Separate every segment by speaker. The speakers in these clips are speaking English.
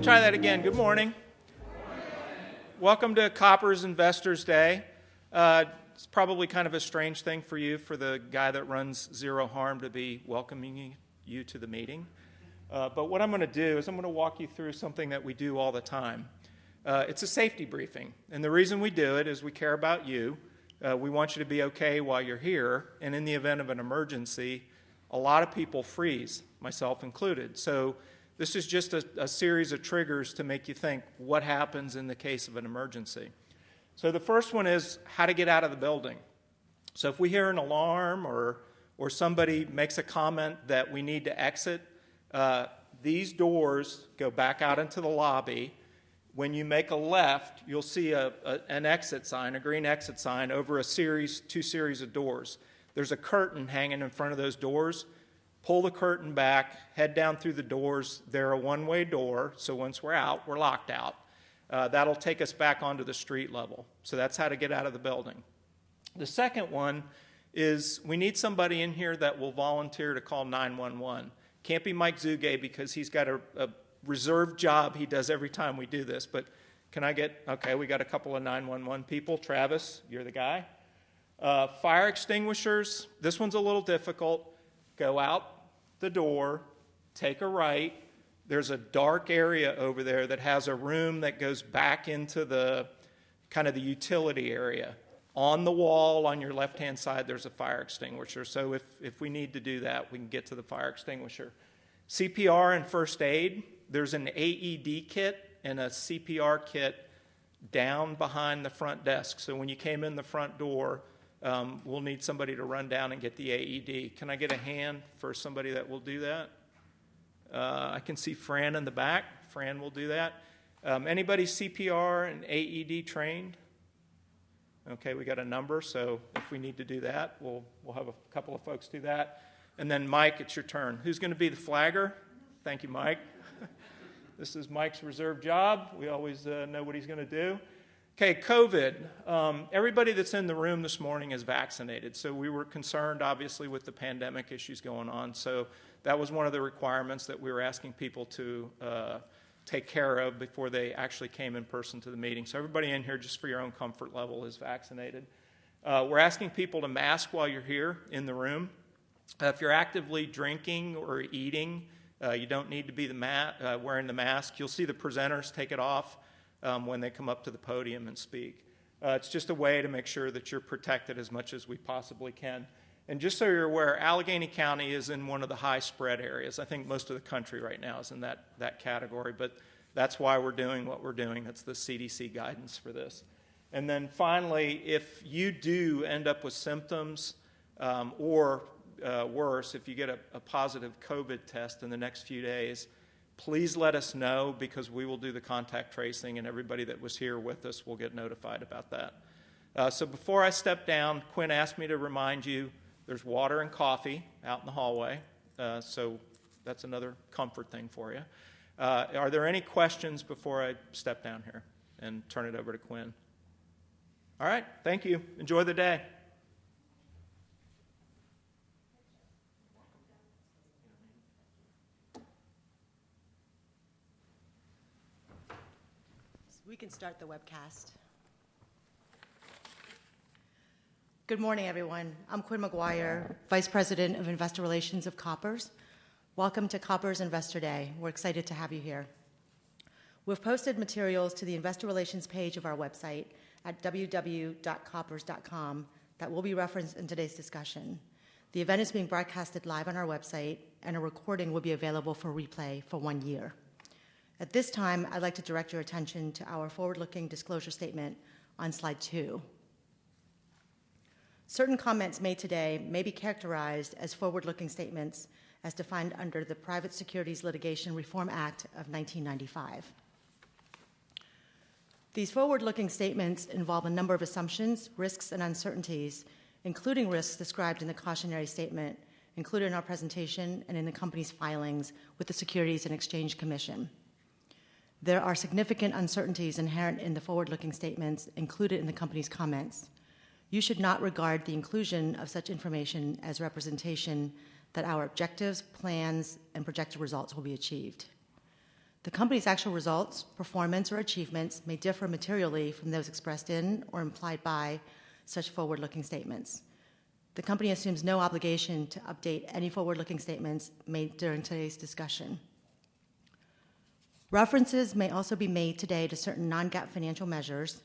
Speaker 1: I'll try that again. Good morning. Welcome to Koppers Investors Day. It's probably kind of a strange thing for you, for the guy that runs Zero Harm to be welcoming you to the meeting. What I'm going to do is I'm going to walk you through something that we do all the time. It's a safety briefing. The reason we do it is we care about you. We want you to be okay while you're here. In the event of an emergency, a lot of people freeze, myself included. This is just a series of triggers to make you think what happens in the case of an emergency. The first one is how to get out of the building. If we hear an alarm or somebody makes a comment that we need to exit, these doors go back out into the lobby. When you make a left, you'll see a green exit sign over two series of doors. There's a curtain hanging in front of those doors. Pull the curtain back, head down through the doors. They're a one-way door, so once we're out, we're locked out. That'll take us back onto the street level. That's how to get out of the building. The second one is we need somebody in here that will volunteer to call 911. Can't be Mike Zugay because he's got a reserve job he does every time we do this. Okay, we got a couple of 911 people. Travis, you're the guy. Fire extinguishers, this one's a little difficult. Go out the door, take a right. There's a dark area over there that has a room that goes back into the utility area. On the wall on your left-hand side, there's a fire extinguisher. If we need to do that, we can get to the fire extinguisher. CPR and first aid, there's an AED kit and a CPR kit down behind the front desk. When you came in the front door, we'll need somebody to run down and get the AED. Can I get a hand for somebody that will do that? I can see Fran in the back. Fran will do that. Anybody CPR and AED trained? We got a number. If we need to do that, we'll have a couple of folks do that. Mike, it's your turn. Who's going to be the flagger? Thank you, Mike. This is Mike's reserve job. We always know what he's going to do. COVID. Everybody that's in the room this morning is vaccinated. We were concerned obviously with the pandemic issues going on. That was one of the requirements that we were asking people to take care of before they actually came in person to the meeting. Everybody in here, just for your own comfort level, is vaccinated. We're asking people to mask while you're here in the room. If you're actively drinking or eating, you don't need to be wearing the mask. You'll see the presenters take it off when they come up to the podium and speak. It's just a way to make sure that you're protected as much as we possibly can. Just so you're aware, Allegheny County is in one of the high spread areas. I think most of the country right now is in that category, but that's why we're doing what we're doing. That's the CDC guidance for this. Finally, if you do end up with symptoms, or worse, if you get a positive COVID test in the next few days, please let us know because we will do the contact tracing and everybody that was here with us will get notified about that. Before I step down, Quynh asked me to remind you there's water and coffee out in the hallway. That's another comfort thing for you. Are there any questions before I step down here and turn it over to Quynh? All right. Thank you. Enjoy the day.
Speaker 2: We can start the webcast. Good morning, everyone. I'm Quynh McGuire, Vice President of Investor Relations of Koppers. Welcome to Koppers Investor Day. We're excited to have you here. We've posted materials to the investor relations page of our website at www.koppers.com that will be referenced in today's discussion. The event is being broadcasted live on our website, and a recording will be available for replay for one year. At this time, I'd like to direct your attention to our forward-looking disclosure statement on slide 2. Certain comments made today may be characterized as forward-looking statements as defined under the Private Securities Litigation Reform Act of 1995. These forward-looking statements involve a number of assumptions, risks, and uncertainties, including risks described in the cautionary statement included in our presentation and in the company's filings with the Securities and Exchange Commission. There are significant uncertainties inherent in the forward-looking statements included in the company's comments. You should not regard the inclusion of such information as representation that our objectives, plans, and projected results will be achieved. The company's actual results, performance, or achievements may differ materially from those expressed in or implied by such forward-looking statements. The company assumes no obligation to update any forward-looking statements made during today's discussion. References may also be made today to certain non-GAAP financial measures.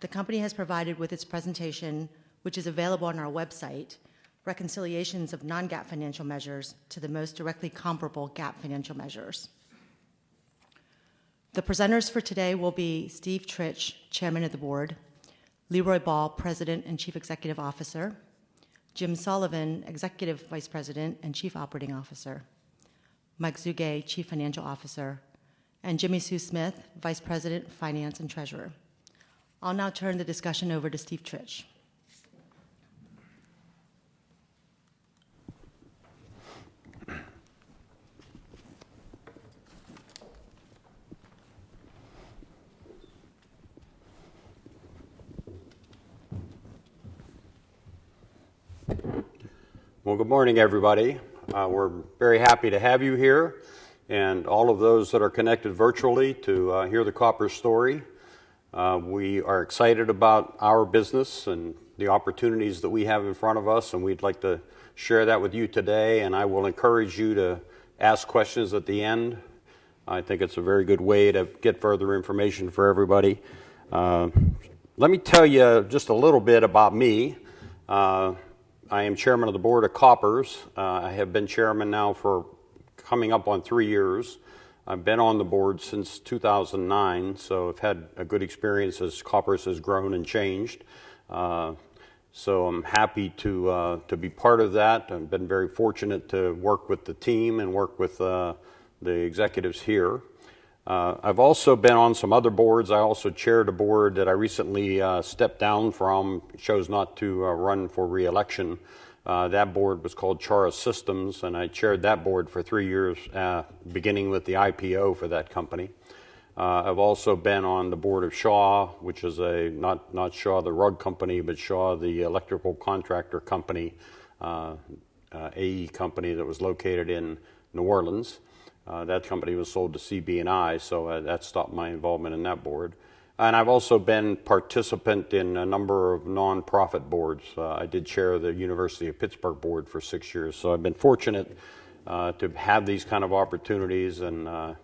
Speaker 2: The company has provided with its presentation, which is available on our website, reconciliations of non-GAAP financial measures to the most directly comparable GAAP financial measures. The presenters for today will be Steve Tritch, Chairman of the Board; Leroy Ball, President and Chief Executive Officer; Jim Sullivan, Executive Vice President and Chief Operating Officer; Mike Zugay, Chief Financial Officer; and Jimmi Sue Smith, Vice President of Finance and Treasurer. I'll now turn the discussion over to Steve Tritch.
Speaker 3: Well, good morning, everybody. We're very happy to have you here and all of those that are connected virtually to hear the Koppers story. We are excited about our business and the opportunities that we have in front of us, and we'd like to share that with you today, and I will encourage you to ask questions at the end. I think it's a very good way to get further information for everybody. Let me tell you just a little bit about me. I am chairman of the board of Koppers. I have been chairman now for coming up on three years. I've been on the board since 2009. I've had a good experience as Koppers has grown and changed. I'm happy to be part of that and been very fortunate to work with the team and work with the executives here. I've also been on some other boards. I also chaired a board that I recently stepped down from, chose not to run for re-election. That board was called Charah Systems, and I chaired that board for three years, beginning with the IPO for that company. I've also been on the board of Shaw, not Shaw the rug company, but Shaw the electrical contractor company, E&C company that was located in New Orleans. That company was sold to CB&I. That stopped my involvement in that board. I've also been participant in a number of nonprofit boards. I did chair the University of Pittsburgh board for six years. I've been fortunate to have these kind of opportunities and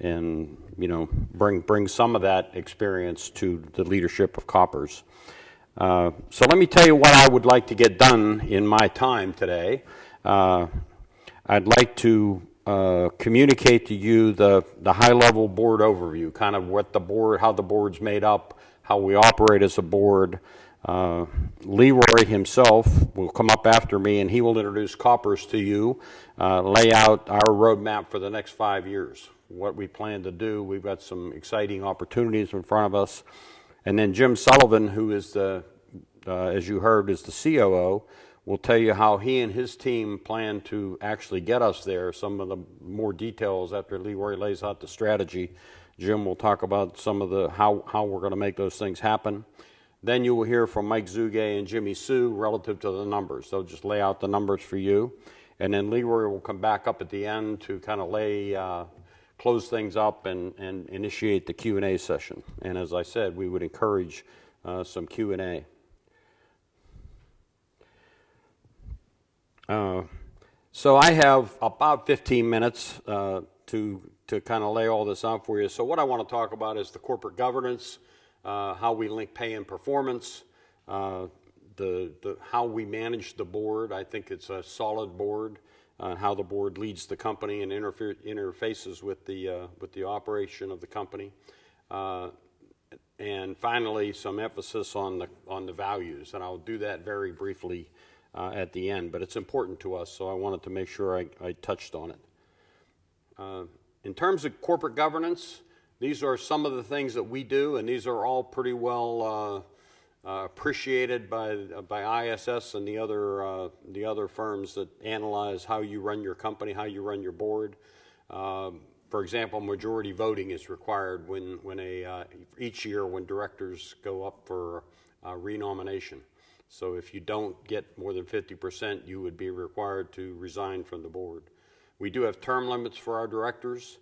Speaker 3: bring some of that experience to the leadership of Koppers. Let me tell you what I would like to get done in my time today. I'd like to communicate to you the high-level board overview, how the board's made up, how we operate as a board. Leroy himself will come up after me. He will introduce Koppers to you, lay out our roadmap for the next five years, what we plan to do. We've got some exciting opportunities in front of us. Jim Sullivan, who as you heard, is the COO, will tell you how he and his team plan to actually get us there. Some of the more details after Leroy lays out the strategy. Jim will talk about how we're going to make those things happen. You will hear from Mike Zugay and Jimmi Sue relative to the numbers. They'll just lay out the numbers for you. Leroy will come back up at the end to close things up and initiate the Q&A session. As I said, we would encourage some Q&A. I have about 15 minutes to lay all this out for you. What I want to talk about is the corporate governance, how we link pay and performance, how we manage the board, I think it's a solid board, how the board leads the company and interfaces with the operation of the company. Finally, some emphasis on the values, and I'll do that very briefly at the end, but it's important to us, so I wanted to make sure I touched on it. In terms of corporate governance, these are some of the things that we do, and these are all pretty well appreciated by ISS and the other firms that analyze how you run your company, how you run your board. For example, majority voting is required each year when directors go up for re-nomination. If you don't get more than 50%, you would be required to resign from the board. We do have term limits for our directors,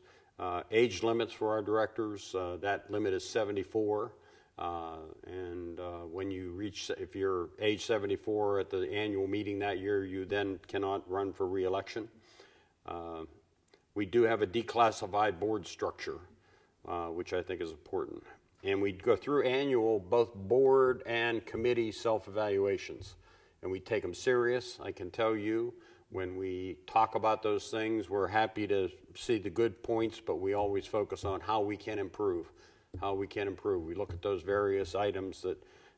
Speaker 3: age limits for our directors. That limit is 74. If you're age 74 at the annual meeting that year, you then cannot run for re-election. We do have a declassified board structure, which I think is important. We go through annual both board and committee self-evaluations, and we take them serious. I can tell you when we talk about those things, we're happy to see the good points, but we always focus on how we can improve. We look at those various items,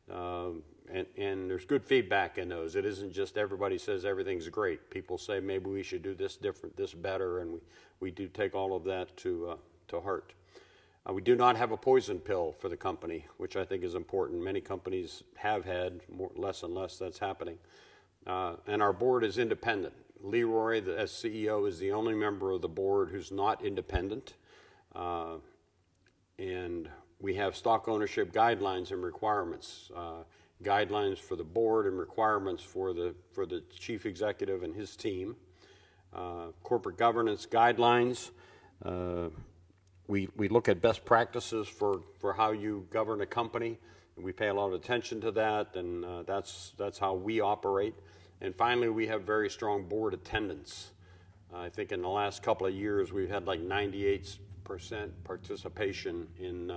Speaker 3: there's good feedback in those. It isn't just everybody says everything's great. People say, "Maybe we should do this different, this better," and we do take all of that to heart. We do not have a poison pill for the company, which I think is important. Many companies have had. Less and less that's happening. Our board is independent. Leroy, as CEO, is the only member of the board who's not independent. We have stock ownership guidelines and requirements, guidelines for the board and requirements for the chief executive and his team. Corporate governance guidelines. We look at best practices for how you govern a company, and we pay a lot of attention to that, and that's how we operate. Finally, we have very strong board attendance. I think in the last couple of years, we've had like 98% participation in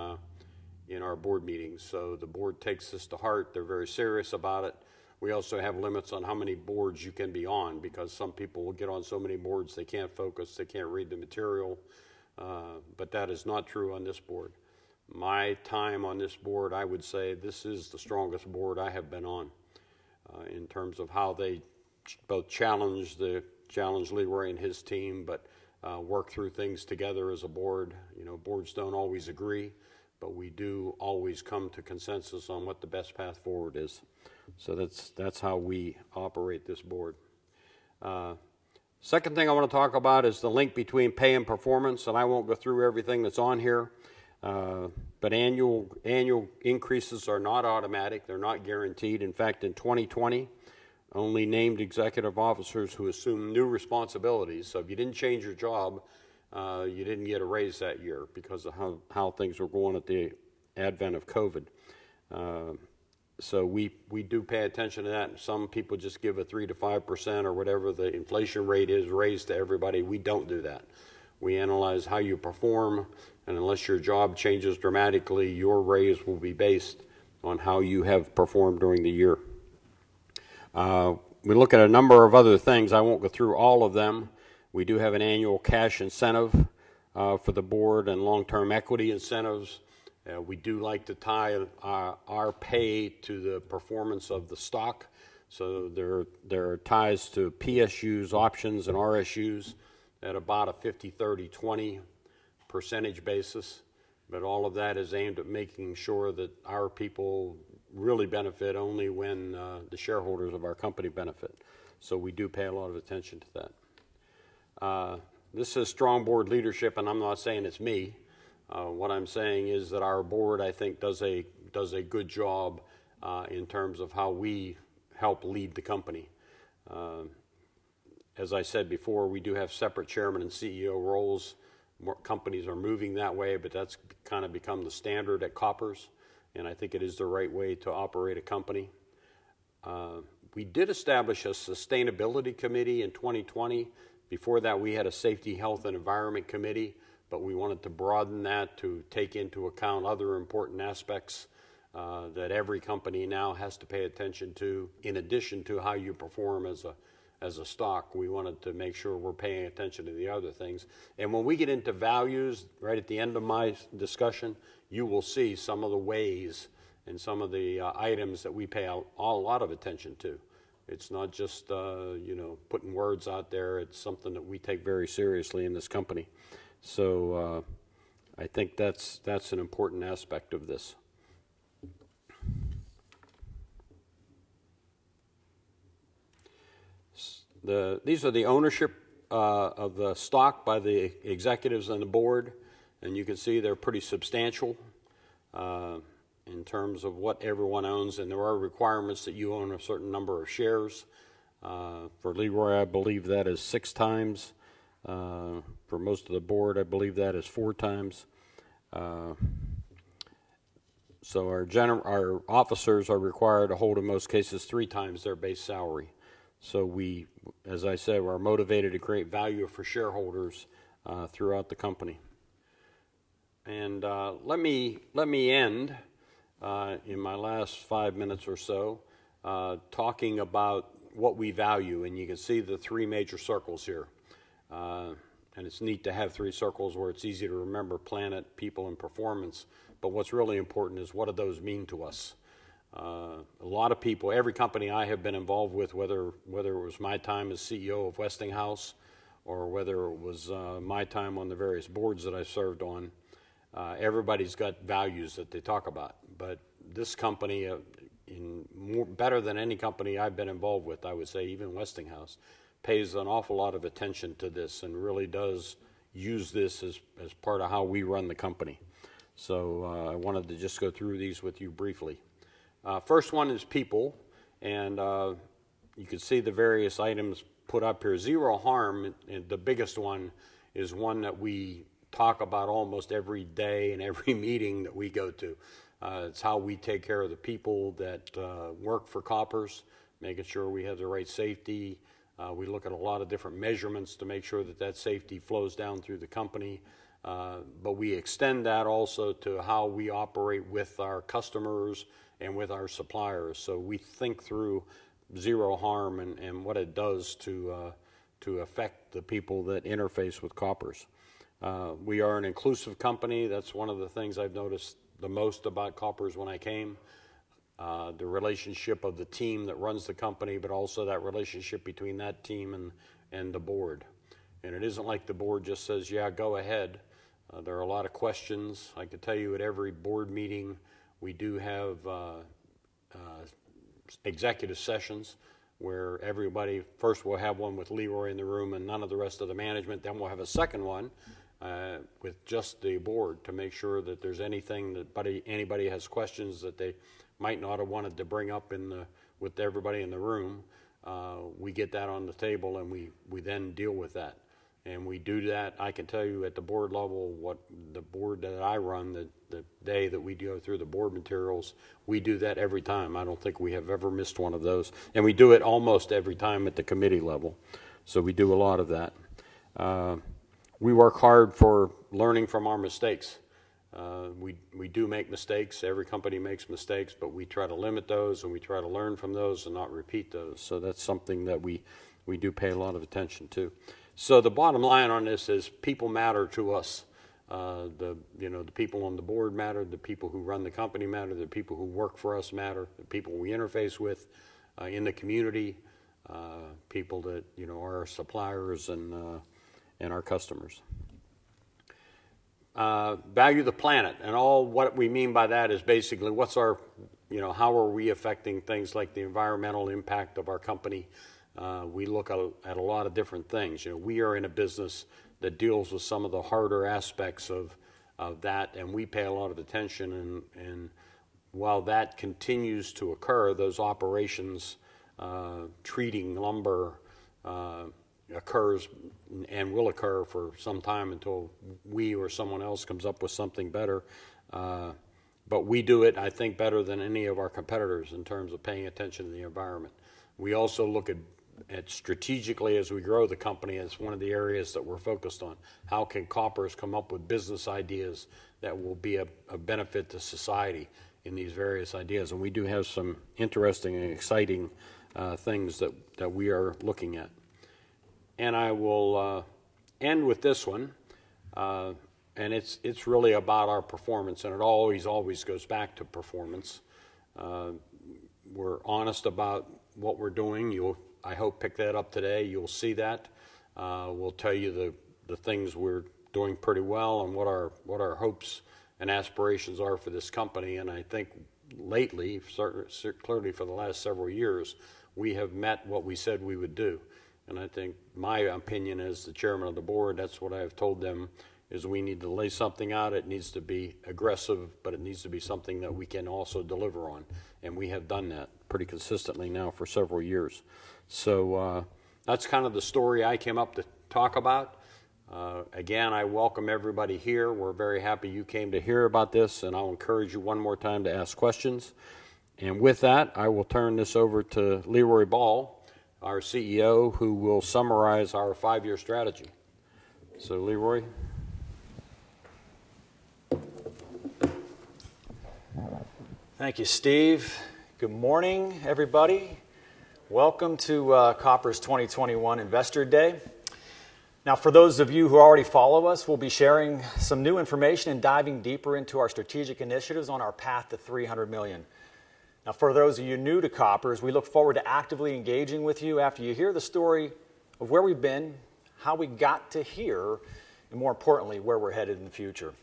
Speaker 3: our board meetings. The board takes this to heart. They're very serious about it. We also have limits on how many boards you can be on because some people will get on so many boards they can't focus. They can't read the material. That is not true on this board. My time on this board, I would say this is the strongest board I have been on in terms of how they both challenge Leroy and his team, but work through things together as a board. Boards don't always agree, but we do always come to consensus on what the best path forward is. That's how we operate this board. Second thing I want to talk about is the link between pay and performance, and I won't go through everything that's on here. Annual increases are not automatic. They're not guaranteed. In fact, in 2020, only named executive officers who assumed new responsibilities. If you didn't change your job, you didn't get a raise that year because of how things were going at the advent of COVID. We do pay attention to that, and some people just give a 3%-5% or whatever the inflation rate is raised to everybody. We don't do that. We analyze how you perform, and unless your job changes dramatically, your raise will be based on how you have performed during the year. We look at a number of other things. I won't go through all of them. We do have an annual cash incentive for the board and long-term equity incentives. We do like to tie our pay to the performance of the stock. There are ties to PSUs options and RSUs at about a 50%, 30%, 20% basis. All of that is aimed at making sure that our people really benefit only when the shareholders of our company benefit. We do pay a lot of attention to that. This is strong board leadership, and I'm not saying it's me. What I'm saying is that our board, I think, does a good job in terms of how we help lead the company. As I said before, we do have separate Chairman and CEO roles. More companies are moving that way, but that's kind of become the standard at Koppers, and I think it is the right way to operate a company. We did establish a sustainability committee in 2020. Before that, we had a safety, health, and environment committee. We wanted to broaden that to take into account other important aspects that every company now has to pay attention to in addition to how you perform as a stock. We wanted to make sure we're paying attention to the other things. When we get into values, right at the end of my discussion, you will see some of the ways and some of the items that we pay a lot of attention to. It's not just putting words out there. It's something that we take very seriously in this company. I think that's an important aspect of this. These are the ownership of the stock by the executives on the board, and you can see they're pretty substantial in terms of what everyone owns, and there are requirements that you own a certain number of shares. For Leroy, I believe that is 6 times. For most of the board, I believe that is 4 times. Our officers are required to hold, in most cases, 3 times their base salary. We, as I say, we're motivated to create value for shareholders throughout the company. Let me end in my last five minutes or so talking about what we value. You can see the three major circles here. It's neat to have three circles where it's easy to remember planet, people, and performance. What's really important is what do those mean to us? A lot of people, every company I have been involved with, whether it was my time as CEO of Westinghouse or whether it was my time on the various boards that I served on, everybody's got values that they talk about. This company, better than any company I've been involved with, I would say even Westinghouse, pays an awful lot of attention to this and really does use this as part of how we run the company. I wanted to just go through these with you briefly. First one is people, and you can see the various items put up here. Zero Harm, the biggest one is one that we talk about almost every day in every meeting that we go to. It's how we take care of the people that work for Koppers, making sure we have the right safety. We look at a lot of different measurements to make sure that safety flows down through the company. We extend that also to how we operate with our customers and with our suppliers. We think through Zero Harm and what it does to affect the people that interface with Koppers. We are an inclusive company. That's one of the things I've noticed the most about Koppers when I came. The relationship of the team that runs the company, but also that relationship between that team and the board. It isn't like the board just says, "Yeah, go ahead." There are a lot of questions. I can tell you at every board meeting, we do have executive sessions where everybody first will have one with Leroy in the room and none of the rest of the management. We'll have a second one with just the board to make sure that there's anything that anybody has questions that they might not have wanted to bring up with everybody in the room. We get that on the table and we then deal with that. We do that, I can tell you at the board level, what the board that I run, the day that we go through the board materials, we do that every time. I don't think we have ever missed one of those. We do it almost every time at the committee level. We do a lot of that. We work hard for learning from our mistakes. We do make mistakes. Every company makes mistakes, but we try to limit those, and we try to learn from those and not repeat those. That's something that we do pay a lot of attention to. The bottom line on this is people matter to us. The people on the board matter, the people who run the company matter, the people who work for us matter, the people we interface with in the community, people that are our suppliers and our customers. We Value the Planet, all what we mean by that is basically how are we affecting things like the environmental impact of our company? We look at a lot of different things. We are in a business that deals with some of the harder aspects of that, and we pay a lot of attention. While that continues to occur, those operations treating lumber occurs and will occur for some time until we or someone else comes up with something better. We do it, I think, better than any of our competitors in terms of paying attention to the environment. We also look at strategically as we grow the company, as one of the areas that we're focused on, how can Koppers come up with business ideas that will be of benefit to society in these various ideas? We do have some interesting and exciting things that we are looking at. I will end with this one. It's really about our performance, and it always goes back to performance. We're honest about what we're doing. You'll, I hope, pick that up today. You'll see that. We'll tell you the things we're doing pretty well and what our hopes and aspirations are for this company. I think lately, clearly for the last several years, we have met what we said we would do. I think my opinion as the Chairman of the Board, that's what I've told them, is we need to lay something out. It needs to be aggressive, but it needs to be something that we can also deliver on, and we have done that pretty consistently now for several years. That's kind of the story I came up to talk about. Again, I welcome everybody here. We're very happy you came to hear about this, and I'll encourage you one more time to ask questions. With that, I will turn this over to Leroy Ball, our CEO, who will summarize our five-year strategy. Leroy.
Speaker 4: Thank you, Steve. Good morning, everybody. Welcome to Koppers' 2021 Investor Day. For those of you who already follow us, we'll be sharing some new information and diving deeper into our strategic initiatives on our path to $300 million. For those of you new to Koppers, we look forward to actively engaging with you after you hear the story of where we've been, how we got to here, and more importantly, where we're headed in the future.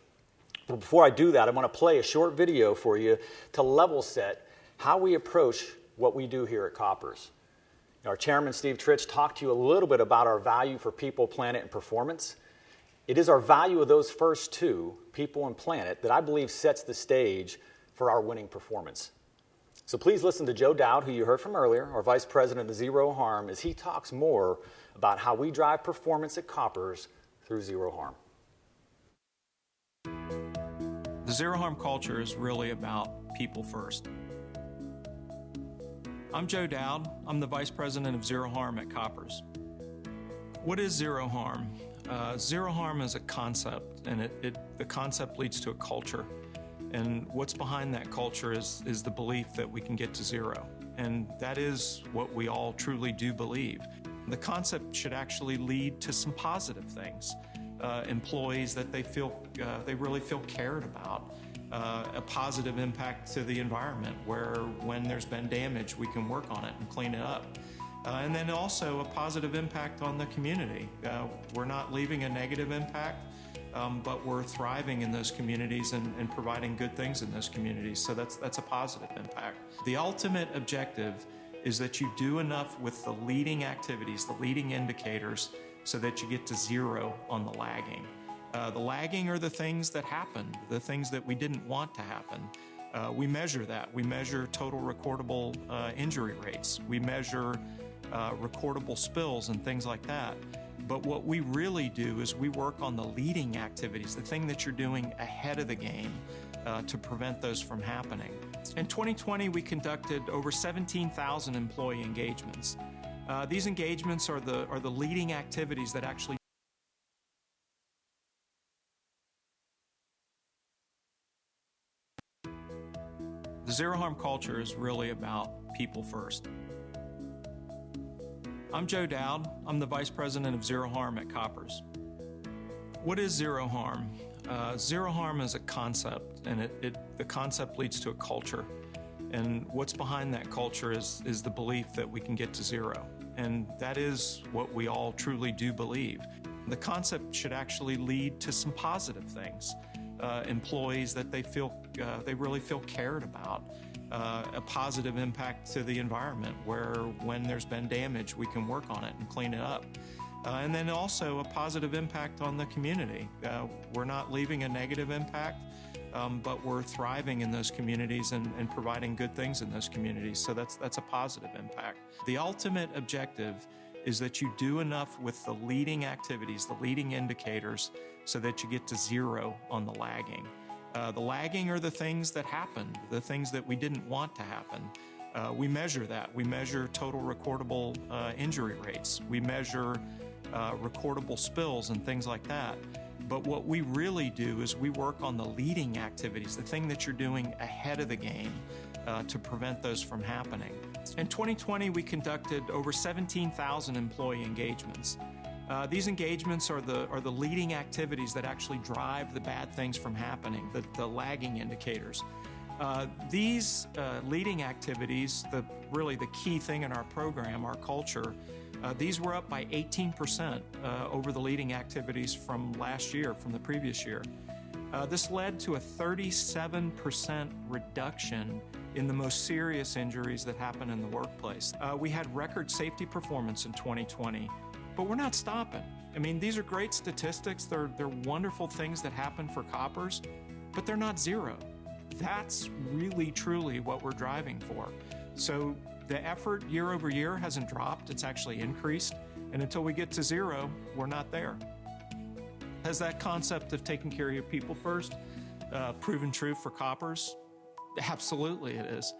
Speaker 4: Before I do that, I want to play a short video for you to level-set how we approach what we do here at Koppers. Our Chairman, Steve Tritch, talked to you a little bit about our value for people, planet, and performance. It is our value of those first two, people and planet, that I believe sets the stage for our winning performance. Please listen to Joseph Dowd, who you heard from earlier, our Vice President of Zero Harm, as he talks more about how we drive performance at Koppers through Zero Harm.
Speaker 1: The Zero Harm culture is really about people first. I'm Joseph Dowd. I'm the Vice President of Zero Harm at Koppers. What is Zero Harm? Zero Harm is a concept, the concept leads to a culture. What's behind that culture is the belief that we can get to zero, and that is what we all truly do believe. The concept should actually lead to some positive things. Employees, that they really feel cared about, a positive impact to the environment, where when there's been damage, we can work on it and clean it up. Also a positive impact on the community. We're not leaving a negative impact, but we're thriving in those communities and providing good things in those communities, so that's a positive impact. The ultimate objective is that you do enough with the leading activities, the leading indicators, so that you get to zero on the lagging. The lagging are the things that happened, the things that we didn't want to happen. We measure that. We measure total recordable injury rates. We measure recordable spills and things like that. What we really do is we work on the leading activities, the thing that you're doing ahead of the game to prevent those from happening. In 2020, we conducted over 17,000 employee engagements. These engagements are the leading activities that actually drive the bad things from happening, the lagging indicators. These leading activities, really the key thing in our program, our culture, these were up by 18% over the leading activities from last year from the previous year. This led to a 37% reduction in the most serious injuries that happen in the workplace. We had record safety performance in 2020, but we're not stopping. These are great statistics. They're wonderful things that happen for Koppers, but they're not zero. That's really truly what we're driving for. The effort year-over-year hasn't dropped. It's actually increased, until we get to zero, we're not there. Has that concept of taking care of your people first proven true for Koppers? Absolutely, it is.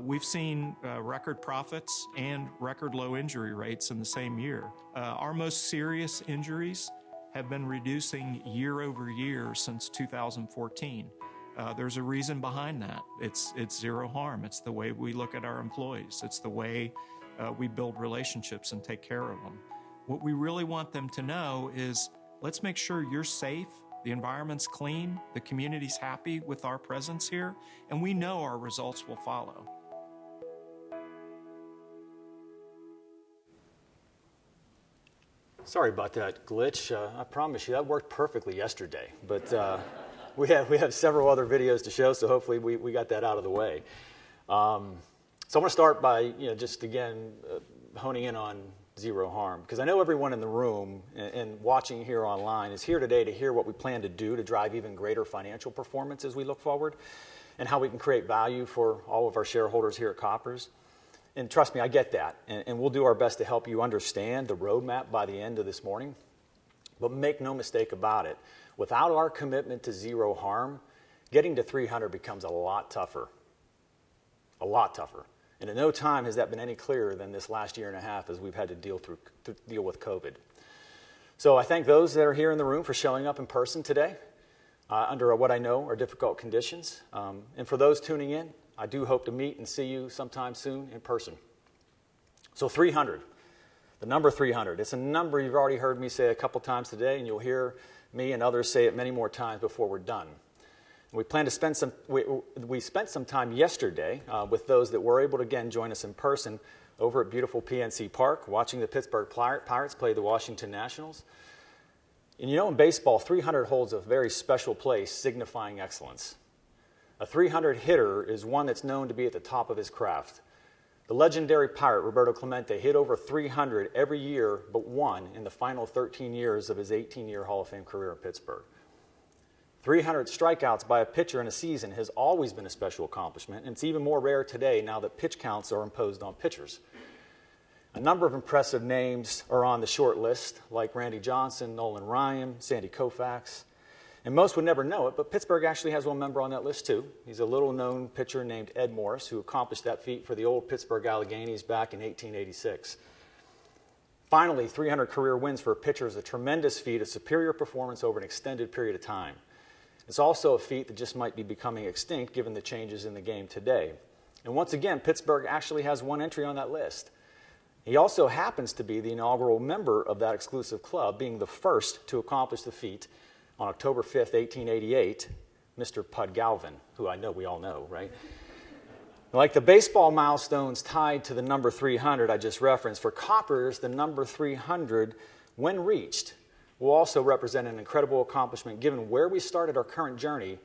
Speaker 1: We've seen record profits and record low injury rates in the same year. Our most serious injuries have been reducing year-over-year since 2014. There's a reason behind that. It's Zero Harm. It's the way we look at our employees. It's the way we build relationships and take care of them. What we really want them to know is, let's make sure you're safe, the environment's clean, the community's happy with our presence here, and we know our results will follow.
Speaker 4: Sorry about that glitch. I promise you, that worked perfectly yesterday. We have several other videos to show, so hopefully, we got that out of the way. I'm going to start by just, again, honing in on Zero Harm because I know everyone in the room and watching here online is here today to hear what we plan to do to drive even greater financial performance as we look forward and how we can create value for all of our shareholders here at Koppers. Trust me, I get that, and we'll do our best to help you understand the roadmap by the end of this morning. Make no mistake about it, without our commitment to Zero Harm, getting to 300 becomes a lot tougher. A lot tougher. At no time has that been any clearer than this last year and a half as we've had to deal with COVID. I thank those that are here in the room for showing up in person today under what I know are difficult conditions. For those tuning in, I do hope to meet and see you sometime soon in person. 300, the number 300. It's a number you've already heard me say a couple times today, and you'll hear me and others say it many more times before we're done. We spent some time yesterday with those that were able to, again, join us in person over at beautiful PNC Park, watching the Pittsburgh Pirates play the Washington Nationals. You know in baseball, 300 holds a very special place signifying excellence. A .300 hitter is one that's known to be at the top of his craft. The legendary Pirate, Roberto Clemente, hit over .300 every year but one in the final 13 years of his 18-year Hall of Fame career in Pittsburgh. 300 strikeouts by a pitcher in a season has always been a special accomplishment, and it's even more rare today now that pitch counts are imposed on pitchers. A number of impressive names are on the shortlist, like Randy Johnson, Nolan Ryan, Sandy Koufax, and most would never know it, but Pittsburgh actually has one member on that list, too. He's a little-known pitcher named Ed Morris, who accomplished that feat for the old Pittsburgh Alleghenys back in 1886. Finally, 300 career wins for a pitcher is a tremendous feat of superior performance over an extended period of time. It's also a feat that just might be becoming extinct given the changes in the game today. Once again, Pittsburgh actually has one entry on that list. He also happens to be the inaugural member of that exclusive club, being the first to accomplish the feat on October 5th, 1888, Mr. Pud Galvin, who I know we all know, right? Like the baseball milestones tied to the number 300 I just referenced, for Koppers, the number 300, when reached, will also represent an incredible accomplishment given where we started our current journey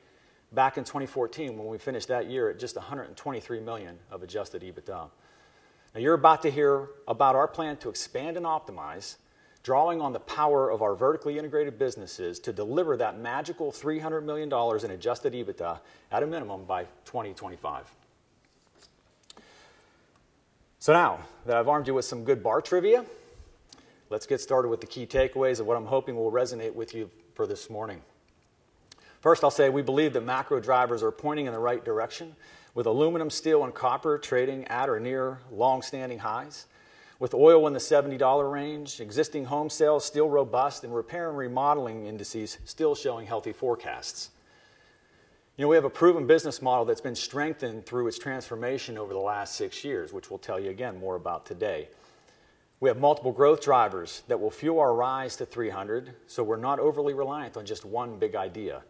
Speaker 4: back in 2014 when we finished that year at just $123 million of Adjusted EBITDA. Now, you're about to hear about our plan to expand and optimize, drawing on the power of our vertically integrated businesses to deliver that magical $300 million in Adjusted EBITDA at a minimum by 2025. Now that I've armed you with some good bar trivia, let's get started with the key takeaways of what I'm hoping will resonate with you for this morning. First, I'll say, we believe the macro drivers are pointing in the right direction with aluminum, steel, and copper trading at or near longstanding highs, with oil in the $70 range, existing home sales still robust, and repair and remodeling indices still showing healthy forecasts. We have a proven business model that's been strengthened through its transformation over the last six years, which we'll tell you again more about today. We have multiple growth drivers that will fuel our rise to 300, so we're not overly reliant on just one big idea.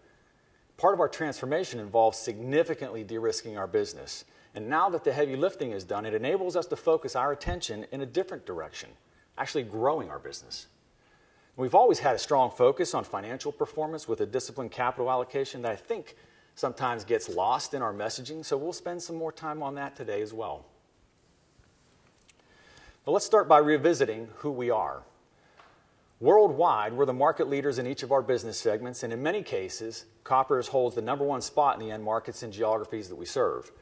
Speaker 4: Part of our transformation involves significantly de-risking our business, and now that the heavy lifting is done, it enables us to focus our attention in a different direction, actually growing our business. We've always had a strong focus on financial performance with a disciplined capital allocation that I think sometimes gets lost in our messaging, so we'll spend some more time on that today as well. Let's start by revisiting who we are. Worldwide, we're the market leaders in each of our business segments, and in many cases, Koppers holds the number one spot in the end markets and geographies that we serve.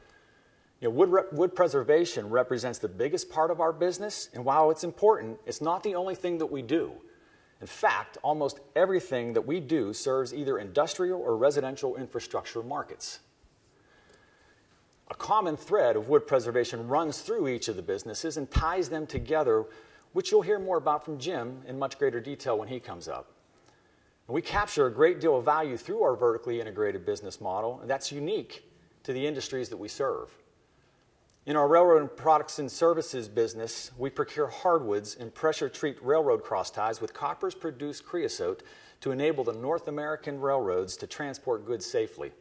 Speaker 4: Wood preservation represents the biggest part of our business, and while it's important, it's not the only thing that we do. In fact, almost everything that we do serves either industrial or residential infrastructure markets. A common thread of wood preservation runs through each of the businesses and ties them together, which you'll hear more about from Jim in much greater detail when he comes up. We capture a great deal of value through our vertically integrated business model. That's unique to the industries that we serve. In our Railroad Products and Services business, we procure hardwoods and pressure-treat railroad cross ties with Koppers-produced creosote to enable the North American railroads to transport goods safely.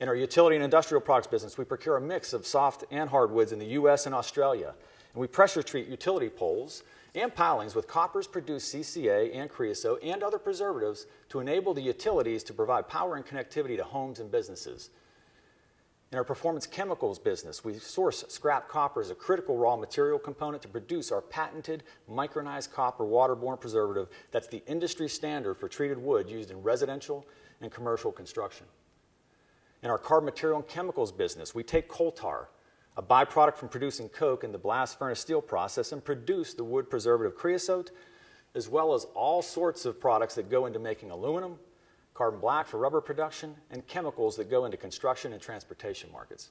Speaker 4: In our Utility and Industrial Products business, we procure a mix of soft and hardwoods in the U.S. and Australia. We pressure treat utility poles and pilings with Koppers-produced CCA and creosote and other preservatives to enable the utilities to provide power and connectivity to homes and businesses. In our Performance Chemicals business, we source scrap copper as a critical raw material component to produce our patented micronized copper waterborne preservative that's the industry standard for treated wood used in residential and commercial construction. In our Carbon Materials and Chemicals business, we take coal tar, a byproduct from producing coke in the blast furnace steel process, and produce the wood preservative creosote, as well as all sorts of products that go into making aluminum, carbon black for rubber production, and chemicals that go into construction and transportation markets.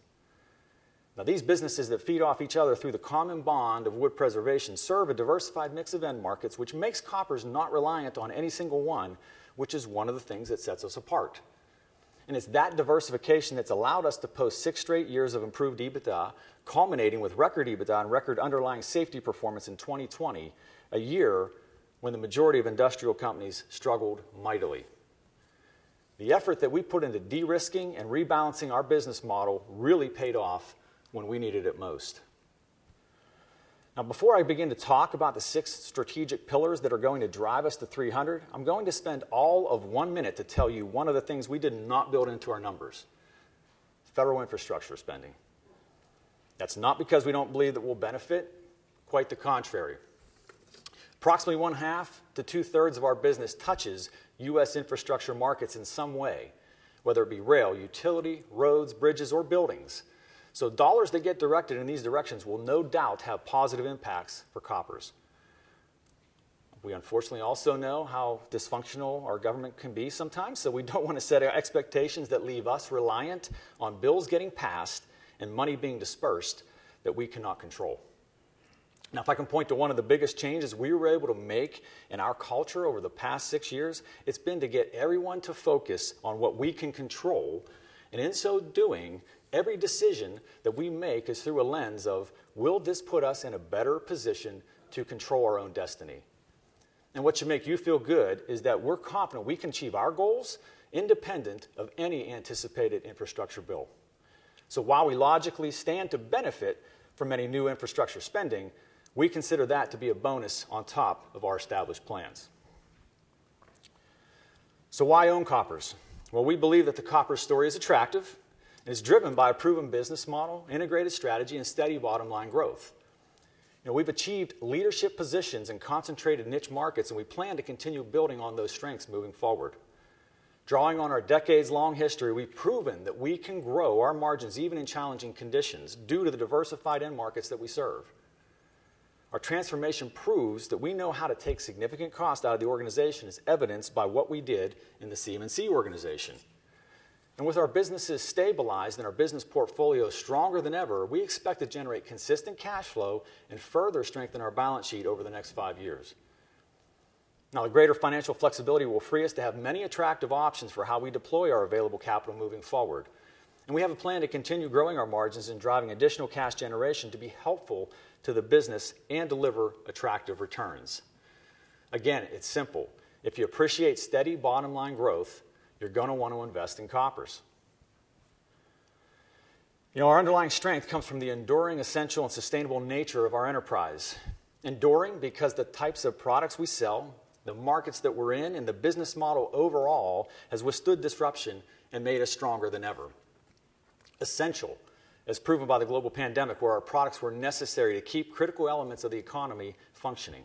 Speaker 4: These businesses that feed off each other through the common bond of wood preservation serve a diversified mix of end markets, which makes Koppers not reliant on any single one, which is one of the things that sets us apart. It's that diversification that's allowed us to post six straight years of improved EBITDA, culminating with record EBITDA and record underlying safety performance in 2020, a year when the majority of industrial companies struggled mightily. The effort that we put into de-risking and rebalancing our business model really paid off when we needed it most. Before I begin to talk about the six strategic pillars that are going to drive us to 300, I'm going to spend all of 1 minute to tell you one of the things we did not build into our numbers, federal infrastructure spending. That's not because we don't believe that we'll benefit. Quite the contrary. Approximately one half to two-thirds of our business touches U.S. infrastructure markets in some way, whether it be rail, utility, roads, bridges, or buildings. Dollars that get directed in these directions will no doubt have positive impacts for Koppers. We unfortunately also know how dysfunctional our government can be sometimes, so we don't want to set our expectations that leave us reliant on bills getting passed and money being dispersed that we cannot control. If I can point to one of the biggest changes we were able to make in our culture over the past six years, it's been to get everyone to focus on what we can control. In so doing, every decision that we make is through a lens of will this put us in a better position to control our own destiny? What should make you feel good is that we're confident we can achieve our goals independent of any anticipated infrastructure bill. While we logically stand to benefit from any new infrastructure spending, we consider that to be a bonus on top of our established plans. Why own Koppers? We believe that the Koppers story is attractive and is driven by a proven business model, integrated strategy, and steady bottom-line growth. We've achieved leadership positions in concentrated niche markets, and we plan to continue building on those strengths moving forward. Drawing on our decades-long history, we've proven that we can grow our margins even in challenging conditions due to the diversified end markets that we serve. Our transformation proves that we know how to take significant cost out of the organization as evidenced by what we did in the CM&C organization. With our businesses stabilized and our business portfolio stronger than ever, we expect to generate consistent cash flow and further strengthen our balance sheet over the next five years. The greater financial flexibility will free us to have many attractive options for how we deploy our available capital moving forward. We have a plan to continue growing our margins and driving additional cash generation to be helpful to the business and deliver attractive returns. Again, it's simple. If you appreciate steady bottom-line growth, you're going to want to invest in Koppers. Our underlying strength comes from the enduring essential and sustainable nature of our enterprise. Enduring because the types of products we sell, the markets that we're in, and the business model overall has withstood disruption and made us stronger than ever. Essential as proven by the global pandemic where our products were necessary to keep critical elements of the economy functioning.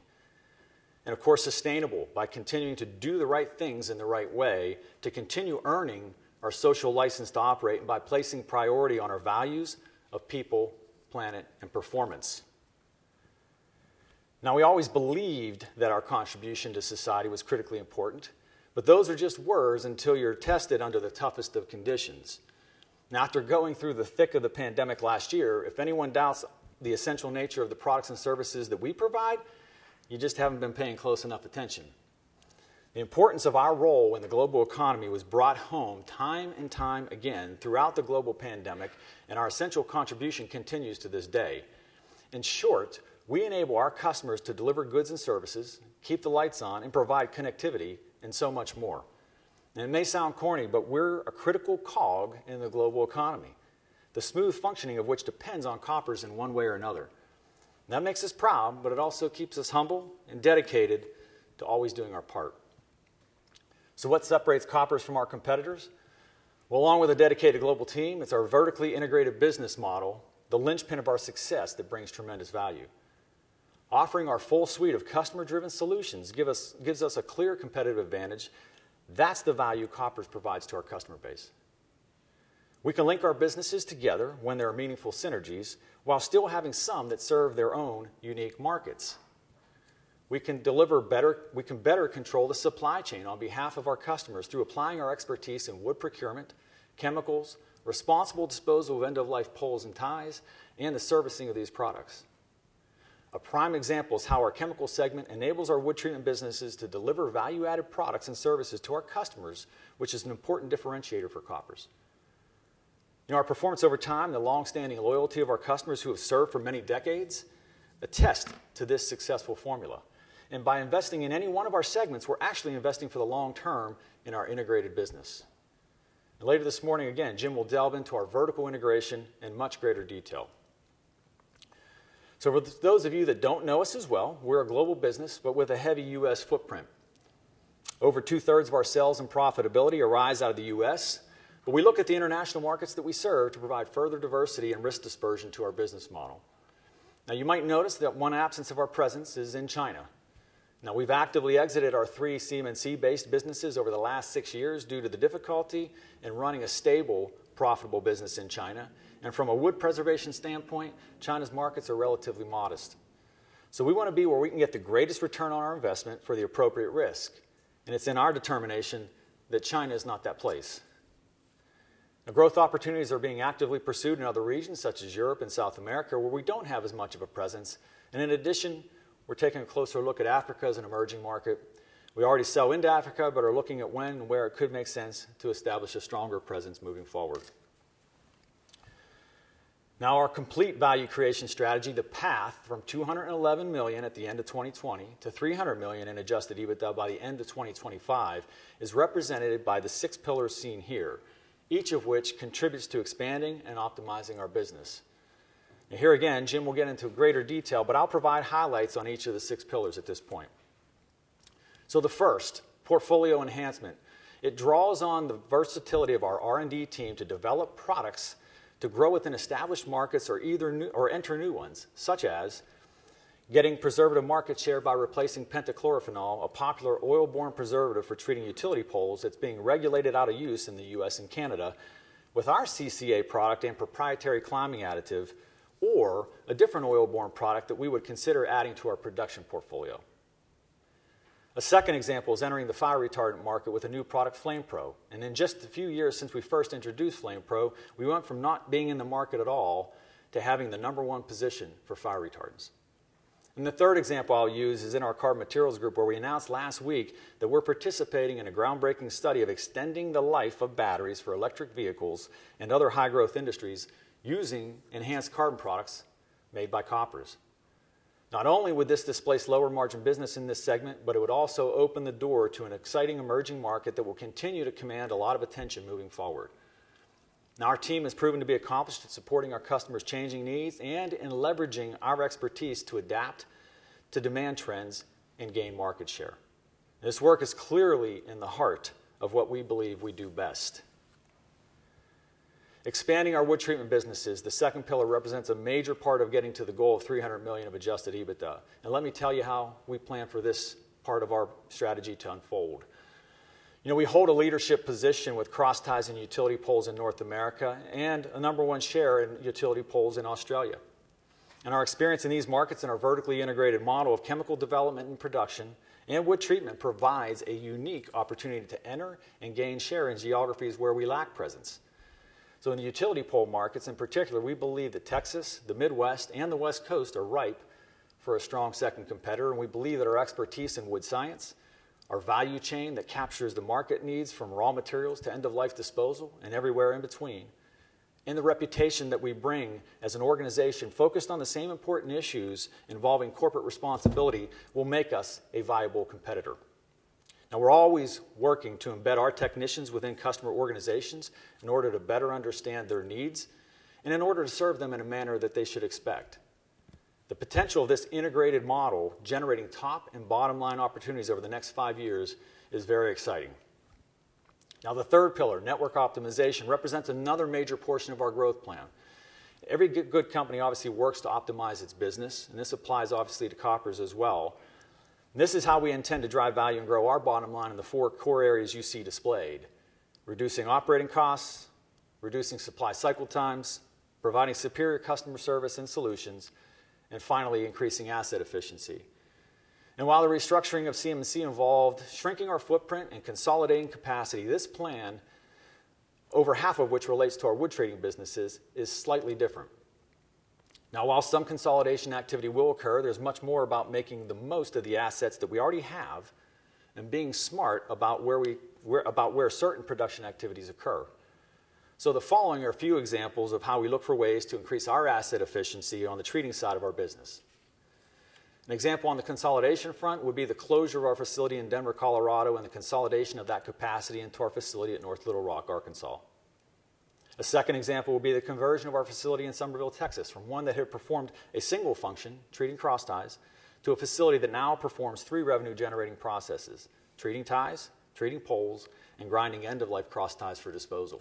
Speaker 4: Of course, sustainable by continuing to do the right things in the right way to continue earning our social license to operate and by placing priority on our values of people, planet, and performance. We always believed that our contribution to society was critically important, but those are just words until you're tested under the toughest of conditions. After going through the thick of the pandemic last year, if anyone doubts the essential nature of the products and services that we provide, you just haven't been paying close enough attention. The importance of our role in the global economy was brought home time and time again throughout the global pandemic, and our essential contribution continues to this day. In short, we enable our customers to deliver goods and services, keep the lights on, and provide connectivity and so much more. It may sound corny, but we're a critical cog in the global economy, the smooth functioning of which depends on Koppers in one way or another. That makes us proud, but it also keeps us humble and dedicated to always doing our part. What separates Koppers from our competitors? Well, along with a dedicated global team, it's our vertically integrated business model, the linchpin of our success that brings tremendous value. Offering our full suite of customer-driven solutions gives us a clear competitive advantage. That's the value Koppers provides to our customer base. We can link our businesses together when there are meaningful synergies while still having some that serve their own unique markets. We can better control the supply chain on behalf of our customers through applying our expertise in wood procurement, chemicals, responsible disposal of end-of-life poles and ties, and the servicing of these products. A prime example is how our chemical segment enables our wood treatment businesses to deliver value-added products and services to our customers, which is an important differentiator for Koppers. Our performance over time, the longstanding loyalty of our customers who have served for many decades, attest to this successful formula. By investing in any one of our segments, we're actually investing for the long term in our integrated business. Later this morning, again, Jim will delve into our vertical integration in much greater detail. For those of you that don't know us as well, we're a global business, but with a heavy U.S. footprint. Over 2/3 of our sales and profitability arise out of the U.S., but we look at the international markets that we serve to provide further diversity and risk dispersion to our business model. You might notice that one absence of our presence is in China. We've actively exited our three CM&C based businesses over the last six years due to the difficulty in running a stable, profitable business in China. From a wood preservation standpoint, China's markets are relatively modest. We want to be where we can get the greatest return on our investment for the appropriate risk, and it's in our determination that China is not that place. Growth opportunities are being actively pursued in other regions such as Europe and South America, where we don't have as much of a presence. In addition, we're taking a closer look at Africa as an emerging market. We already sell into Africa but are looking at when and where it could make sense to establish a stronger presence moving forward. Our complete value creation strategy, the path from $211 million at the end of 2020 to $300 million in Adjusted EBITDA by the end of 2025, is represented by the six pillars seen here, each of which contributes to expanding and optimizing our business. Here again, Jim will get into greater detail, but I'll provide highlights on each of the six pillars at this point. The first, portfolio enhancement. It draws on the versatility of our R&D team to develop products to grow within established markets or enter new ones, such as getting preservative market share by replacing pentachlorophenol, a popular oil-borne preservative for treating utility poles that's being regulated out of use in the U.S. and Canada with our CCA product and proprietary climbing additive, or a different oil-borne product that we would consider adding to our production portfolio. A second example is entering the fire retardant market with a new product, FlamePRO. And in just the few years since we first introduced FlamePRO, we went from not being in the market at all to having the number one position for fire retardants. The third example I'll use is in our Carbon Materials and Chemicals, where we announced last week that we're participating in a groundbreaking study of extending the life of batteries for electric vehicles and other high-growth industries using Enhanced Carbon Products made by Koppers. Not only would this displace lower margin business in this segment, but it would also open the door to an exciting emerging market that will continue to command a lot of attention moving forward. Our team has proven to be accomplished in supporting our customers' changing needs and in leveraging our expertise to adapt to demand trends and gain market share. This work is clearly in the heart of what we believe we do best. Expanding our wood treatment businesses, the second pillar, represents a major part of getting to the goal of $300 million of Adjusted EBITDA. Let me tell you how we plan for this part of our strategy to unfold. We hold a leadership position with crossties and utility poles in North America, and a number one share in utility poles in Australia. Our experience in these markets and our vertically integrated model of chemical development and production and wood treatment provides a unique opportunity to enter and gain share in geographies where we lack presence. In the utility pole markets in particular, we believe that Texas, the Midwest, and the West Coast are ripe for a strong second competitor, and we believe that our expertise in wood science, our value chain that captures the market needs from raw materials to end-of-life disposal and everywhere in between, and the reputation that we bring as an organization focused on the same important issues involving corporate responsibility will make us a viable competitor. Now we're always working to embed our technicians within customer organizations in order to better understand their needs and in order to serve them in a manner that they should expect. The potential of this integrated model generating top and bottom-line opportunities over the next five years is very exciting. Now the third pillar, network optimization, represents another major portion of our growth plan. Every good company obviously works to optimize its business, and this applies obviously to Koppers as well. This is how we intend to drive value and grow our bottom line in the four core areas you see displayed, reducing operating costs, reducing supply cycle times, providing superior customer service and solutions, and finally, increasing asset efficiency. While the restructuring of CM&C involved shrinking our footprint and consolidating capacity, this plan, over half of which relates to our wood treating businesses, is slightly different. While some consolidation activity will occur, there's much more about making the most of the assets that we already have and being smart about where certain production activities occur. The following are a few examples of how we look for ways to increase our asset efficiency on the treating side of our business. An example on the consolidation front would be the closure of our facility in Denver, Colorado, and the consolidation of that capacity into our facility at North Little Rock, Arkansas. A second example would be the conversion of our facility in Somerville, Texas, from one that had performed a single function, treating crossties, to a facility that now performs three revenue-generating processes: treating ties, treating poles, and grinding end-of-life crossties for disposal.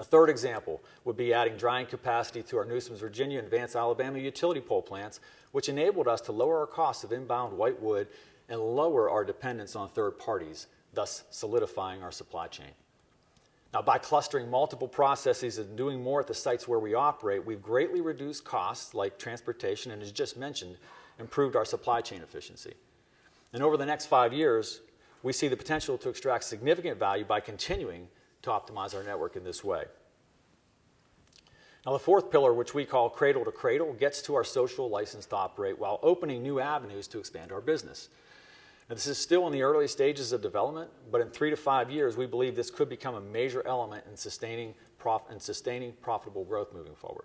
Speaker 4: A third example would be adding drying capacity to our Newsoms, Virginia, and Vance, Alabama, utility pole plants, which enabled us to lower our cost of inbound white wood and lower our dependence on third parties, thus solidifying our supply chain. By clustering multiple processes and doing more at the sites where we operate, we've greatly reduced costs like transportation, and as just mentioned, improved our supply chain efficiency. Over the next five years, we see the potential to extract significant value by continuing to optimize our network in this way. The fourth pillar, which we call cradle to cradle, gets to our social license to operate while opening new avenues to expand our business. This is still in the early stages of development, but in 3-5 years, we believe this could become a major element in sustaining profitable growth moving forward.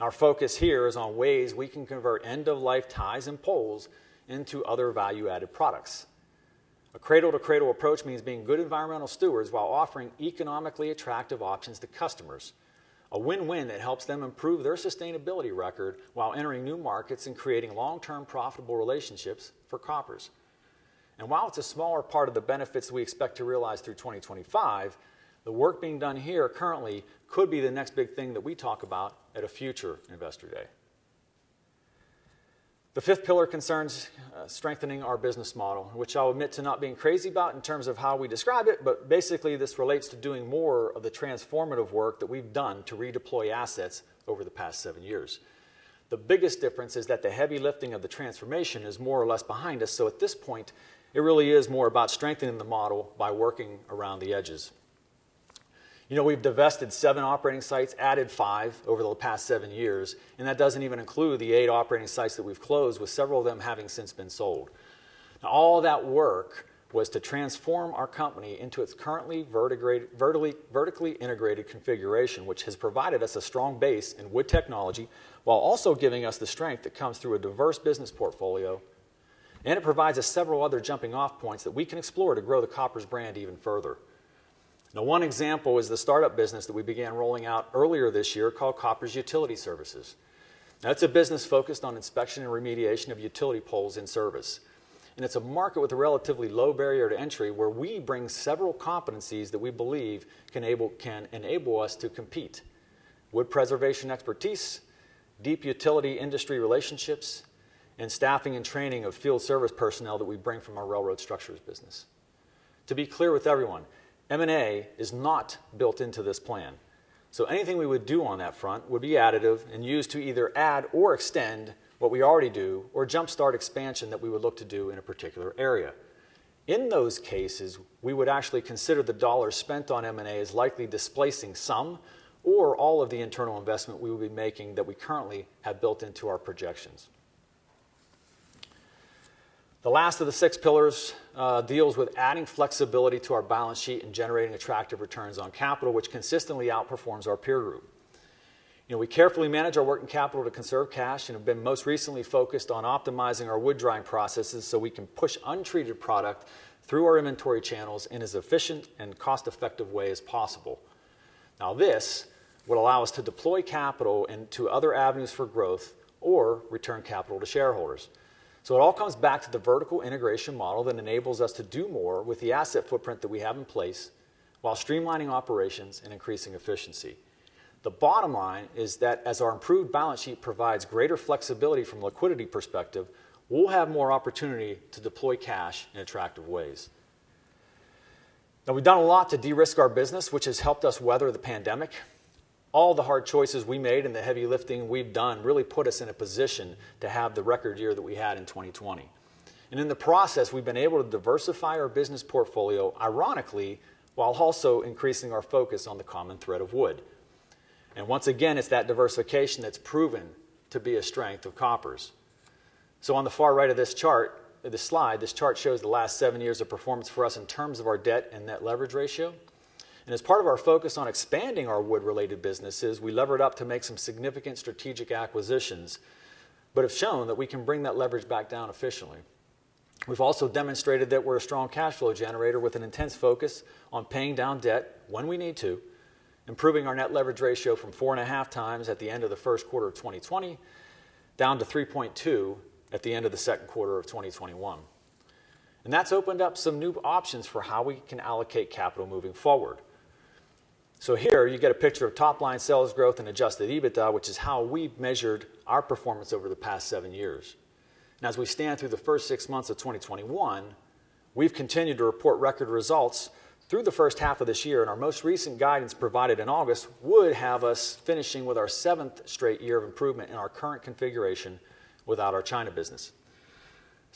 Speaker 4: Our focus here is on ways we can convert end-of-life ties and poles into other value-added products. A cradle to cradle approach means being good environmental stewards while offering economically attractive options to customers. A win-win that helps them improve their sustainability record while entering new markets and creating long-term profitable relationships for Koppers. While it's a smaller part of the benefits we expect to realize through 2025, the work being done here currently could be the next big thing that we talk about at a future investor day. The fifth pillar concerns strengthening our business model, which I'll admit to not being crazy about in terms of how we describe it, basically this relates to doing more of the transformative work that we've done to redeploy assets over the past seven years. The biggest difference is that the heavy lifting of the transformation is more or less behind us. At this point, it really is more about strengthening the model by working around the edges. We've divested seven operating sites, added five over the past seven years, and that doesn't even include the eight operating sites that we've closed, with several of them having since been sold. All that work was to transform our company into its currently vertically integrated configuration, which has provided us a strong base in wood technology, while also giving us the strength that comes through a diverse business portfolio. It provides us several other jumping-off points that we can explore to grow the Koppers brand even further. One example is the startup business that we began rolling out earlier this year called Koppers Utility Services. It's a business focused on inspection and remediation of utility poles and service. It's a market with a relatively low barrier to entry, where we bring several competencies that we believe can enable us to compete, wood preservation expertise, deep utility industry relationships, and staffing and training of field service personnel that we bring from our railroad structures business. To be clear with everyone, M&A is not built into this plan. Anything we would do on that front would be additive and used to either add or extend what we already do or jumpstart expansion that we would look to do in a particular area. In those cases, we would actually consider the dollar spent on M&A as likely displacing some or all of the internal investment we would be making that we currently have built into our projections. The last of the six pillars deals with adding flexibility to our balance sheet and generating attractive returns on capital, which consistently outperforms our peer group. We carefully manage our working capital to conserve cash and have been most recently focused on optimizing our wood drying processes so we can push untreated product through our inventory channels in as efficient and cost-effective way as possible. This would allow us to deploy capital into other avenues for growth or return capital to shareholders. It all comes back to the vertical integration model that enables us to do more with the asset footprint that we have in place while streamlining operations and increasing efficiency. The bottom line is that as our improved balance sheet provides greater flexibility from a liquidity perspective, we'll have more opportunity to deploy cash in attractive ways. We've done a lot to de-risk our business, which has helped us weather the pandemic. All the hard choices we made and the heavy lifting we've done really put us in a position to have the record year that we had in 2020. In the process, we've been able to diversify our business portfolio, ironically, while also increasing our focus on the common thread of wood. Once again, it's that diversification that's proven to be a strength of Koppers. On the far right of this chart, the slide, this chart shows the last seven years of performance for us in terms of our debt and net leverage ratio. As part of our focus on expanding our wood-related businesses, we levered up to make some significant strategic acquisitions, but have shown that we can bring that leverage back down efficiently. We've also demonstrated that we're a strong cash flow generator with an intense focus on paying down debt when we need to, improving our net leverage ratio from 4.5 times at the end of the first quarter of 2020 down to 3.2 at the end of the second quarter of 2021. That's opened up some new options for how we can allocate capital moving forward. Here you get a picture of top-line sales growth and Adjusted EBITDA, which is how we've measured our performance over the past seven years. As we stand through the first six months of 2021, we've continued to report record results through the first half of this year, and our most recent guidance provided in August would have us finishing with our seventh straight year of improvement in our current configuration without our China business.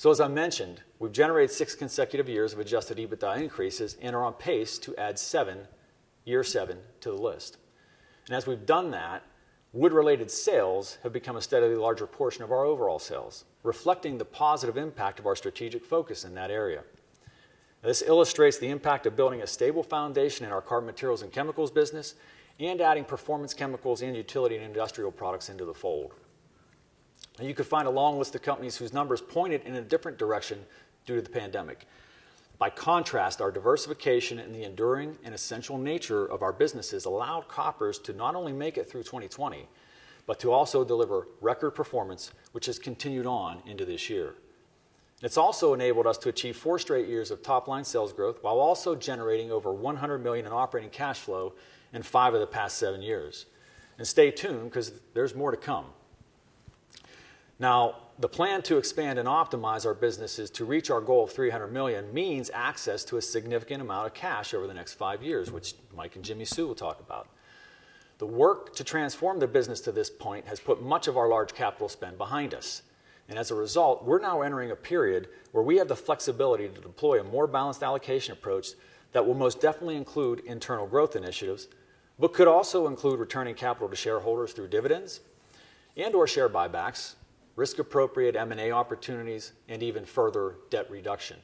Speaker 4: As I mentioned, we've generated six consecutive years of Adjusted EBITDA increases and are on pace to add 7, year 7, to the list. As we've done that, wood-related sales have become a steadily larger portion of our overall sales, reflecting the positive impact of our strategic focus in that area. This illustrates the impact of building a stable foundation in our Carbon Materials and Chemicals business and adding Performance Chemicals and Utility and Industrial Products into the fold. You could find a long list of companies whose numbers pointed in a different direction due to the pandemic. By contrast, our diversification and the enduring and essential nature of our businesses allowed Koppers to not only make it through 2020, but to also deliver record performance, which has continued on into this year. It's also enabled us to achieve four straight years of top-line sales growth while also generating over $100 million in operating cash flow in five of the past seven years. Stay tuned because there's more to come. Now, the plan to expand and optimize our business to reach our goal of $300 million means access to a significant amount of cash over the next five years, which Michael Zugay and Jimmi Sue Smith will talk about. The work to transform the business to this point has put much of our large capital spend behind us. As a result, we're now entering a period where we have the flexibility to deploy a more balanced allocation approach that will most definitely include internal growth initiatives, but could also include returning capital to shareholders through dividends and/or share buybacks, risk-appropriate M&A opportunities, and even further debt reduction.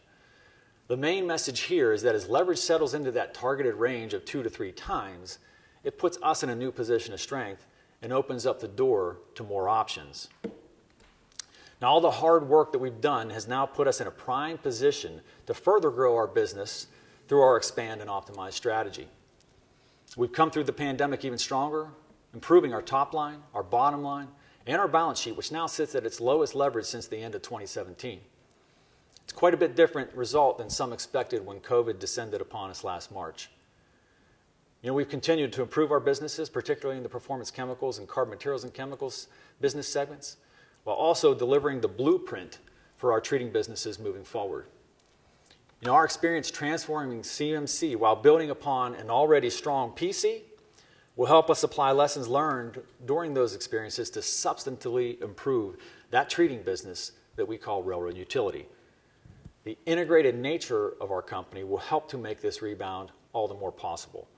Speaker 4: The main message here is that as leverage settles into that targeted range of 2-3 times, it puts us in a new position of strength and opens up the door to more options. All the hard work that we've done has now put us in a prime position to further grow our business through our expand and optimize strategy. We've come through the pandemic even stronger, improving our top line, our bottom line, and our balance sheet, which now sits at its lowest leverage since the end of 2017. It's quite a bit different result than some expected when COVID descended upon us last March. We've continued to improve our businesses, particularly in the Performance Chemicals and Carbon Materials and Chemicals business segments, while also delivering the blueprint for our treating businesses moving forward. Our experience transforming CM&C while building upon an already strong PC will help us apply lessons learned during those experiences to substantively improve that treating business that we call Railroad & Utility. The integrated nature of our company will help to make this rebound all the more possible.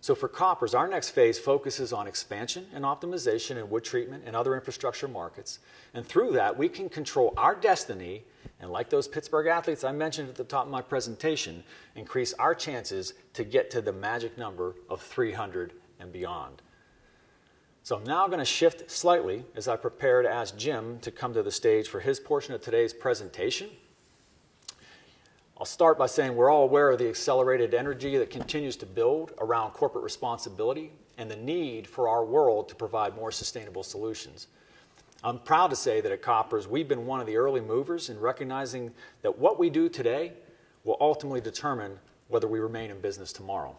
Speaker 4: For Koppers, our next phase focuses on expansion and optimization in wood treatment and other infrastructure markets, and through that, we can control our destiny, and like those Pittsburgh athletes I mentioned at the top of my presentation, increase our chances to get to the magic number of 300 and beyond. I'm now going to shift slightly as I prepare to ask Jim Sullivan to come to the stage for his portion of today's presentation. I'll start by saying we're all aware of the accelerated energy that continues to build around corporate responsibility and the need for our world to provide more sustainable solutions. I'm proud to say that at Koppers, we've been one of the early movers in recognizing that what we do today will ultimately determine whether we remain in business tomorrow.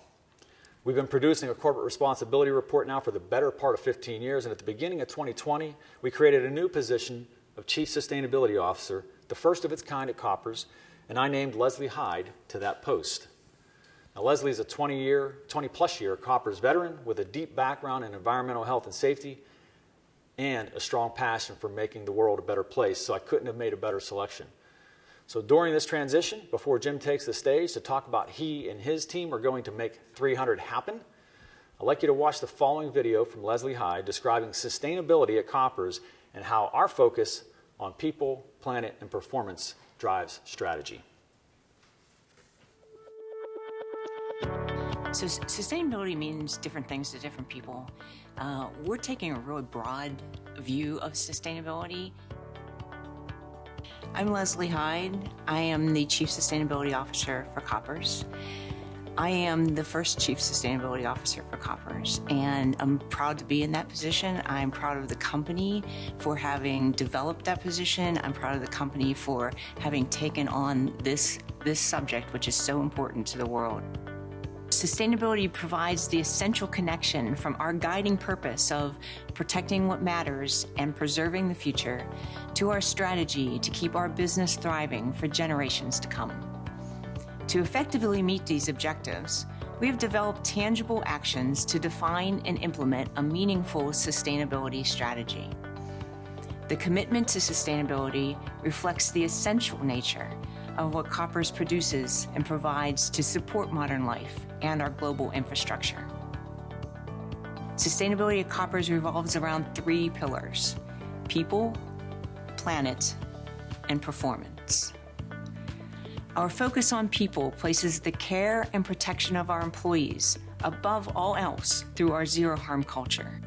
Speaker 4: We've been producing a corporate responsibility report now for the better part of 15 years, and at the beginning of 2020, we created a new position of Chief Sustainability Officer, the first of its kind at Koppers, and I named Leslie Hyde to that post. Now Leslie is a 20-plus year Koppers veteran with a deep background in environmental health and safety, and a strong passion for making the world a better place, so I couldn't have made a better selection. During this transition, before Jim takes the stage to talk about how he and his team are going to make 300 happen, I'd like you to watch the following video from Leslie Hyde describing sustainability at Koppers and how our focus on people, planet, and performance drives strategy.
Speaker 5: Sustainability means different things to different people. We're taking a really broad view of sustainability. I'm Leslie Hyde. I am the Chief Sustainability Officer for Koppers. I am the first Chief Sustainability Officer for Koppers, and I'm proud to be in that position. I'm proud of the company for having developed that position. I'm proud of the company for having taken on this subject, which is so important to the world. Sustainability provides the essential connection from our guiding purpose of protecting what matters and preserving the future, to our strategy to keep our business thriving for generations to come. To effectively meet these objectives, we have developed tangible actions to define and implement a meaningful sustainability strategy. The commitment to sustainability reflects the essential nature of what Koppers produces and provides to support modern life and our global infrastructure. Sustainability at Koppers revolves around three pillars: people, planet, and performance. Our focus on people places the care and protection of our employees above all else through our Zero Harm culture.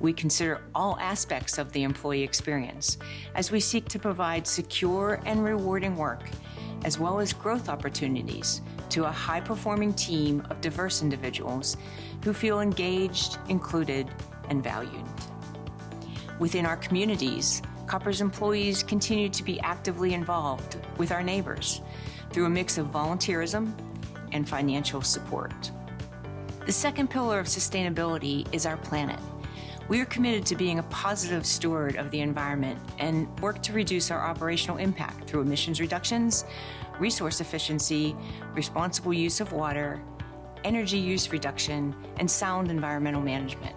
Speaker 5: We consider all aspects of the employee experience as we seek to provide secure and rewarding work, as well as growth opportunities to a high-performing team of diverse individuals who feel engaged, included, and valued. Within our communities, Koppers employees continue to be actively involved with our neighbors through a mix of volunteerism and financial support. The second pillar of sustainability is our planet. We are committed to being a positive steward of the environment and work to reduce our operational impact through emissions reductions, resource efficiency, responsible use of water, energy use reduction, and sound environmental management.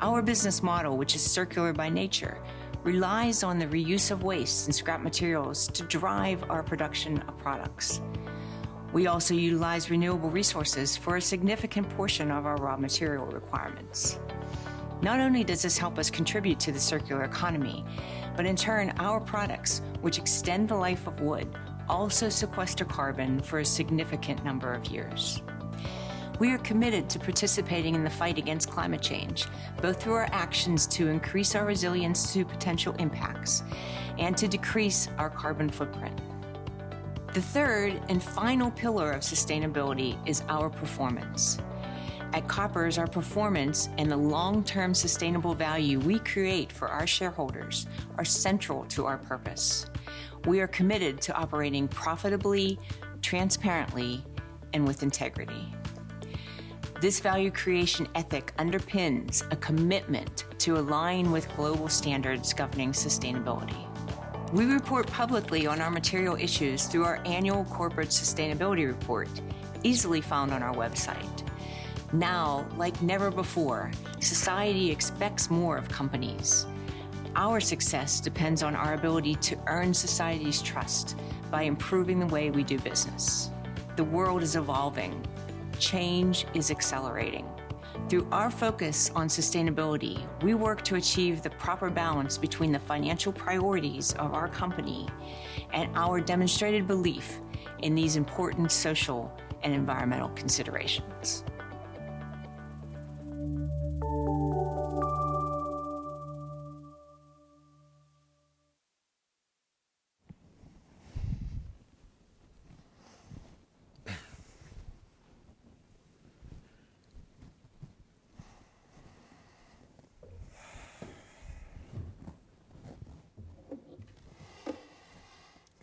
Speaker 5: Our business model, which is circular by nature, relies on the reuse of waste and scrap materials to drive our production of products. We also utilize renewable resources for a significant portion of our raw material requirements. Not only does this help us contribute to the circular economy, but in turn, our products, which extend the life of wood, also sequester carbon for a significant number of years. We are committed to participating in the fight against climate change, both through our actions to increase our resilience to potential impacts and to decrease our carbon footprint. The third and final pillar of sustainability is our performance. At Koppers, our performance and the long-term sustainable value we create for our shareholders are central to our purpose. We are committed to operating profitably, transparently, and with integrity. This value creation ethic underpins a commitment to align with global standards governing sustainability. We report publicly on our material issues through our annual corporate sustainability report, easily found on our website. Like never before, society expects more of companies. Our success depends on our ability to earn society's trust by improving the way we do business. The world is evolving. Change is accelerating. Through our focus on sustainability, we work to achieve the proper balance between the financial priorities of our company and our demonstrated belief in these important social and environmental considerations.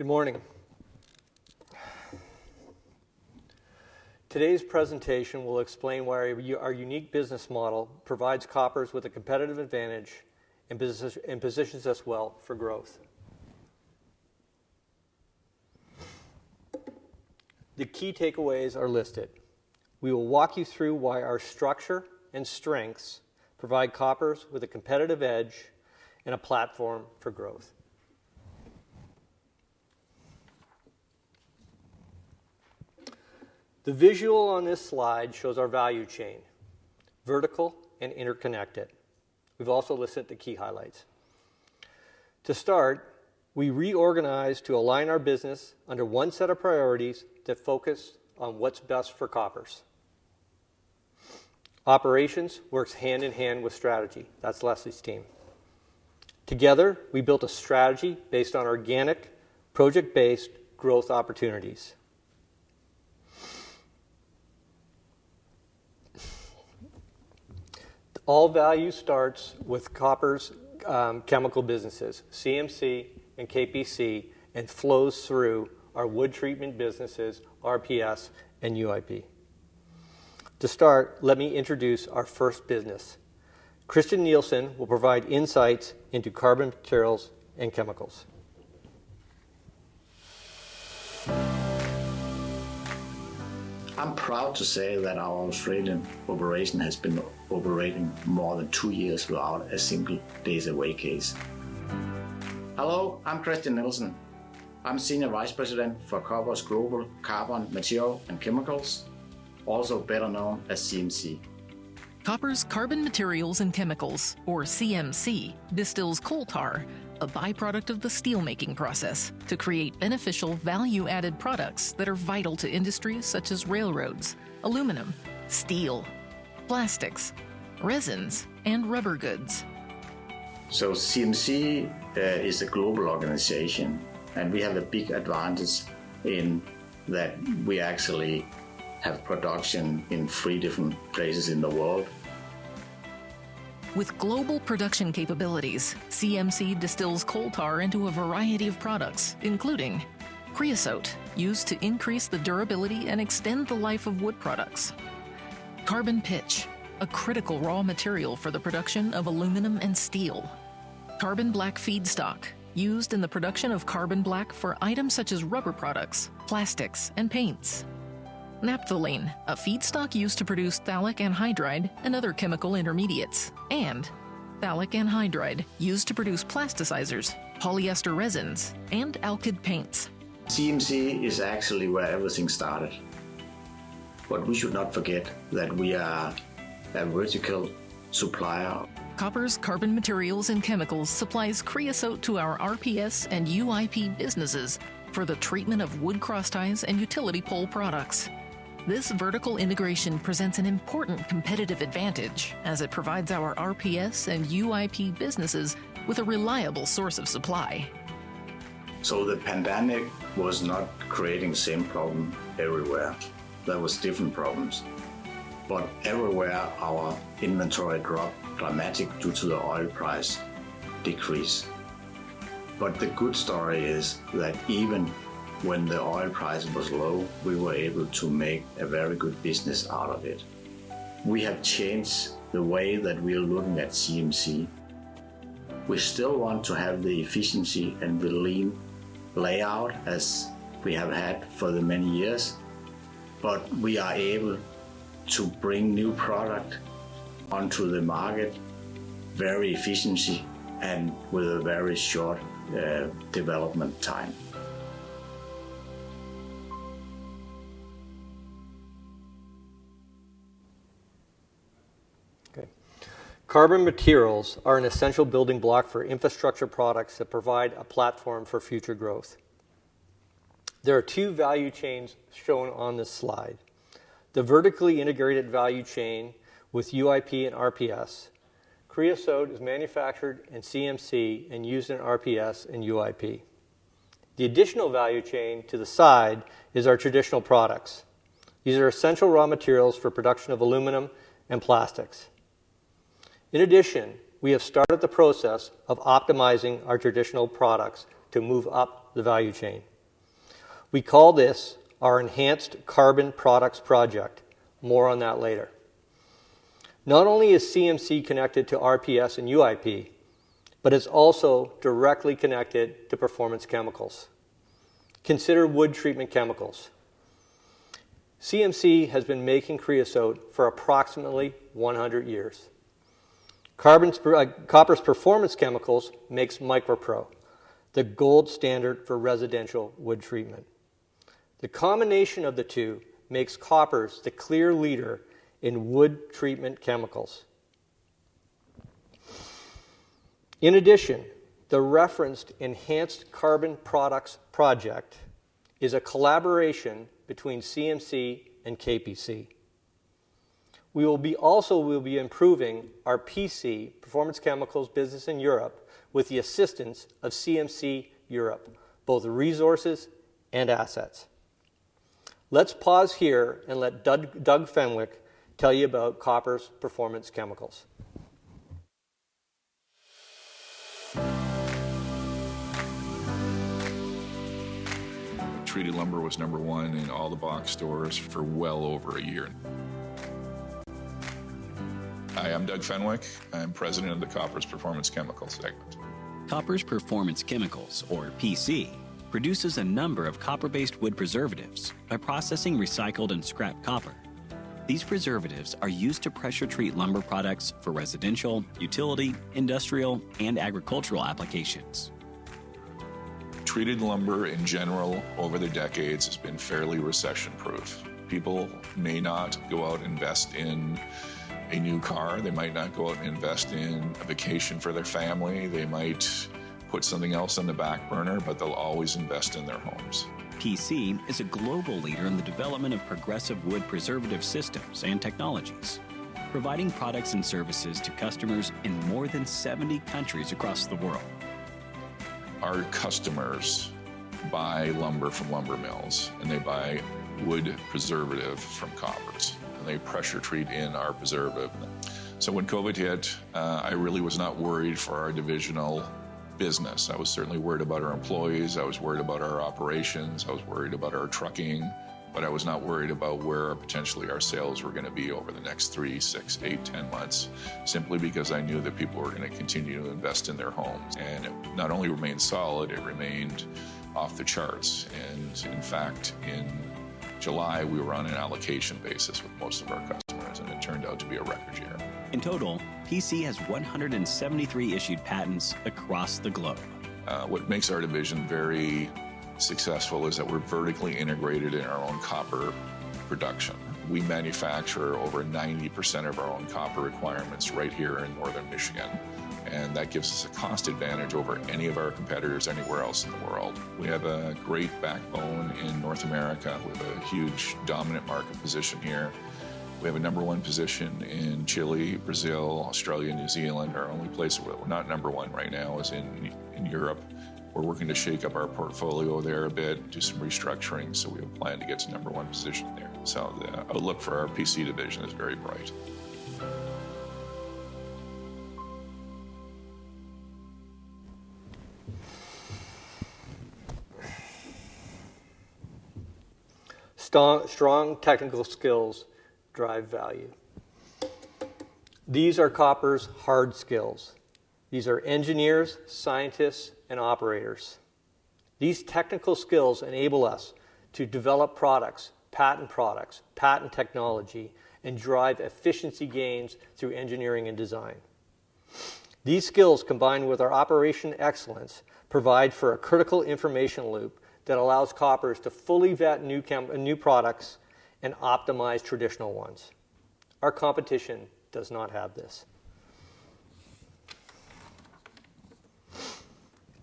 Speaker 6: Good morning. Today's presentation will explain why our unique business model provides Koppers with a competitive advantage and positions us well for growth. The key takeaways are listed. We will walk you through why our structure and strengths provide Koppers with a competitive edge and a platform for growth. The visual on this slide shows our value chain, vertical and interconnected. We've also listed the key highlights. To start, we reorganized to align our business under one set of priorities to focus on what's best for Koppers. Operations works hand-in-hand with strategy. That's Leslie's team. Together, we built a strategy based on organic project-based growth opportunities. All value starts with Koppers' chemical businesses, CMC and KPC, and flows through our wood treatment businesses, RPS and UIP. To start, let me introduce our first business. Christian Nielsen will provide insights into Carbon Materials and Chemicals.
Speaker 7: I'm proud to say that our Australian operation has been operating more than two years without a single days away case. Hello, I'm Christian Nielsen. I'm Senior Vice President for Koppers Global Carbon Materials and Chemicals, also better known as CMC.
Speaker 8: Koppers Carbon Materials and Chemicals, or CMC, distills coal tar, a byproduct of the steel making process, to create beneficial value-added products that are vital to industries such as railroads, aluminum, steel, plastics, resins, and rubber goods.
Speaker 7: CMC is a global organization, and we have a big advantage in that we actually have production in three different places in the world.
Speaker 8: With global production capabilities, CMC distills coal tar into a variety of products, including creosote, used to increase the durability and extend the life of wood products, carbon pitch, a critical raw material for the production of aluminum and steel, carbon black feedstock, used in the production of carbon black for items such as rubber products, plastics, and paints, naphthalene, a feedstock used to produce phthalic anhydride and other chemical intermediates, and phthalic anhydride, used to produce plasticizers, polyester resins, and alkyd paints.
Speaker 7: CMC is actually where everything started, but we should not forget that we are a vertical supplier.
Speaker 8: Koppers Carbon Materials and Chemicals supplies creosote to our RPS and UIP businesses for the treatment of wood cross ties and utility pole products. This vertical integration presents an important competitive advantage as it provides our RPS and UIP businesses with a reliable source of supply.
Speaker 7: The pandemic was not creating the same problem everywhere. There was different problems. Everywhere, our inventory dropped dramatically due to the oil price decrease. The good story is that even when the oil price was low, we were able to make a very good business out of it. We have changed the way that we are looking at CMC. We still want to have the efficiency and the lean layout as we have had for the many years, but we are able to bring new product onto the market very efficiently and with a very short development time.
Speaker 6: Okay. Carbon materials are an essential building block for infrastructure products that provide a platform for future growth. There are two value chains shown on this slide. The vertically integrated value chain with UIP and RPS. Creosote is manufactured in CMC and used in RPS and UIP. The additional value chain to the side is our traditional products. These are essential raw materials for production of aluminum and plastics. In addition, we have started the process of optimizing our traditional products to move up the value chain. We call this our Enhanced Carbon Products project. More on that later. Not only is CMC connected to RPS and UIP, but it's also directly connected to Performance Chemicals. Consider wood treatment chemicals. CMC has been making creosote for approximately 100 years. Koppers Performance Chemicals makes MicroPro, the gold standard for residential wood treatment. The combination of the two makes Koppers the clear leader in wood treatment chemicals. In addition, the referenced Enhanced Carbon Products project is a collaboration between CMC and KPC. We also will be improving our PC, Performance Chemicals business in Europe with the assistance of CMC Europe, both resources and assets. Let's pause here and let Douglas Fenwick tell you about Koppers Performance Chemicals.
Speaker 9: Treated lumber was number one in all the box stores for well over a year. Hi, I'm Douglas Fenwick. I am President of the Koppers Performance Chemicals segment.
Speaker 8: Koppers Performance Chemicals, or PC, produces a number of copper-based wood preservatives by processing recycled and scrap copper. These preservatives are used to pressure-treat lumber products for residential, utility, industrial, and agricultural applications.
Speaker 9: Treated lumber, in general, over the decades has been fairly recession-proof. People may not go out and invest in a new car. They might not go out and invest in a vacation for their family. They might put something else on the back burner, but they'll always invest in their homes.
Speaker 8: PC is a global leader in the development of progressive wood preservative systems and technologies, providing products and services to customers in more than 70 countries across the world.
Speaker 9: Our customers buy lumber from lumber mills, they buy wood preservative from Koppers, they pressure-treat in our preservative. When COVID hit, I really was not worried for our divisional business. I was certainly worried about our employees. I was worried about our operations. I was worried about our trucking. I was not worried about where potentially our sales were going to be over the next 3, 6, 8, 10 months, simply because I knew that people were going to continue to invest in their homes. It not only remained solid, it remained off the charts. In fact, in July, we were on an allocation basis with most of our customers, it turned out to be a record year.
Speaker 8: In total, PC has 173 issued patents across the globe.
Speaker 9: What makes our division very successful is that we're vertically integrated in our own copper production. We manufacture over 90% of our own copper requirements right here in Northern Michigan, and that gives us a cost advantage over any of our competitors anywhere else in the world. We have a great backbone in North America with a huge dominant market position here. We have a number 1 position in Chile, Brazil, Australia, New Zealand. Our only place where we're not number 1 right now is in Europe. We're working to shake up our portfolio there a bit, do some restructuring, so we plan to get to number 1 position there. The outlook for our PC division is very bright.
Speaker 6: Strong technical skills drive value. These are Koppers' hard skills. These are engineers, scientists, and operators. These technical skills enable us to develop products, patent products, patent technology, and drive efficiency gains through engineering and design. These skills, combined with our operational excellence, provide for a critical information loop that allows Koppers to fully vet new products and optimize traditional ones. Our competition does not have this.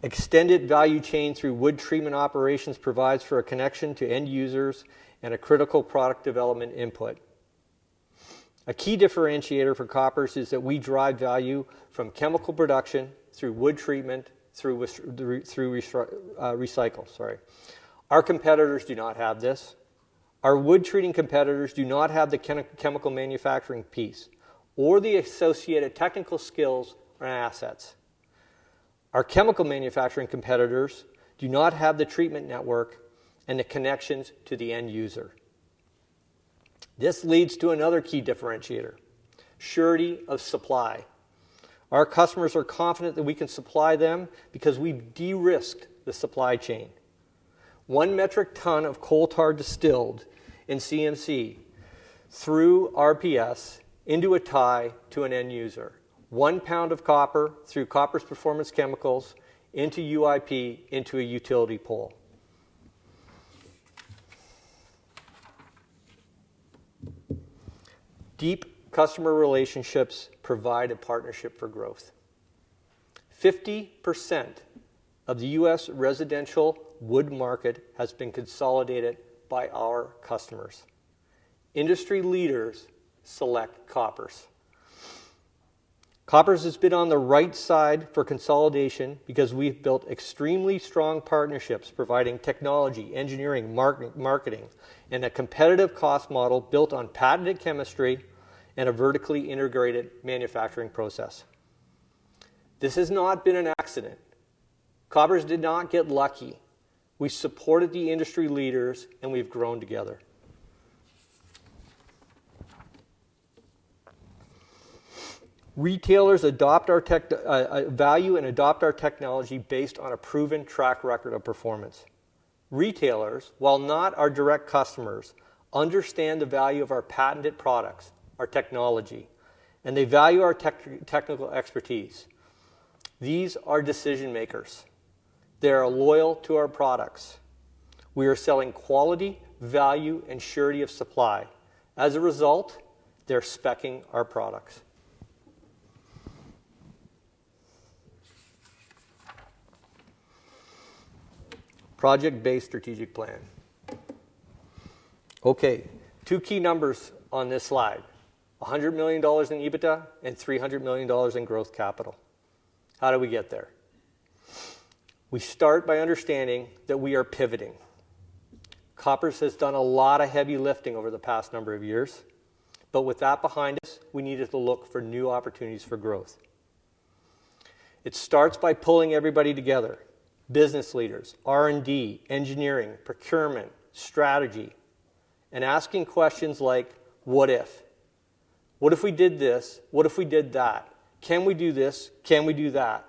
Speaker 6: Extended value chain through wood treatment operations provides for a connection to end users and a critical product development input. A key differentiator for Koppers is that we drive value from chemical production through wood treatment through recycle. Sorry. Our competitors do not have this. Our wood-treating competitors do not have the chemical manufacturing piece or the associated technical skills and assets. Our chemical manufacturing competitors do not have the treatment network and the connections to the end user. This leads to another key differentiator, surety of supply. Our customers are confident that we can supply them because we've de-risked the supply chain. 1 metric ton of coal tar distilled in CMC through RPS into a tie to an end user. 1 pound of copper through Koppers Performance Chemicals into UIP into a utility pole. Deep customer relationships provide a partnership for growth. 50% of the U.S. residential wood market has been consolidated by our customers. Industry leaders select Koppers. Koppers has been on the right side for consolidation because we've built extremely strong partnerships providing technology, engineering, marketing, and a competitive cost model built on patented chemistry and a vertically integrated manufacturing process. This has not been an accident. Koppers did not get lucky. We supported the industry leaders, and we've grown together. Retailers value and adopt our technology based on a proven track record of performance. Retailers, while not our direct customers, understand the value of our patented products, our technology, and they value our technical expertise. These are decision-makers. They are loyal to our products. We are selling quality, value, and surety of supply. As a result, they're speccing our products. Project-based strategic plan. Okay. Two key numbers on this slide, $100 million in EBITDA and $300 million of growth capital. How did we get there? We start by understanding that we are pivoting. Koppers has done a lot of heavy lifting over the past number of years, but with that behind us, we needed to look for new opportunities for growth. It starts by pulling everybody together, business leaders, R&D, engineering, procurement, strategy, and asking questions like, what if? What if we did this? What if we did that? Can we do this? Can we do that?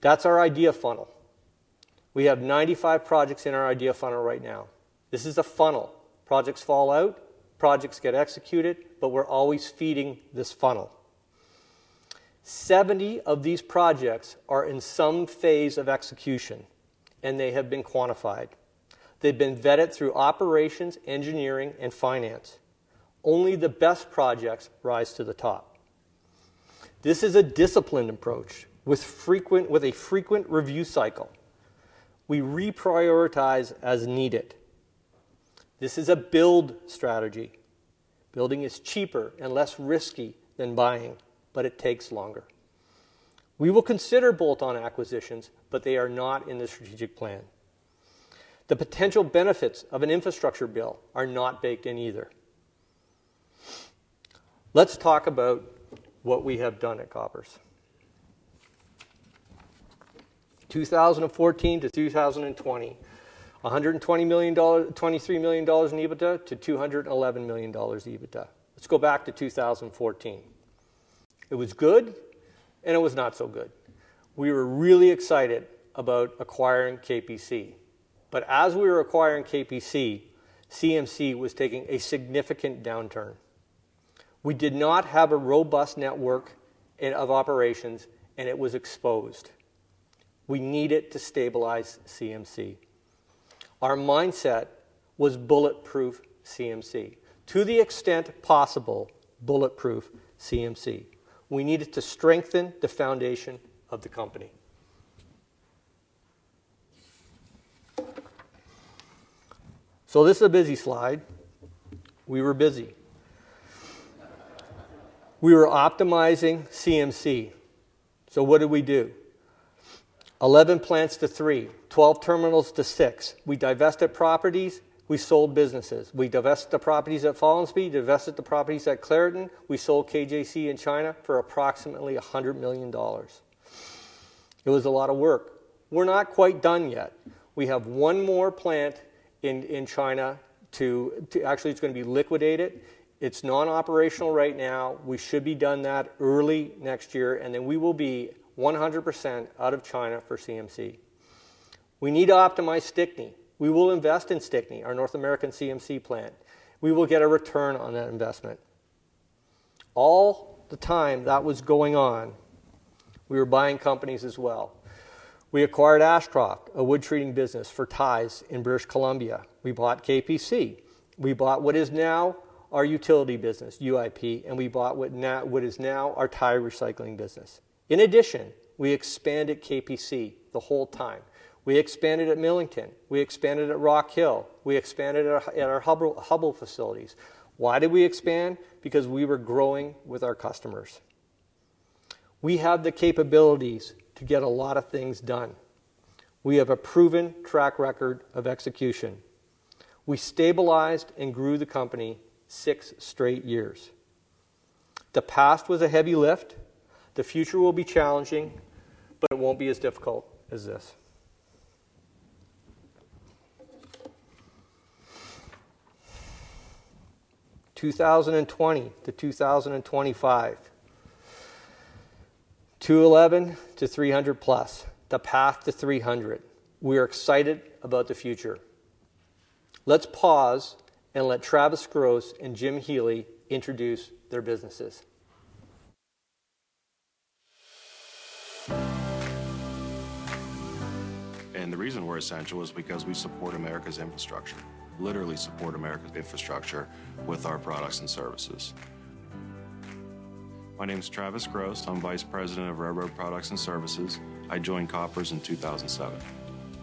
Speaker 6: That's our idea funnel. We have 95 projects in our idea funnel right now. This is a funnel. Projects fall out, projects get executed. We're always feeding this funnel. 70 of these projects are in some phase of execution. They have been quantified. They've been vetted through operations, engineering, and finance. Only the best projects rise to the top. This is a disciplined approach with a frequent review cycle. We reprioritize as needed. This is a build strategy. Building is cheaper and less risky than buying, but it takes longer. We will consider bolt-on acquisitions. They are not in the strategic plan. The potential benefits of an infrastructure build are not baked in either. Let's talk about what we have done at Koppers. 2014 to 2020, $123 million in EBITDA to $211 million EBITDA. Let's go back to 2014. It was good. It was not so good. We were really excited about acquiring KPC, but as we were acquiring KPC, CMC was taking a significant downturn. We did not have a robust network of operations, and it was exposed. We needed to stabilize CMC. Our mindset was bulletproof CMC. To the extent possible, bulletproof CMC. We needed to strengthen the foundation of the company. This is a busy slide. We were busy. We were optimizing CMC. What did we do? 11 plants to 3, 12 terminals to 6. We divested properties. We sold businesses. We divested the properties at Follansbee, we divested the properties at Clairton. We sold KJC in China for approximately $100 million. It was a lot of work. We're not quite done yet. We have one more plant in China. Actually, it's going to be liquidated. It's non-operational right now. We should be done that early next year. We will be 100% out of China for CMC. We need to optimize Stickney. We will invest in Stickney, our North American CMC plant. We will get a return on that investment. All the time that was going on, we were buying companies as well. We acquired Ashcroft, a wood-treating business for ties in British Columbia. We bought KPC. We bought what is now our utility business, UIP. We bought what is now our tire recycling business. In addition, we expanded KPC the whole time. We expanded at Millington. We expanded at Rock Hill. We expanded at our Hubbell facilities. Why did we expand? We were growing with our customers. We have the capabilities to get a lot of things done. We have a proven track record of execution. We stabilized and grew the company six straight years. The past was a heavy lift. The future will be challenging, but it won't be as difficult as this. 2020 to 2025. 211-300 plus, the path to 300. We are excited about the future. Let's pause and let Travis Gross and Jim Healey introduce their businesses.
Speaker 10: The reason we're essential is because we support America's infrastructure, literally support America's infrastructure with our products and services. My name is Travis Gross. I'm Vice President of Railroad Products and Services. I joined Koppers in 2007.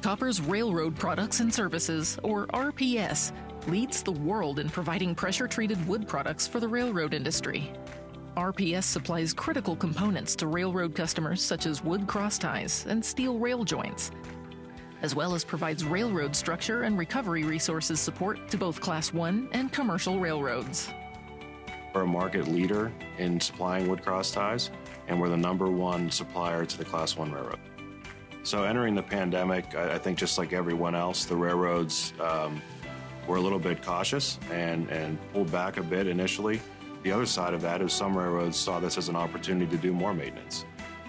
Speaker 8: Koppers Railroad Products and Services, or RPS, leads the world in providing pressure-treated wood products for the railroad industry. RPS supplies critical components to railroad customers, such as wood cross ties and steel rail joints, as well as provides railroad structure and recovery resources support to both Class I and commercial railroads.
Speaker 10: We're a market leader in supplying wood crossties, and we're the number one supplier to the Class I railroad. Entering the pandemic, I think just like everyone else, the railroads were a little bit cautious and pulled back a bit initially. The other side of that is some railroads saw this as an opportunity to do more maintenance,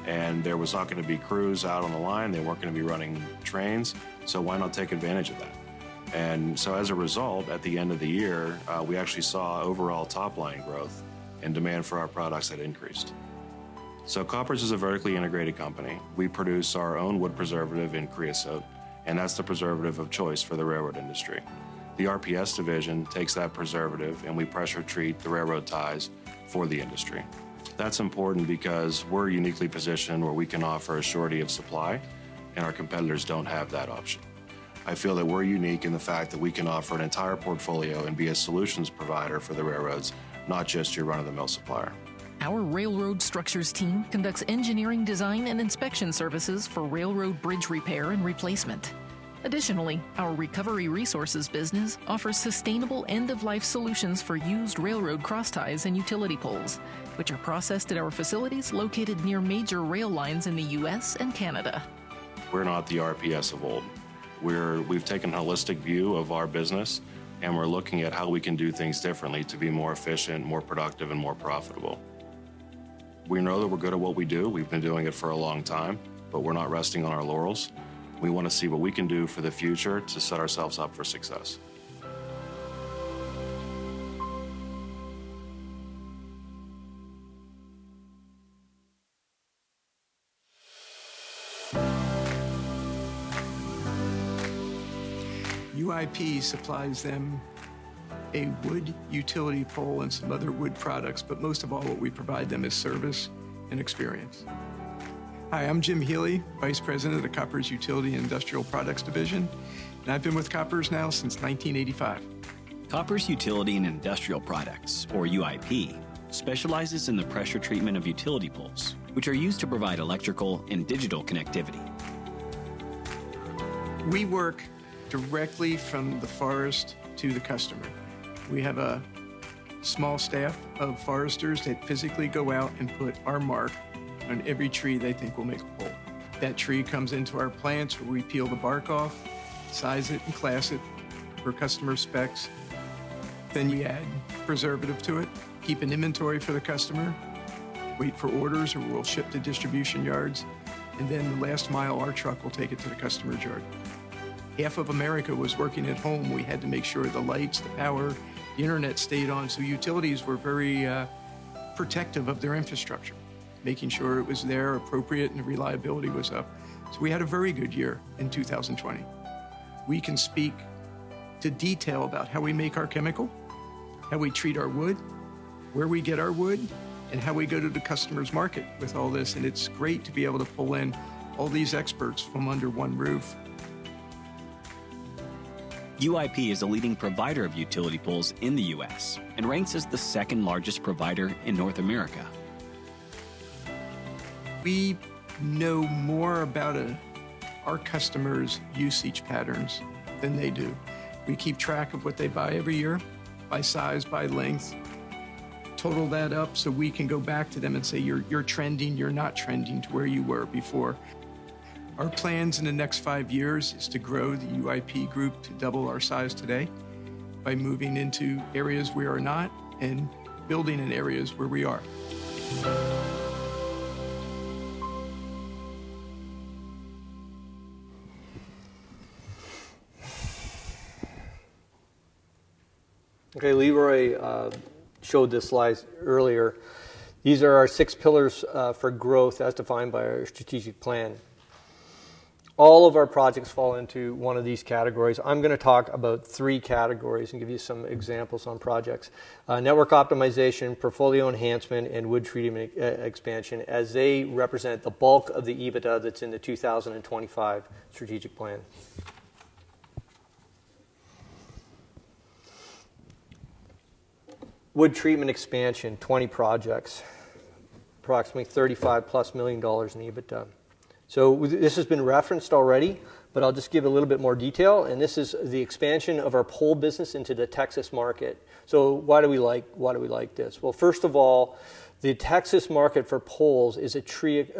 Speaker 10: and there was not going to be crews out on the line. They weren't going to be running trains, so why not take advantage of that? As a result, at the end of the year, we actually saw overall top-line growth and demand for our products had increased. Koppers is a vertically integrated company. We produce our own wood preservative in creosote, and that's the preservative of choice for the railroad industry. The RPS division takes that preservative, and we pressure treat the railroad ties for the industry. That's important because we're uniquely positioned where we can offer a surety of supply, and our competitors don't have that option. I feel that we're unique in the fact that we can offer an entire portfolio and be a solutions provider for the railroads, not just your run-of-the-mill supplier.
Speaker 8: Our Koppers Railroad Structures team conducts engineering design and inspection services for railroad bridge repair and replacement. Additionally, our Koppers Recovery Resources business offers sustainable end-of-life solutions for used railroad crossties and utility poles, which are processed at our facilities located near major rail lines in the U.S. and Canada.
Speaker 10: We're not the RPS of old. We've taken a holistic view of our business. We're looking at how we can do things differently to be more efficient, more productive, and more profitable. We know that we're good at what we do. We've been doing it for a long time. We're not resting on our laurels. We want to see what we can do for the future to set ourselves up for success.
Speaker 11: UIP supplies them a wood utility pole and some other wood products, but most of all, what we provide them is service and experience. Hi, I'm Jim Healey, Vice President of the Koppers Utility and Industrial Products division, and I've been with Koppers now since 1985.
Speaker 8: Koppers Utility and Industrial Products, or UIP, specializes in the pressure treatment of utility poles, which are used to provide electrical and digital connectivity.
Speaker 11: We work directly from the forest to the customer. We have a small staff of foresters that physically go out and put our mark on every tree they think will make a pole. That tree comes into our plants, where we peel the bark off, size it, and class it per customer specs. We add preservative to it, keep an inventory for the customer, wait for orders, and we'll ship to distribution yards. The last mile, our truck will take it to the customer yard. Half of America was working at home. We had to make sure the lights, the power, the internet stayed on, so utilities were very protective of their infrastructure, making sure it was there, appropriate, and the reliability was up. We had a very good year in 2020. We can speak to detail about how we make our chemical, how we treat our wood, where we get our wood, and how we go to the customer's market with all this, and it's great to be able to pull in all these experts from under one roof.
Speaker 8: UIP is a leading provider of utility poles in the U.S. and ranks as the second-largest provider in North America.
Speaker 11: We know more about our customers' usage patterns than they do. We keep track of what they buy every year by size, by length, total that up, so we can go back to them and say, "You're trending. You're not trending to where you were before." Our plans in the next five years is to grow the UIP group to double our size today by moving into areas we are not and building in areas where we are.
Speaker 6: Okay, Leroy showed the slides earlier. These are our six pillars for growth as defined by our strategic plan. All of our projects fall into one of these categories. I'm going to talk about three categories and give you some examples on projects. Network optimization, portfolio enhancement, and wood treatment expansion, as they represent the bulk of the EBITDA that's in the 2025 strategic plan. Wood treatment expansion, 20 projects, approximately $35+ million in EBITDA. This has been referenced already, but I'll just give a little bit more detail, and this is the expansion of our pole business into the Texas market. Why do we like this? Well, first of all, the Texas market for poles is a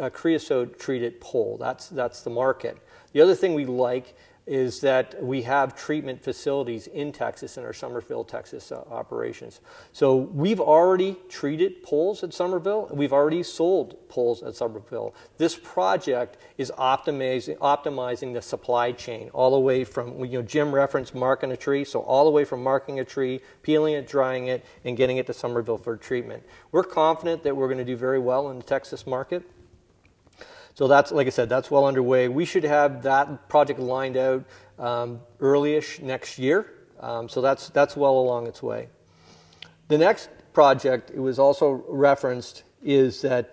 Speaker 6: creosote-treated pole. That's the market. The other thing we like is that we have treatment facilities in Texas, in our Somerville, Texas, operations. We've already treated poles at Somerville. We've already sold poles at Somerville. This project is optimizing the supply chain all the way from, Jim referenced marking a tree, all the way from marking a tree, peeling it, drying it, and getting it to Somerville for treatment. We're confident that we're going to do very well in the Texas market. That's, like I said, well underway. We should have that project lined out early-ish next year. That's well along its way. The next project, it was also referenced, and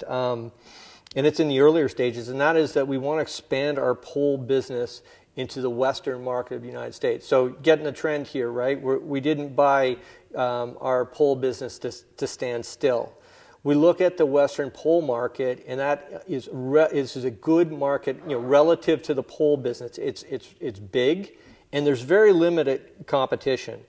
Speaker 6: it's in the earlier stages, and that is that we want to expand our pole business into the western market of the U.S. Getting the trend here. We didn't buy our pole business to stand still. We look at the western pole market, and that is a good market relative to the pole business. It's big, and there's very limited competition.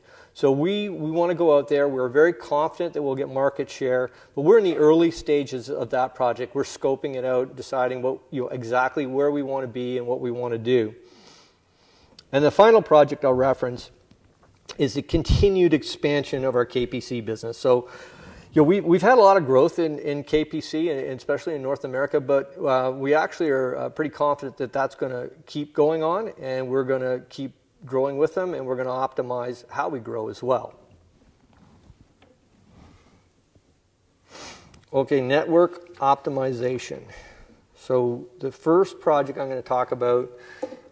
Speaker 6: We want to go out there. We're very confident that we'll get market share, but we're in the early stages of that project. We're scoping it out, deciding exactly where we want to be and what we want to do. The final project I'll reference is the continued expansion of our KPC business. We've had a lot of growth in KPC, and especially in North America, but we actually are pretty confident that that's going to keep going on, and we're going to keep growing with them, and we're going to optimize how we grow as well. Okay, network optimization. The first project I'm going to talk about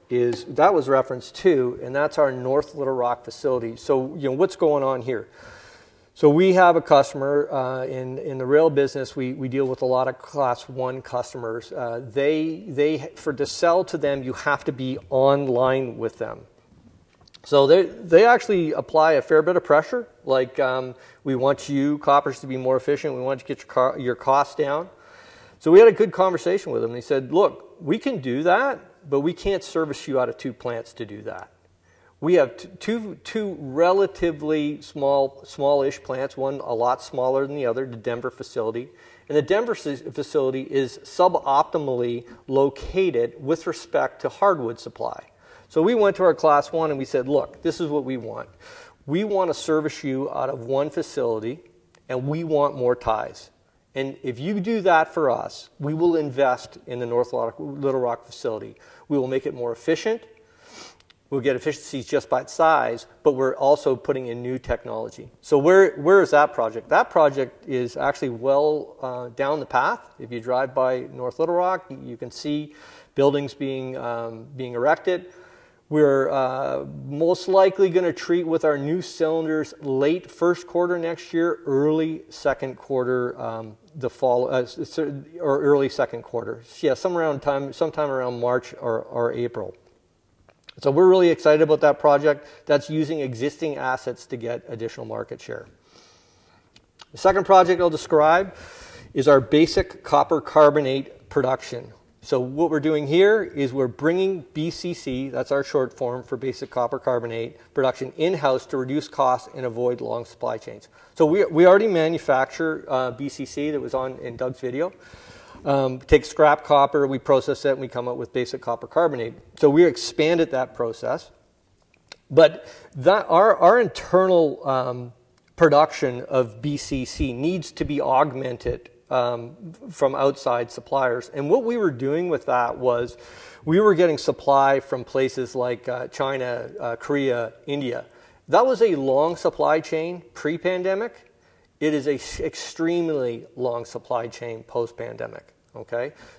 Speaker 6: that was referenced too, and that's our North Little Rock facility. What's going on here? We have a customer. In the rail business, we deal with a lot of Class I customers. To sell to them, you have to be online with them. They actually apply a fair bit of pressure like, "We want you, Koppers, to be more efficient. We want to get your costs down." We had a good conversation with them. They said, "Look, we can do that, but we can't service you out of two plants to do that." We have two relatively smallish plants, one a lot smaller than the other, the Denver facility. The Denver facility is suboptimally located with respect to hardwood supply. We went to our Class I and we said, "Look, this is what we want. We want to service you out of one facility, and we want more ties. If you do that for us, we will invest in the North Little Rock facility. We will make it more efficient. We'll get efficiencies just by its size, but we're also putting in new technology. Where is that project? That project is actually well down the path. If you drive by North Little Rock, you can see buildings being erected. We're most likely going to treat with our new cylinders late first quarter next year, early second quarter. Sometime around March or April. We're really excited about that project. That's using existing assets to get additional market share. The second project I'll describe is our basic copper carbonate production. What we're doing here is we're bringing BCC, that's our short form for Basic Copper Carbonate, production in-house to reduce costs and avoid long supply chains. We already manufacture BCC. That was in Doug's video. Take scrap copper, we process it, and we come up with Basic Copper Carbonate. We expanded that process, but our internal production of BCC needs to be augmented from outside suppliers. What we were doing with that was we were getting supply from places like China, Korea, India. That was a long supply chain pre-pandemic. It is an extremely long supply chain post-pandemic.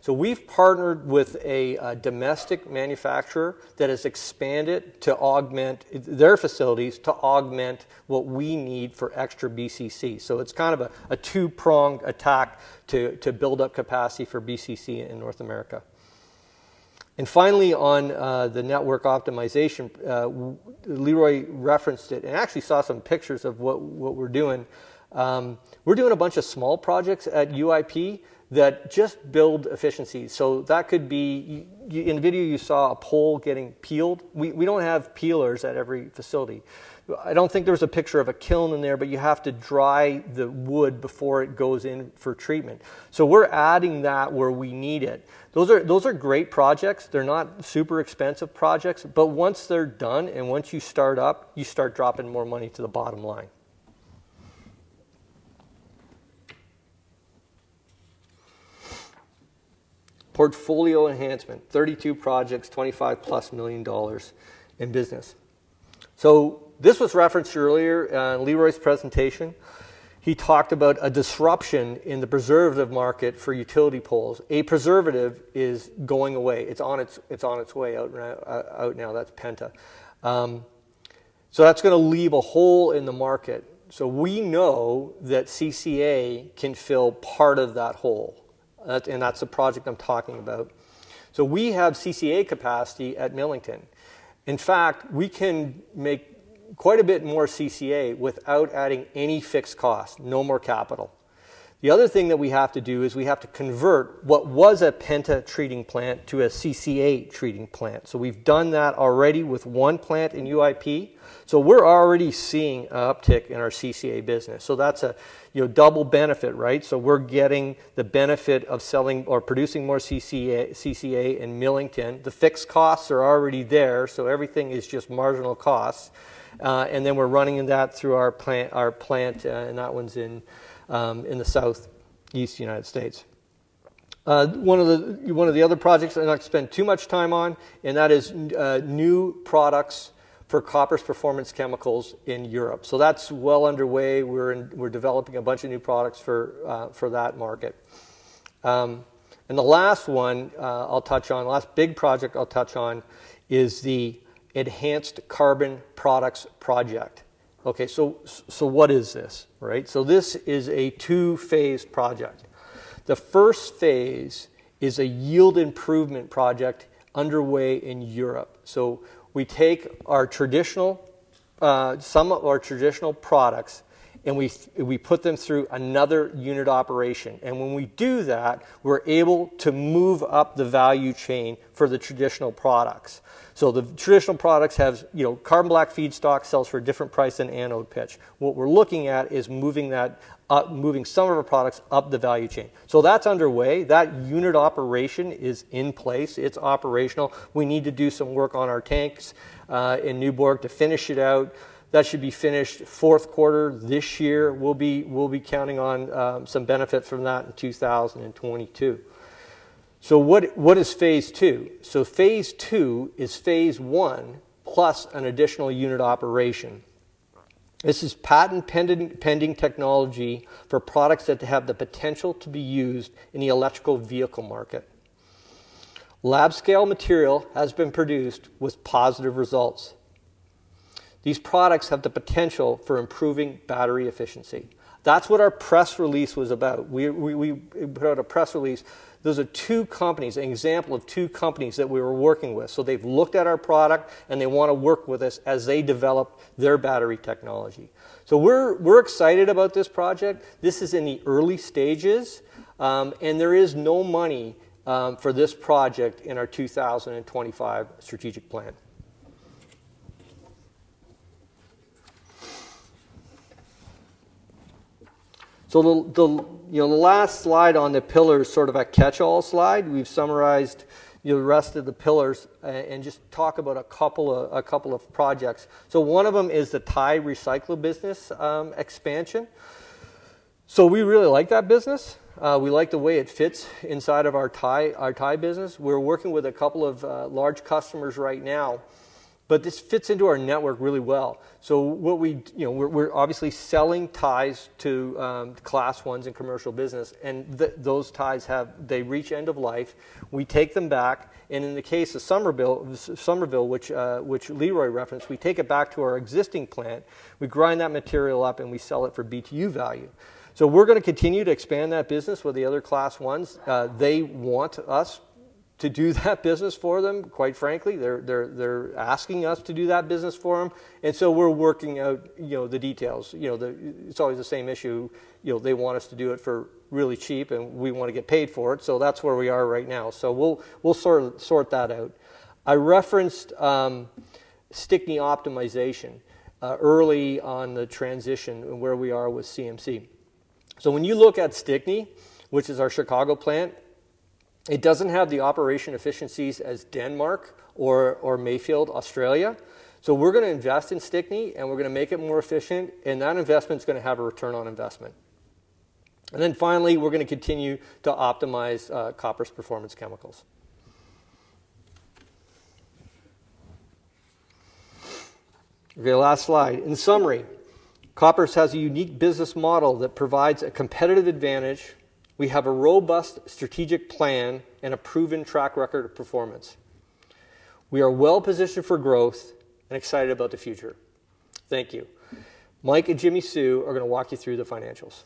Speaker 6: We've partnered with a domestic manufacturer that has expanded their facilities to augment what we need for extra BCC. It's kind of a two-pronged attack to build up capacity for BCC in North America. Finally, on the network optimization, Leroy referenced it and actually saw some pictures of what we're doing. We're doing a bunch of small projects at UIP that just build efficiency. That could be in the video, you saw a pole getting peeled. We don't have peelers at every facility. I don't think there was a picture of a kiln in there, but you have to dry the wood before it goes in for treatment. We're adding that where we need it. Those are great projects. They're not super expensive projects, but once they're done and once you start up, you start dropping more money to the bottom line. Portfolio enhancement, 32 projects, $25-plus million in business. This was referenced earlier in Leroy's presentation. He talked about a disruption in the preservative market for utility poles. A preservative is going away. It's on its way out now. That's Penta. That's going to leave a hole in the market. We know that CCA can fill part of that hole, and that's the project I'm talking about. We have CCA capacity at Millington. In fact, we can make quite a bit more CCA without adding any fixed cost, no more capital. The other thing that we have to do is we have to convert what was a Penta treating plant to a CCA treating plant. We've done that already with one plant in UIP. We're already seeing an uptick in our CCA business. That's a double benefit. We're getting the benefit of selling or producing more CCA in Millington. The fixed costs are already there, so everything is just marginal costs. Then we're running that through our plant, and that one is in the Southeast U.S. One of the other projects I'm not going to spend too much time on, and that is new products for Koppers Performance Chemicals in Europe. That's well underway. We're developing a bunch of new products for that market. The last one I'll touch on, last big project I'll touch on is the Enhanced Carbon Products project. Okay, what is this? This is a two-phase project. The first phase is a yield improvement project underway in Europe. We take some of our traditional products, we put them through another unit operation. When we do that, we're able to move up the value chain for the traditional products. The traditional products have carbon black feedstock, sells for a different price than anode pitch. What we're looking at is moving some of our products up the value chain. That's underway. That unit operation is in place. It's operational. We need to do some work on our tanks in Nyborg to finish it out. That should be finished fourth quarter this year. We'll be counting on some benefits from that in 2022. What is phase II? Phase II is phase I plus an additional unit operation. This is patent-pending technology for products that have the potential to be used in the electric vehicle market. Lab scale material has been produced with positive results. These products have the potential for improving battery efficiency. That's what our press release was about. We put out a press release. Those are two companies, an example of two companies that we were working with. They've looked at our product, and they want to work with us as they develop their battery technology. We're excited about this project. This is in the early stages, and there is no money for this project in our 2025 strategic plan. The last slide on the pillar is sort of a catchall slide. We've summarized the rest of the pillars and just talk about a couple of projects. One of them is the tie recycle business expansion. We really like that business. We like the way it fits inside of our tie business. We're working with a couple of large customers right now, but this fits into our network really well. We're obviously selling ties to Class Is in commercial business, and those ties reach end of life. We take them back, and in the case of Somerville, which Leroy referenced, we take it back to our existing plant, we grind that material up, and we sell it for BTU value. We're going to continue to expand that business with the other Class Is. They want us to do that business for them, quite frankly. They're asking us to do that business for them. We're working out the details. It's always the same issue. They want us to do it for really cheap. We want to get paid for it. That's where we are right now. We'll sort that out. I referenced Stickney optimization early on the transition and where we are with CMC. When you look at Stickney, which is our Chicago plant, it doesn't have the operation efficiencies as Denmark or Mayfield, Australia. We're going to invest in Stickney, and we're going to make it more efficient, and that investment's going to have a return on investment. Finally, we're going to continue to optimize Koppers Performance Chemicals. Okay, last slide. In summary, Koppers has a unique business model that provides a competitive advantage. We have a robust strategic plan and a proven track record of performance. We are well-positioned for growth and excited about the future. Thank you. Mike and Jimmi Sue are going to walk you through the financials.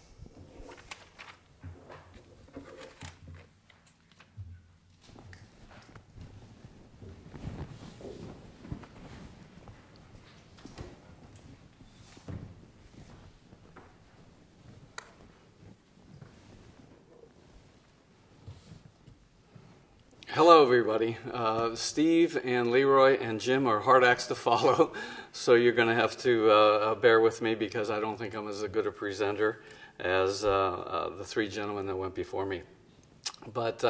Speaker 12: Hello, everybody. Steve and Leroy and Jim are hard acts to follow, so you're going to have to bear with me because I don't think I'm as good a presenter as the three gentlemen that went before me.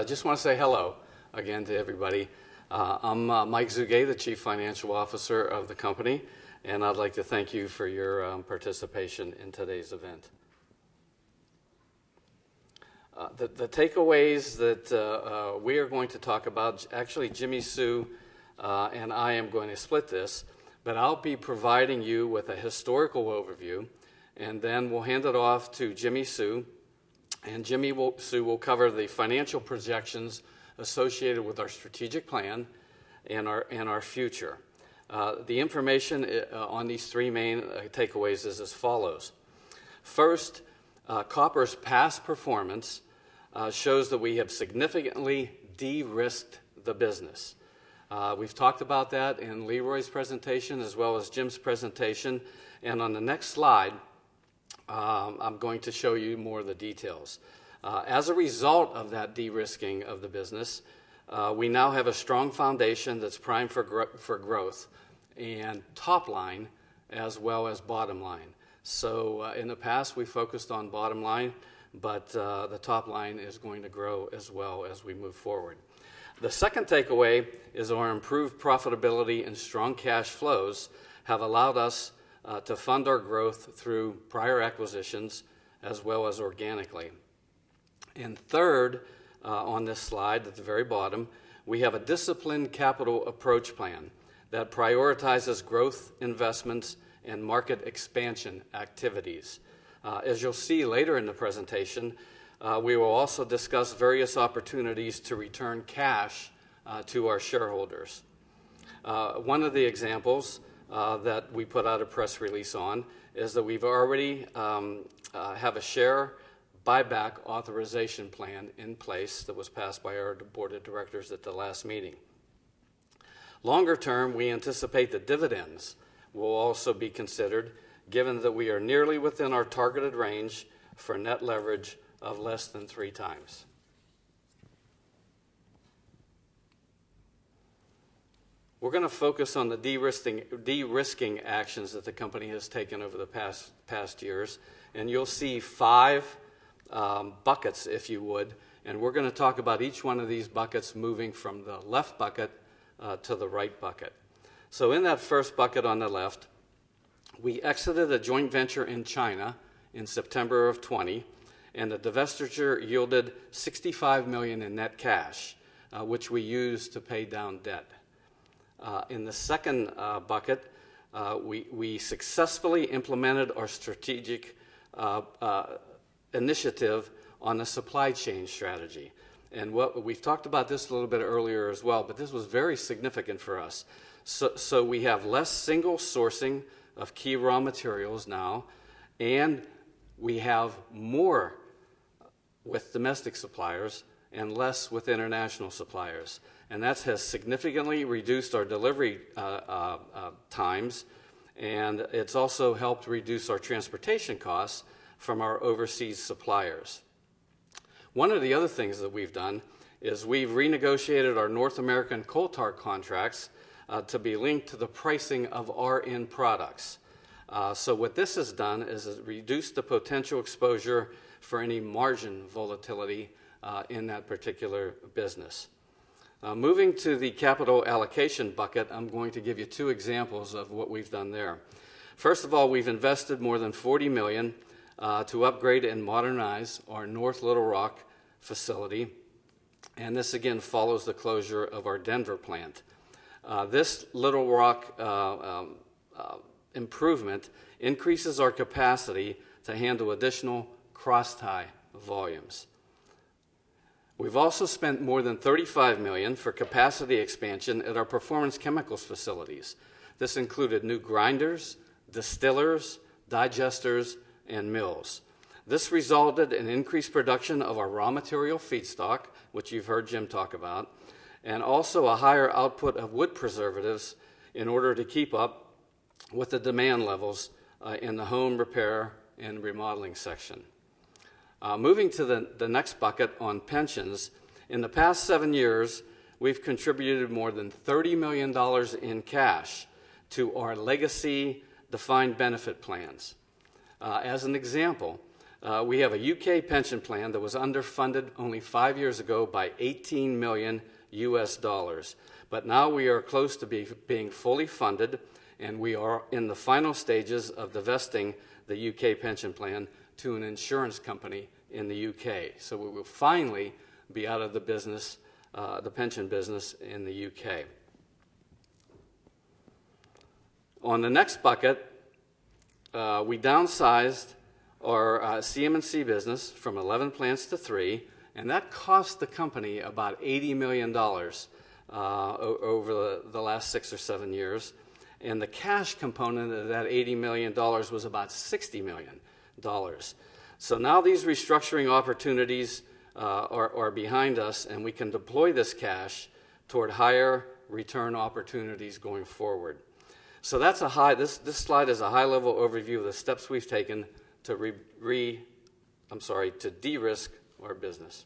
Speaker 12: Just want to say hello again to everybody. I'm Mike Zugay, the Chief Financial Officer of the company, and I'd like to thank you for your participation in today's event. The takeaways that we are going to talk about, actually, Jimmi Sue and I am going to split this. I'll be providing you with a historical overview, and then we'll hand it off to Jimmi Sue, and Jimmi Sue will cover the financial projections associated with our strategic plan and our future. The information on these three main takeaways is as follows. First, Koppers' past performance shows that we have significantly de-risked the business. We've talked about that in Leroy's presentation as well as Jim's presentation. On the next slide, I'm going to show you more of the details. As a result of that de-risking of the business, we now have a strong foundation that's primed for growth in top line as well as bottom line. In the past, we focused on bottom line, but the top line is going to grow as well as we move forward. The second takeaway is our improved profitability and strong cash flows have allowed us to fund our growth through prior acquisitions as well as organically. Third on this slide at the very bottom, we have a disciplined capital approach plan that prioritizes growth investments and market expansion activities. As you'll see later in the presentation, we will also discuss various opportunities to return cash to our shareholders. One of the examples that we put out a press release on is that we've already have a share buyback authorization plan in place that was passed by our board of directors at the last meeting. Longer term, we anticipate that dividends will also be considered given that we are nearly within our targeted range for net leverage of less than 3 times. We're going to focus on the de-risking actions that the company has taken over the past years, and you'll see five buckets, if you would. We're going to talk about each one of these buckets moving from the left bucket to the right bucket. In that first bucket on the left, we exited a joint venture in China in September of 2020, and the divestiture yielded $65 million in net cash, which we used to pay down debt. In the second bucket, we successfully implemented our strategic initiative on a supply chain strategy. We've talked about this a little bit earlier as well, but this was very significant for us. We have less single sourcing of key raw materials now, and we have more with domestic suppliers and less with international suppliers. That has significantly reduced our delivery times, and it's also helped reduce our transportation costs from our overseas suppliers. One of the other things that we've done is we've renegotiated our North American coal tar contracts to be linked to the pricing of our end products. What this has done is it reduced the potential exposure for any margin volatility in that particular business. Moving to the capital allocation bucket, I'm going to give you two examples of what we've done there. First of all, we've invested more than $40 million to upgrade and modernize our North Little Rock facility, and this again follows the closure of our Denver plant. This Little Rock improvement increases our capacity to handle additional crosstie volumes. We've also spent more than $35 million for capacity expansion at our Performance Chemicals facilities. This included new grinders, distillers, digesters, and mills. This resulted in increased production of our raw material feedstock, which you've heard Jim talk about, and also a higher output of wood preservatives in order to keep up with the demand levels in the home repair and remodeling section. Moving to the next bucket on pensions, in the past seven years, we've contributed more than $30 million in cash to our legacy defined benefit plans. As an example, we have a U.K. pension plan that was underfunded only five years ago by $18 million. Now we are close to being fully funded, and we are in the final stages of divesting the U.K. pension plan to an insurance company in the U.K. We will finally be out of the pension business in the U.K. On the next bucket, we downsized our CM&C business from 11 plants to three, and that cost the company about $80 million over the last six or seven years, and the cash component of that $80 million was about $60 million. Now these restructuring opportunities are behind us, and we can deploy this cash toward higher return opportunities going forward. This slide is a high level overview of the steps we've taken to de-risk our business.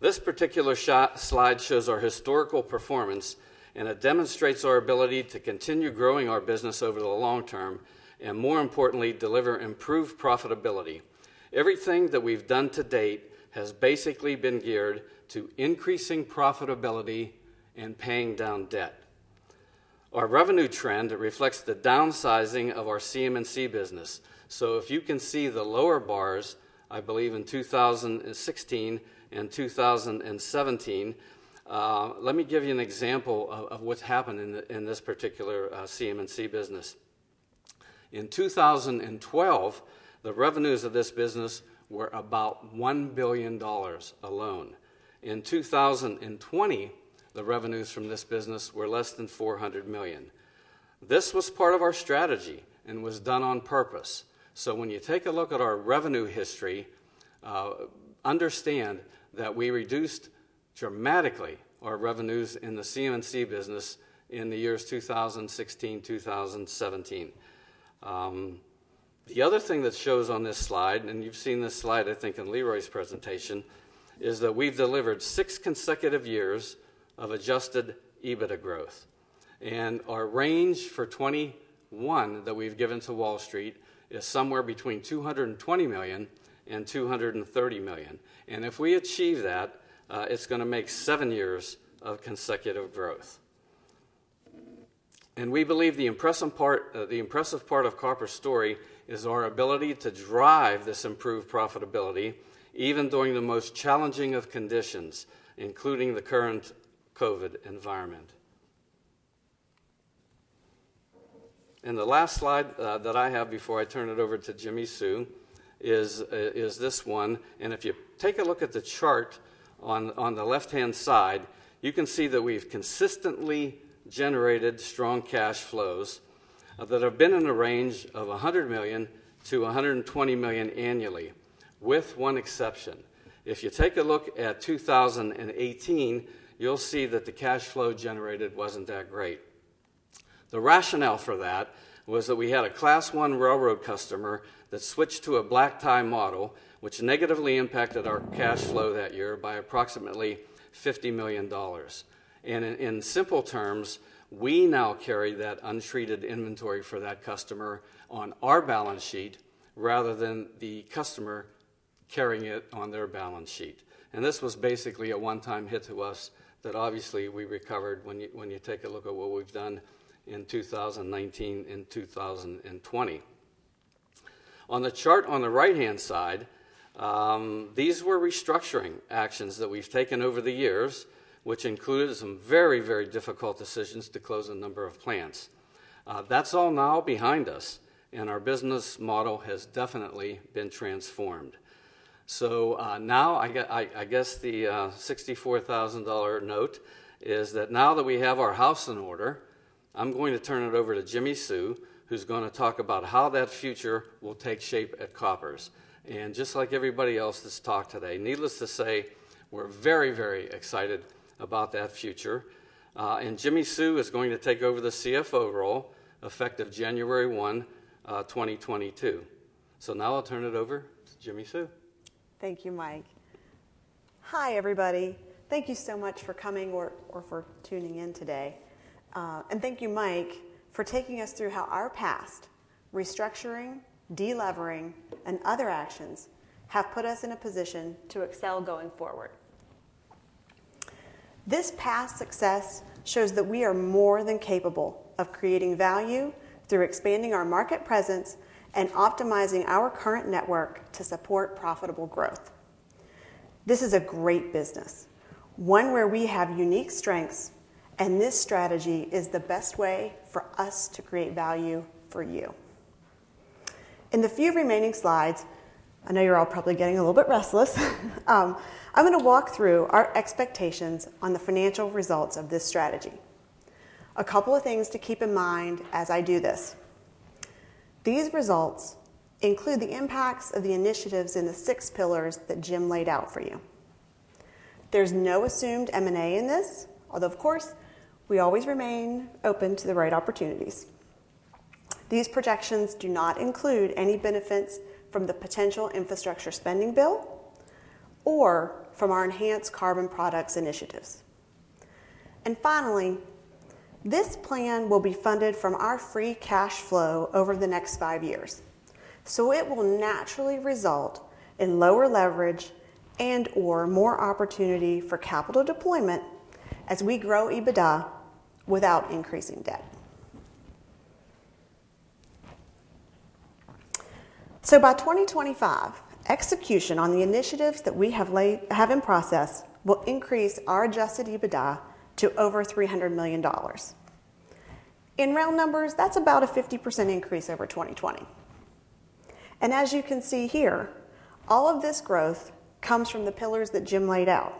Speaker 12: This particular slide shows our historical performance, and it demonstrates our ability to continue growing our business over the long term, and more importantly, deliver improved profitability. Everything that we've done to date has basically been geared to increasing profitability and paying down debt. Our revenue trend reflects the downsizing of our CM&C business. If you can see the lower bars, I believe in 2016 and 2017, let me give you an example of what's happened in this particular CM&C business. In 2012, the revenues of this business were about $1 billion alone. In 2020, the revenues from this business were less than $400 million. This was part of our strategy and was done on purpose. When you take a look at our revenue history, understand that we reduced dramatically our revenues in the CM&C business in the years 2016, 2017. The other thing that shows on this slide, and you've seen this slide, I think, in Leroy's presentation, is that we've delivered six consecutive years of Adjusted EBITDA growth. Our range for 2021 that we've given to Wall Street is somewhere between $220 million and $230 million. If we achieve that, it's going to make seven years of consecutive growth. We believe the impressive part of Koppers' story is our ability to drive this improved profitability, even during the most challenging of conditions, including the current COVID environment. The last slide that I have before I turn it over to Jimmi Sue Smith is this one. If you take a look at the chart on the left-hand side, you can see that we've consistently generated strong cash flows that have been in the range of $100 million-$120 million annually, with one exception. If you take a look at 2018, you'll see that the cash flow generated wasn't that great. The rationale for that was that we had a Class I railroad customer that switched to a black-tie model, which negatively impacted our cash flow that year by approximately $50 million. In simple terms, we now carry that untreated inventory for that customer on our balance sheet rather than the customer carrying it on their balance sheet. This was basically a one-time hit to us that obviously we recovered when you take a look at what we've done in 2019 and 2020. On the chart on the right-hand side, these were restructuring actions that we've taken over the years, which included some very difficult decisions to close a number of plants. That's all now behind us, and our business model has definitely been transformed. Now, I guess the $64,000 note is that now that we have our house in order, I'm going to turn it over to Jimmi Sue Smith, who's going to talk about how that future will take shape at Koppers. Just like everybody else that's talked today, needless to say, we're very excited about that future. Jimmi Sue Smith is going to take over the CFO role effective January 1, 2022. Now I'll turn it over to Jimmi Sue Smith.
Speaker 13: Thank you, Mike. Hi, everybody. Thank you so much for coming or for tuning in today. Thank you, Mike, for taking us through how our past, restructuring, de-levering, and other actions have put us in a position to excel going forward. This past success shows that we are more than capable of creating value through expanding our market presence and optimizing our current network to support profitable growth. This is a great business, one where we have unique strengths, and this strategy is the best way for us to create value for you. In the few remaining slides, I know you're all probably getting a little bit restless, I'm going to walk through our expectations on the financial results of this strategy. A couple of things to keep in mind as I do this. These results include the impacts of the initiatives in the six pillars that Jim laid out for you. There's no assumed M&A in this, although, of course, we always remain open to the right opportunities. These projections do not include any benefits from the potential infrastructure spending bill or from our Enhanced Carbon Products initiatives. Finally, this plan will be funded from our free cash flow over the next five years. It will naturally result in lower leverage and/or more opportunity for capital deployment as we grow EBITDA without increasing debt. By 2025, execution on the initiatives that we have in process will increase our Adjusted EBITDA to over $300 million. In round numbers, that's about a 50% increase over 2020. As you can see here, all of this growth comes from the pillars that Jim laid out,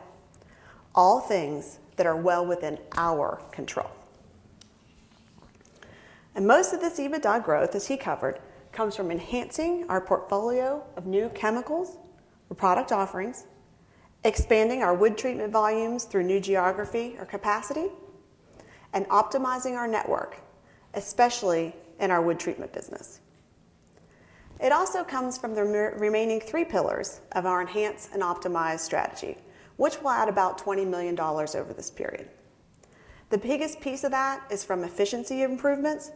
Speaker 13: all things that are well within our control. Most of this EBITDA growth, as he covered, comes from enhancing our portfolio of new chemicals or product offerings, expanding our wood treatment volumes through new geography or capacity, and optimizing our network, especially in our wood treatment business. It also comes from the remaining three pillars of our enhance and optimize strategy, which will add about $20 million over this period. The biggest piece of that is from efficiency improvements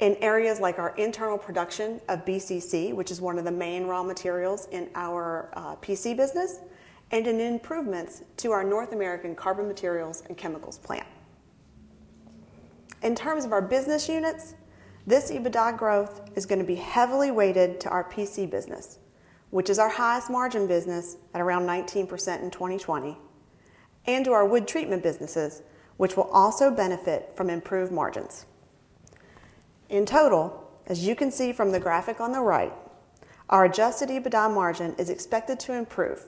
Speaker 13: in areas like our internal production of BCC, which is one of the main raw materials in our PC business, and in improvements to our North American Carbon Materials and Chemicals plant. In terms of our business units, this EBITDA growth is going to be heavily weighted to our PC business, which is our highest margin business at around 19% in 2020, and to our wood treatment businesses, which will also benefit from improved margins. In total, as you can see from the graphic on the right, our Adjusted EBITDA margin is expected to improve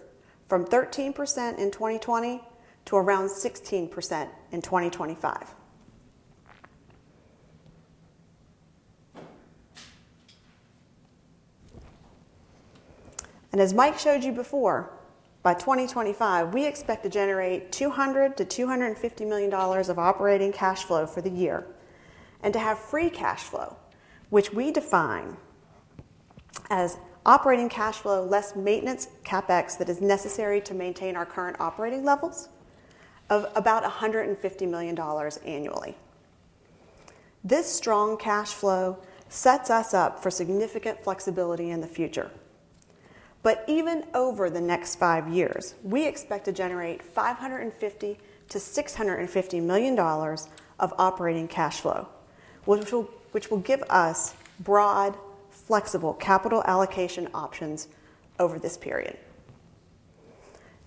Speaker 13: from 13% in 2020 to around 16% in 2025. As Mike showed you before, by 2025, we expect to generate $200 million-$250 million of operating cash flow for the year, and to have free cash flow, which we define as operating cash flow less maintenance CapEx that is necessary to maintain our current operating levels of about $150 million annually. This strong cash flow sets us up for significant flexibility in the future. Even over the next five years, we expect to generate $550 million-$650 million of operating cash flow, which will give us broad, flexible capital allocation options over this period.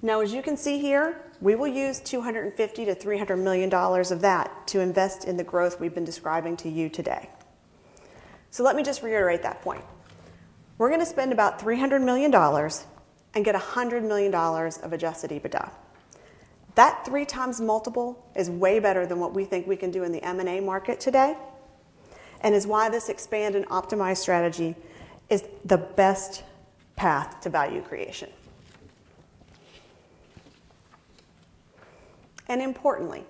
Speaker 13: As you can see here, we will use $250 million-$300 million of that to invest in the growth we've been describing to you today. Let me just reiterate that point. We're going to spend about $300 million and get $100 million of Adjusted EBITDA. That 3x multiple is way better than what we think we can do in the M&A market today, and is why this expand and optimize strategy is the best path to value creation. Importantly,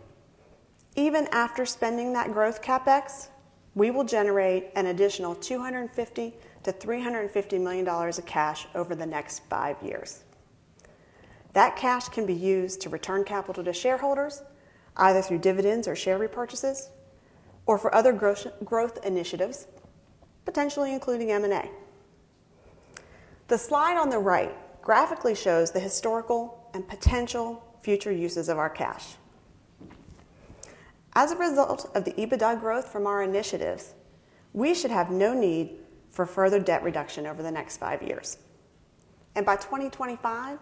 Speaker 13: even after spending that growth CapEx, we will generate an additional $250 million-$350 million of cash over the next five years. That cash can be used to return capital to shareholders, either through dividends or share repurchases, or for other growth initiatives, potentially including M&A. The slide on the right graphically shows the historical and potential future uses of our cash. As a result of the EBITDA growth from our initiatives, we should have no need for further debt reduction over the next five years. By 2025,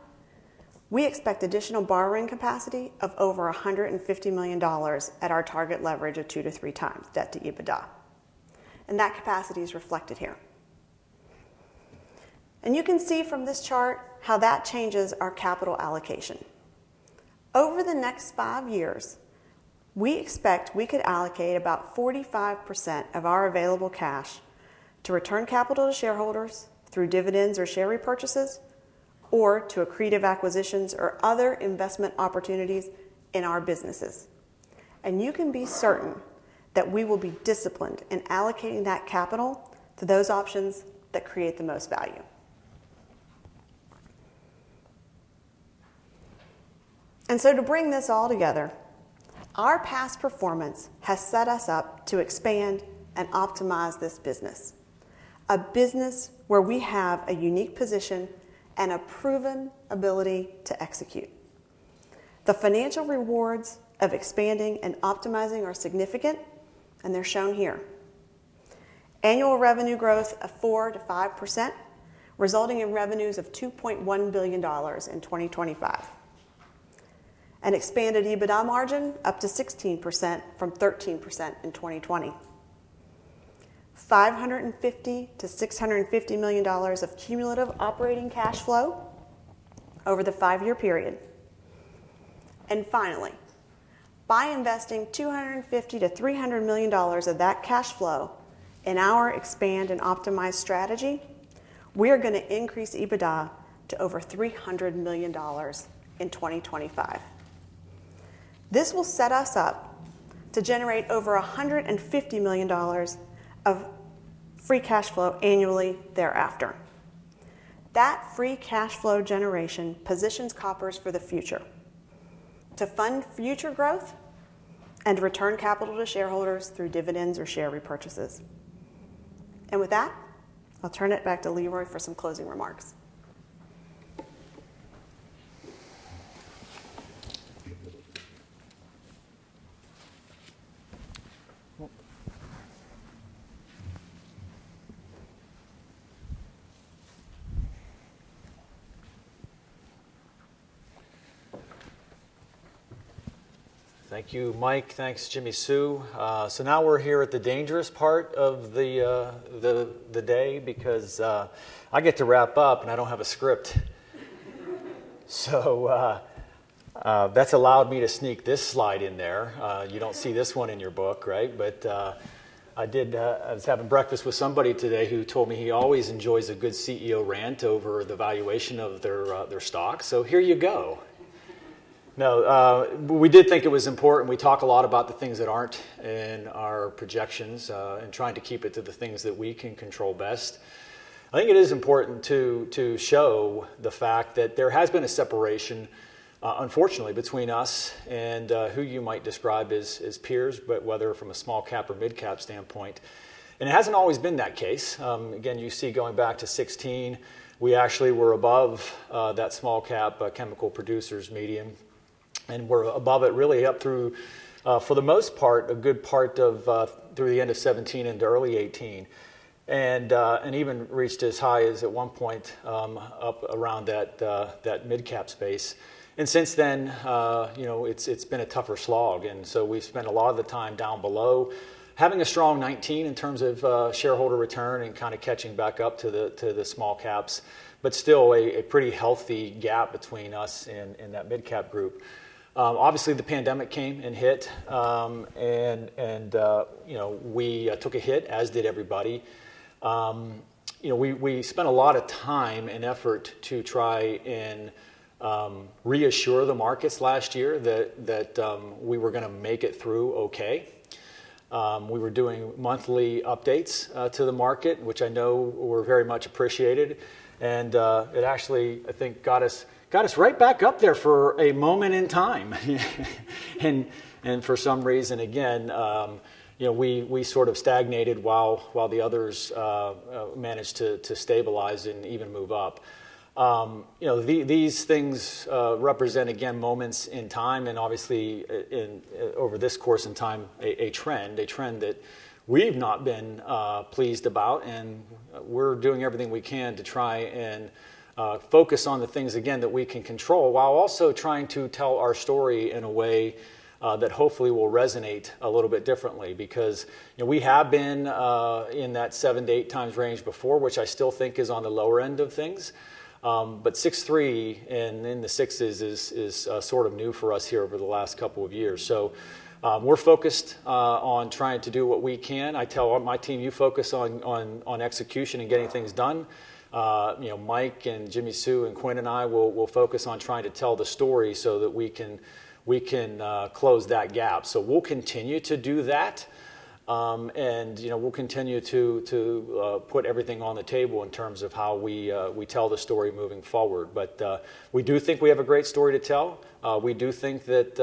Speaker 13: we expect additional borrowing capacity of over $150 million at our target leverage of 2-3 times debt to EBITDA. That capacity is reflected here. You can see from this chart how that changes our capital allocation. Over the next five years, we expect we could allocate about 45% of our available cash to return capital to shareholders through dividends or share repurchases, or to accretive acquisitions or other investment opportunities in our businesses. You can be certain that we will be disciplined in allocating that capital to those options that create the most value. To bring this all together, our past performance has set us up to expand and optimize this business, a business where we have a unique position and a proven ability to execute. The financial rewards of expanding and optimizing are significant, and they're shown here. Annual revenue growth of 4%-5%, resulting in revenues of $2.1 billion in 2025. An expanded EBITDA margin up to 16% from 13% in 2020. $550 million-$650 million of cumulative operating cash flow over the five-year period. Finally, by investing $250 million-$300 million of that cash flow in our expand and optimize strategy, we are going to increase EBITDA to over $300 million in 2025. This will set us up to generate over $150 million of free cash flow annually thereafter. That free cash flow generation positions Koppers for the future to fund future growth and return capital to shareholders through dividends or share repurchases. With that, I'll turn it back to Leroy for some closing remarks.
Speaker 4: Thank you, Mike. Thanks, Jimmi Sue. Now we're here at the dangerous part of the day because I get to wrap up, and I don't have a script. That's allowed me to sneak this slide in there. You don't see this one in your book, right? I was having breakfast with somebody today who told me he always enjoys a good CEO rant over the valuation of their stock. Here you go. No, we did think it was important. We talk a lot about the things that aren't in our projections, and trying to keep it to the things that we can control best. I think it is important to show the fact that there has been a separation, unfortunately, between us and who you might describe as peers, but whether from a small cap or mid cap standpoint. It hasn't always been that case. Again, you see going back to 2016, we actually were above that small cap chemical producers median, and were above it really up through, for the most part, a good part of through the end of 2017 into early 2018. Even reached as high as at 1 point up around that mid cap space. Since then it's been a tougher slog. So we've spent a lot of the time down below. Having a strong 2019 in terms of shareholder return and catching back up to the small caps. Still a pretty healthy gap between us and that mid cap group. Obviously, the pandemic came and hit, and we took a hit, as did everybody. We spent a lot of time and effort to try and reassure the markets last year that we were going to make it through okay. We were doing monthly updates to the market, which I know were very much appreciated. It actually I think got us right back up there for a moment in time. For some reason, again, we sort of stagnated while the others managed to stabilize and even move up. These things represent, again, moments in time, and obviously, over this course in time, a trend that we've not been pleased about. We're doing everything we can to try and focus on the things, again, that we can control, while also trying to tell our story in a way that hopefully will resonate a little bit differently. We have been in that 7-8 times range before, which I still think is on the lower end of things. 6.3 and in the 6 is sort of new for us here over the last couple of years. We're focused on trying to do what we can. I tell all my team, "You focus on execution and getting things done. Mike and Jimmi Sue and Quynh and I will focus on trying to tell the story so that we can close that gap." We'll continue to do that, and we'll continue to put everything on the table in terms of how we tell the story moving forward. We do think we have a great story to tell. We do think that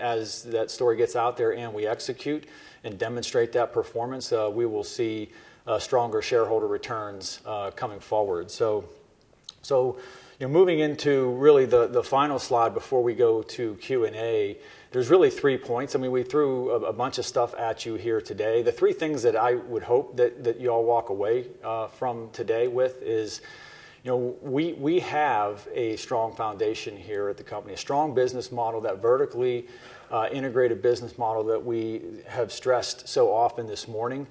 Speaker 4: as that story gets out there and we execute and demonstrate that performance, we will see stronger shareholder returns coming forward. Moving into really the final slide before we go to Q&A, there's really three points. We threw a bunch of stuff at you here today. The three things that I would hope that you all walk away from today with is, we have a strong foundation here at the company. A strong business model, that vertically integrated business model that we have stressed so often this morning,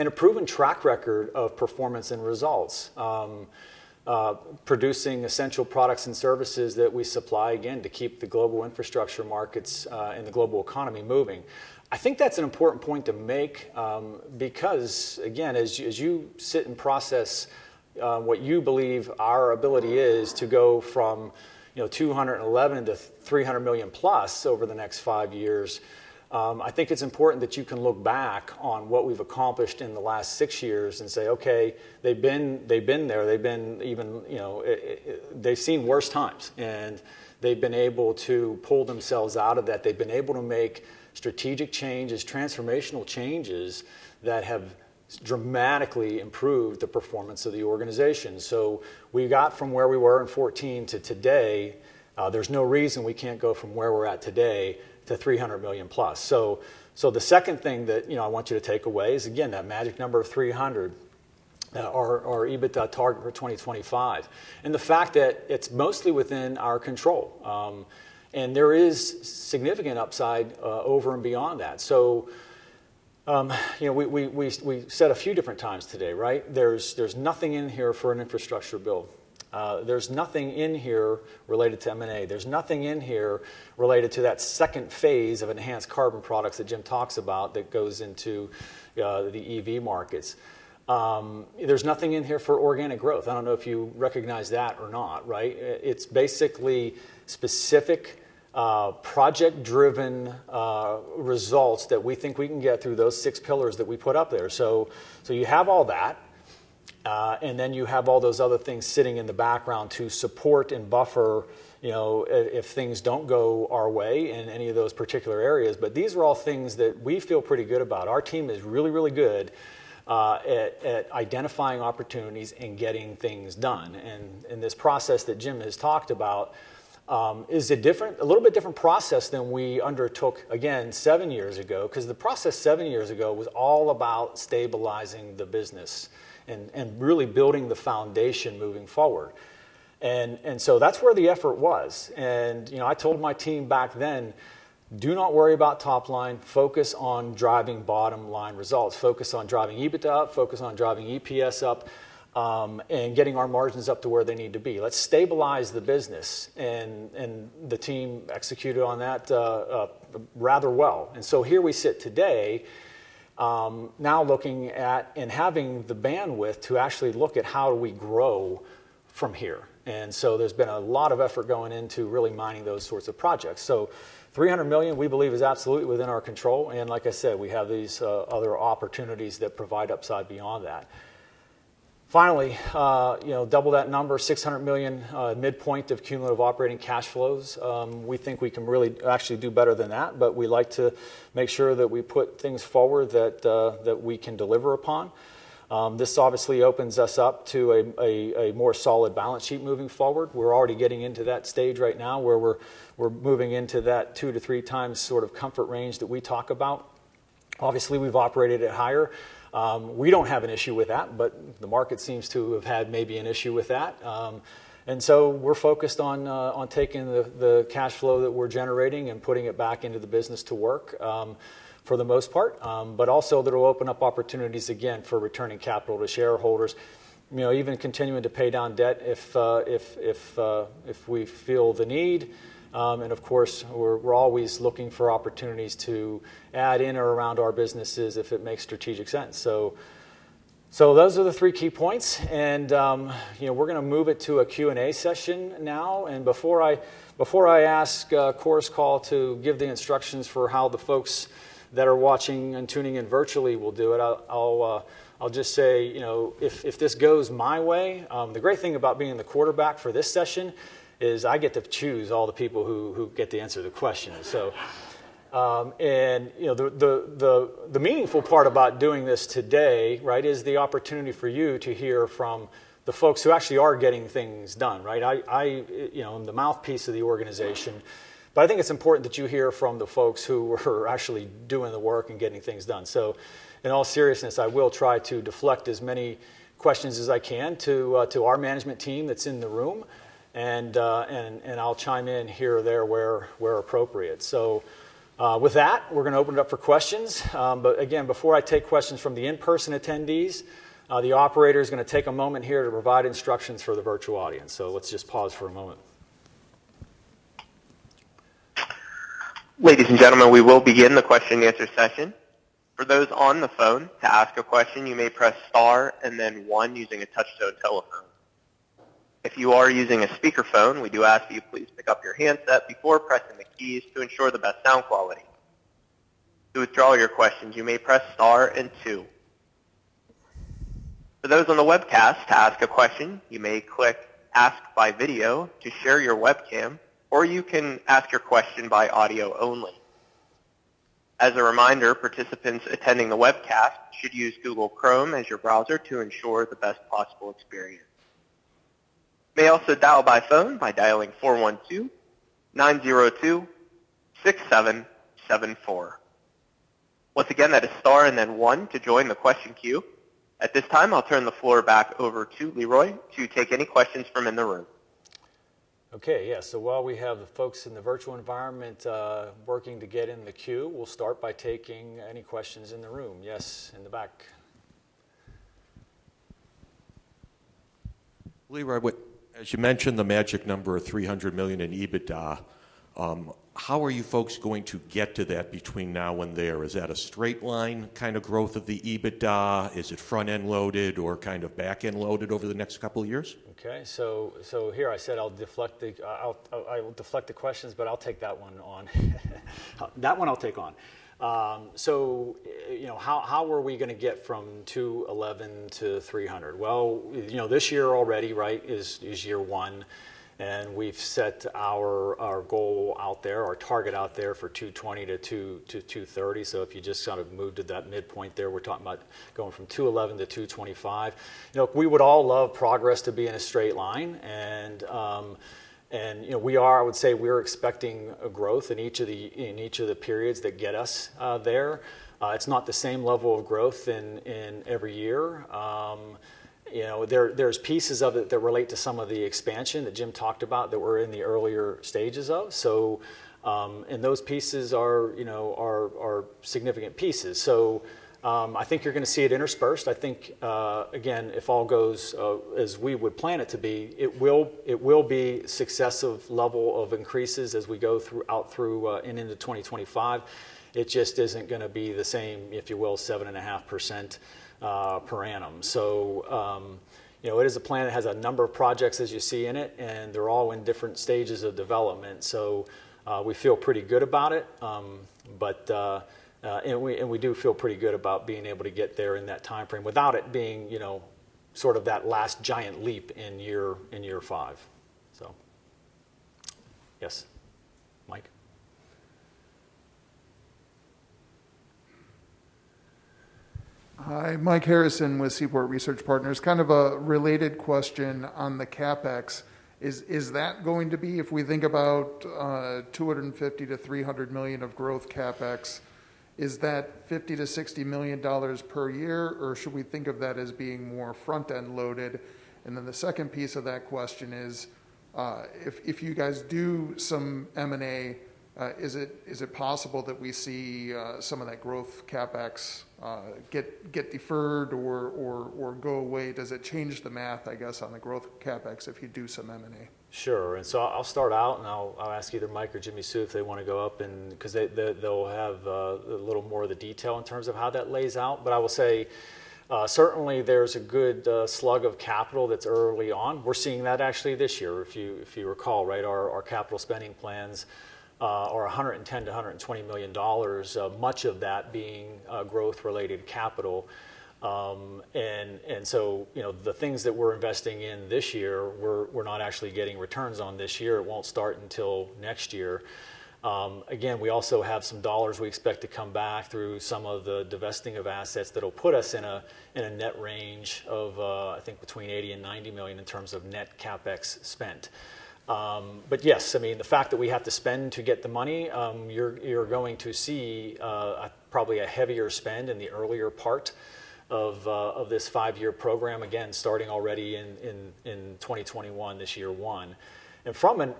Speaker 4: and a proven track record of performance and results. Producing essential products and services that we supply, again, to keep the global infrastructure markets and the global economy moving. I think that's an important point to make, because, again, as you sit and process what you believe our ability is to go from $211 million-$300 million plus over the next five years, I think it's important that you can look back on what we've accomplished in the last six years and say, "Okay, they've been there. They've seen worse times, and they've been able to pull themselves out of that. They've been able to make strategic changes, transformational changes that have dramatically improved the performance of the organization. We got from where we were in 2014 to today. There's no reason we can't go from where we're at today to $300 million plus. The second thing that I want you to take away is, again, that magic number of 300, our EBITDA target for 2025, and the fact that it's mostly within our control. There is significant upside over and beyond that. We said a few different times today, right? There's nothing in here for an infrastructure build. There's nothing in here related to M&A. There's nothing in here related to that second phase of Enhanced Carbon Products that Jim talks about that goes into the EV markets. There's nothing in here for organic growth. I don't know if you recognize that or not, right? It's basically specific project-driven results that we think we can get through those six pillars that we put up there. You have all that, you have all those other things sitting in the background to support and buffer if things don't go our way in any of those particular areas. These are all things that we feel pretty good about. Our team is really, really good at identifying opportunities and getting things done. This process that Jim has talked about is a little bit different process than we undertook, again, seven years ago, because the process seven years ago was all about stabilizing the business and really building the foundation moving forward. That's where the effort was. I told my team back then, "Do not worry about top line, focus on driving bottom-line results. Focus on driving EBITDA up, focus on driving EPS up, and getting our margins up to where they need to be. Let's stabilize the business. The team executed on that rather well. Here we sit today, now looking at and having the bandwidth to actually look at how do we grow from here. There's been a lot of effort going into really mining those sorts of projects. $300 million, we believe, is absolutely within our control. Like I said, we have these other opportunities that provide upside beyond that. Finally, double that number, $600 million midpoint of cumulative operating cash flows. We think we can really actually do better than that, but we like to make sure that we put things forward that we can deliver upon. This obviously opens us up to a more solid balance sheet moving forward. We're already getting into that stage right now where we're moving into that 2-3 times sort of comfort range that we talk about. Obviously, we've operated at higher. We don't have an issue with that, but the market seems to have had maybe an issue with that. We're focused on taking the cash flow that we're generating and putting it back into the business to work, for the most part. Also that'll open up opportunities again for returning capital to shareholders. Even continuing to pay down debt if we feel the need, of course, we're always looking for opportunities to add in or around our businesses if it makes strategic sense. Those are the three key points. We're going to move it to a Q&A session now. Before I ask Chorus Call to give the instructions for how the folks that are watching and tuning in virtually will do it, I'll just say, if this goes my way, the great thing about being the quarterback for this session is I get to choose all the people who get to answer the questions. The meaningful part about doing this today is the opportunity for you to hear from the folks who actually are getting things done. I'm the mouthpiece of the organization, I think it's important that you hear from the folks who are actually doing the work and getting things done. In all seriousness, I will try to deflect as many questions as I can to our management team that's in the room, and I'll chime in here or there where appropriate. With that, we're going to open it up for questions. Again, before I take questions from the in-person attendees, the operator is going to take a moment here to provide instructions for the virtual audience. Let's just pause for a moment.
Speaker 14: Ladies and gentlemen, we will begin the question and answer session. For those on the phone, to ask a question, you may press star and then one using a touch-tone telephone. If you are using a speakerphone, we do ask that you please pick up your handset before pressing the keys to ensure the best sound quality. To withdraw your questions, you may press star and two. For those on the webcast, to ask a question, you may click Ask by Video to share your webcam, or you can ask your question by audio only. As a reminder, participants attending the webcast should use Google Chrome as your browser to ensure the best possible experience. You may also dial by phone by dialing 412-902-6774. Once again, that is star and then one to join the question queue. At this time, I'll turn the floor back over to Leroy to take any questions from in the room.
Speaker 4: Okay, yeah. While we have the folks in the virtual environment working to get in the queue, we'll start by taking any questions in the room. Yes, in the back.
Speaker 15: Leroy, as you mentioned, the magic number of $300 million in EBITDA. How are you folks going to get to that between now and there? Is that a straight line growth of the EBITDA? Is it front-end loaded or back-end loaded over the next couple of years?
Speaker 4: Here I said I will deflect the questions, but I'll take that one on. That one I'll take on. How are we going to get from $211 million-$300 million? Well, this year already is Year 1, and we've set our goal out there, our target out there for $220 million-$230 million. If you just move to that midpoint there, we're talking about going from $211 million- $225 million. We would all love progress to be in a straight line, and I would say we're expecting a growth in each of the periods that get us there. It's not the same level of growth in every year. There's pieces of it that relate to some of the expansion that Jim talked about that we're in the earlier stages of, and those pieces are significant pieces. I think you're going to see it interspersed. I think, again, if all goes as we would plan it to be, it will be successive level of increases as we go out through and into 2025. It just isn't going to be the same, if you will, 7.5% per annum. It is a plan that has a number of projects as you see in it, and they're all in different stages of development. We feel pretty good about it. We do feel pretty good about being able to get there in that timeframe without it being that last giant leap in Year 5. Yes, Mike.
Speaker 16: Hi, Mike Harrison with Seaport Research Partners. Kind of a related question on the CapEx. Is that going to be, if we think about $250 million-$300 million of growth CapEx, is that $50 million-$60 million per year, or should we think of that as being more front-end loaded? The second piece of that question is, if you guys do some M&A, is it possible that we see some of that growth CapEx get deferred or go away? Does it change the math, I guess, on the growth CapEx if you do some M&A?
Speaker 4: Sure, I'll start out, and I'll ask either Mike or Jimmi Sue if they want to go up, because they'll have a little more of the detail in terms of how that lays out. I will say certainly there's a good slug of capital that's early on. We're seeing that actually this year, if you recall. Our capital spending plans are $110 million-$120 million, much of that being growth-related capital. The things that we're investing in this year, we're not actually getting returns on this year. It won't start until next year. Again, we also have some dollars we expect to come back through some of the divesting of assets that'll put us in a net range of, I think, between $80 million-$90 million in terms of net CapEx spend. Yes, the fact that we have to spend to get the money, you're going to see probably a heavier spend in the earlier part of this five-year program, again, starting already in 2021, this Year 1. From an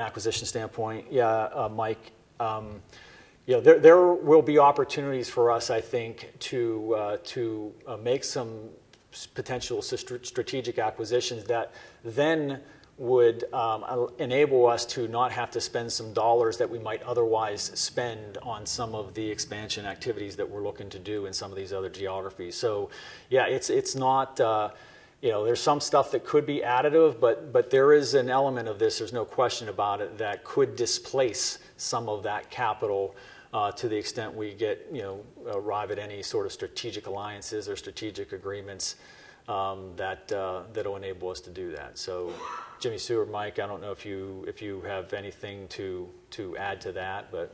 Speaker 4: acquisition standpoint, yeah, Mike, there will be opportunities for us, I think, to make some potential strategic acquisitions that then would enable us to not have to spend some dollars that we might otherwise spend on some of the expansion activities that we're looking to do in some of these other geographies. Yeah, there's some stuff that could be additive, but there is an element of this, there's no question about it, that could displace some of that capital. To the extent we arrive at any sort of strategic alliances or strategic agreements that'll enable us to do that. Jimmi Sue, or Mike, I don't know if you have anything to add to that, but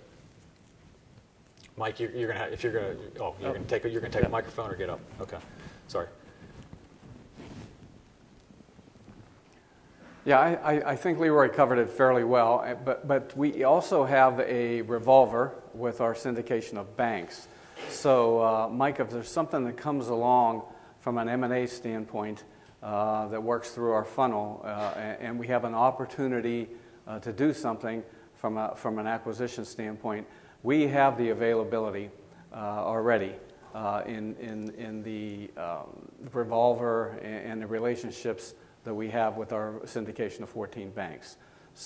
Speaker 4: Mike, you're going to take the microphone or get up. Okay, sorry.
Speaker 12: Yeah, I think Leroy covered it fairly well, we also have a revolver with our syndication of banks. Mike, if there's something that comes along from an M&A standpoint that works through our funnel, and we have an opportunity to do something from an acquisition standpoint, we have the availability already in the revolver and the relationships that we have with our syndication of 14 banks.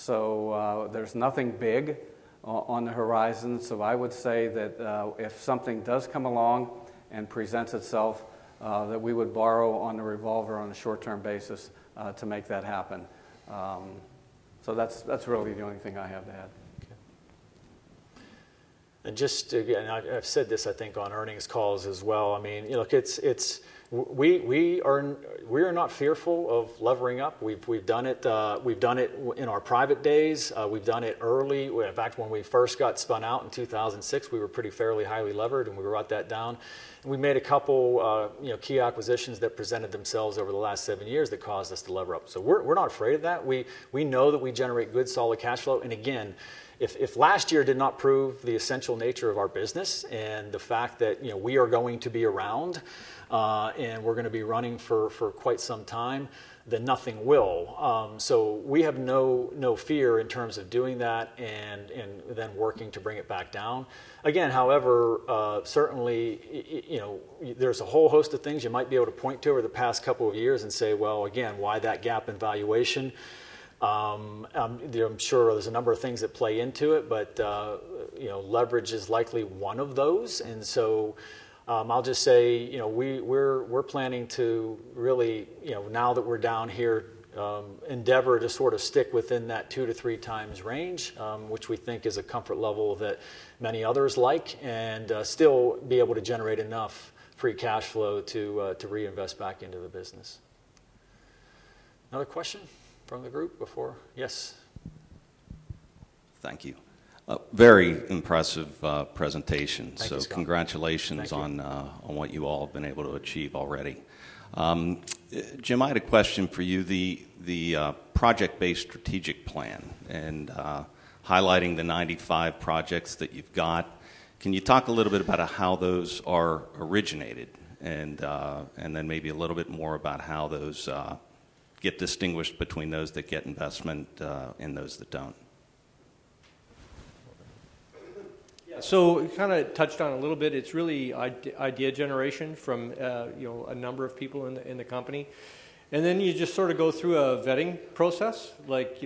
Speaker 12: There's nothing big on the horizon. I would say that if something does come along and presents itself, that we would borrow on the revolver on a short-term basis to make that happen. That's really the only thing I have to add.
Speaker 4: Okay. Just again, I've said this, I think, on earnings calls as well. We are not fearful of levering up. We've done it in our private days. We've done it early. In fact, when we first got spun out in 2006, we were pretty fairly highly levered, and we brought that down, and we made a couple key acquisitions that presented themselves over the last seven years that caused us to lever up. We're not afraid of that. We know that we generate good, solid cash flow. Again, if last year did not prove the essential nature of our business and the fact that we are going to be around, and we're going to be running for quite some time, then nothing will. We have no fear in terms of doing that and then working to bring it back down. Again however, certainly, there's a whole host of things you might be able to point to over the past couple of years and say, "Well, again, why that gap in valuation?" I'm sure there's a number of things that play into it, but leverage is likely one of those. I'll just say, we're planning to really, now that we're down here, endeavor to sort of stick within that 2-3 times range, which we think is a comfort level that many others like, and still be able to generate enough free cash flow to reinvest back into the business. Another question from the group before, yes.
Speaker 17: Thank you. Very impressive presentation.
Speaker 4: Thank you, Scott.
Speaker 17: Congratulations-
Speaker 4: Thank you.
Speaker 17: -on what you all have been able to achieve already. Jim, I had a question for you. The project-based strategic plan and highlighting the 95 projects that you've got, can you talk a little bit about how those are originated and then maybe a little bit more about how those get distinguished between those that get investment and those that don't?
Speaker 6: Yeah. Kind of touched on a little bit. It's really idea generation from a number of people in the company, and then you just sort of go through a vetting process. Like,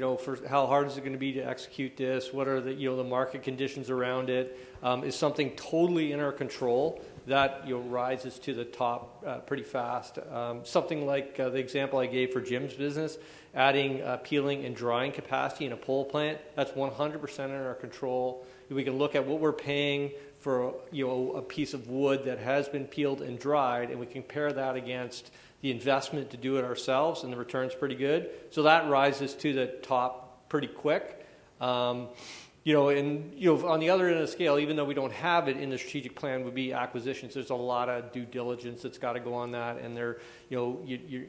Speaker 6: how hard is it going to be to execute this? What are the market conditions around it? Is something totally in our control? That rises to the top pretty fast. Something like the example I gave for Jim's business, adding peeling and drying capacity in a pole plant, that's 100% in our control, and we can look at what we're paying for a piece of wood that has been peeled and dried, and we compare that against the investment to do it ourselves, and the return's pretty good. That rises to the top pretty quick. On the other end of the scale, even though we don't have it in the strategic plan, would be acquisitions. There's a lot of due diligence that's got to go on that, and you're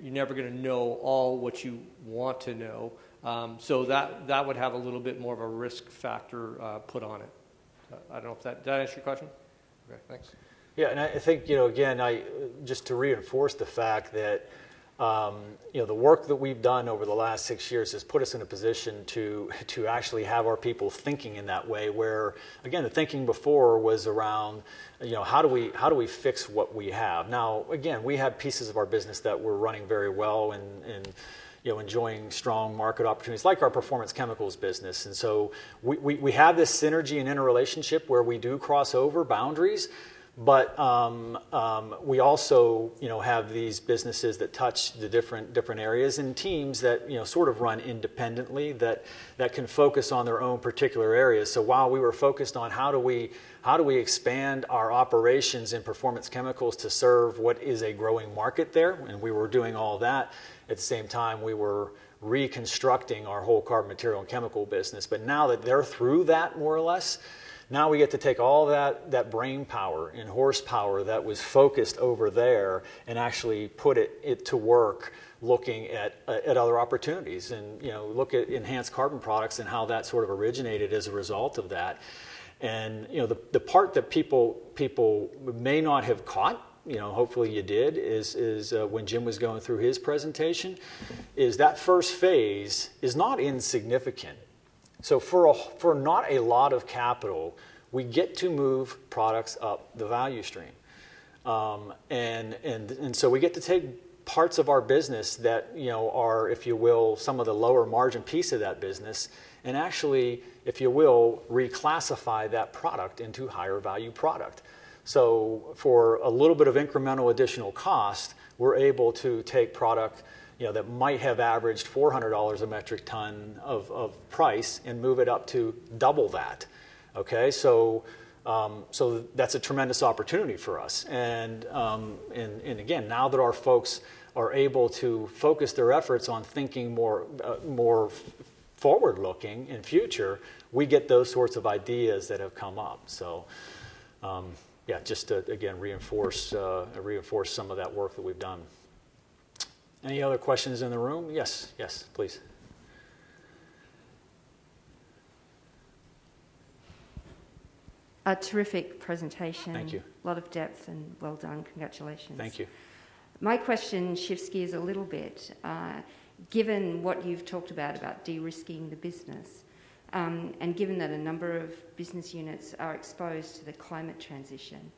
Speaker 6: never going to know all what you want to know. That would have a little bit more of a risk factor put on it. I don't know if that did that answer your question?
Speaker 17: Great. Thanks.
Speaker 4: Yeah, I think, again, just to reinforce the fact that the work that we've done over the last six years has put us in a position to actually have our people thinking in that way, where again, the thinking before was around how do we fix what we have? Now, again, we have pieces of our business that we're running very well and enjoying strong market opportunities, like our Performance Chemicals business. We have this synergy and interrelationship where we do cross over boundaries, but we also have these businesses that touch the different areas and teams that sort of run independently, that can focus on their own particular areas. While we were focused on how do we expand our operations in Performance Chemicals to serve what is a growing market there, and we were doing all that, at the same time, we were reconstructing our whole Carbon Materials and Chemicals business. Now that they're through that more or less, now we get to take all that brainpower and horsepower that was focused over there and actually put it to work looking at other opportunities. Look at Enhanced Carbon Products and how that sort of originated as a result of that. The part that people may not have caught, hopefully you did, is when Jim was going through his presentation, is that first phase is not insignificant. For not a lot of capital, we get to move products up the value stream. We get to take parts of our business that are, if you will, some of the lower margin piece of that business, and actually, if you will, reclassify that product into higher value product. For a little bit of incremental additional cost, we're able to take product that might have averaged $400 a metric ton of price and move it up to double that. Okay? That's a tremendous opportunity for us, and again, now that our folks are able to focus their efforts on thinking more forward-looking in future, we get those sorts of ideas that have come up. Yeah, just to, again, reinforce some of that work that we've done. Any other questions in the room? Yes, please.
Speaker 18: A terrific presentation.
Speaker 4: Thank you.
Speaker 18: A lot of depth, and well done. Congratulations.
Speaker 4: Thank you.
Speaker 18: My question shift gears a little bit. Given what you've talked about de-risking the business, and given that a number of business units are exposed to the climate transition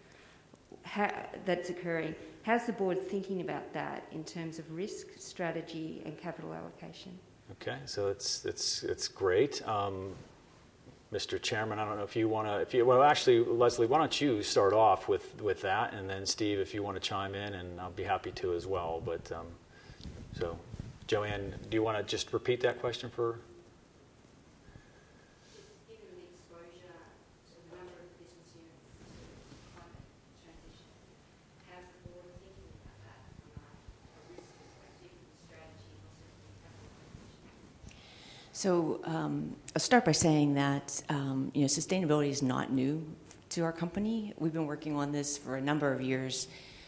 Speaker 18: that's occurring, how's the board thinking about that in terms of risk, strategy, and capital allocation?
Speaker 4: Okay. It's great. Mr. Chairman, I don't know if you want to. Well, actually, Leslie, why don't you start off with that, Steve, if you want to chime in, and I'll be happy to as well. Joanne, do you want to just repeat that question?
Speaker 18: Just given the exposure to the number of business units to climate transition, how's the board thinking about that from a risk perspective and strategy perspective and capital allocation?
Speaker 5: I'll start by saying that sustainability is not new to our company. We've been working on this for a number of years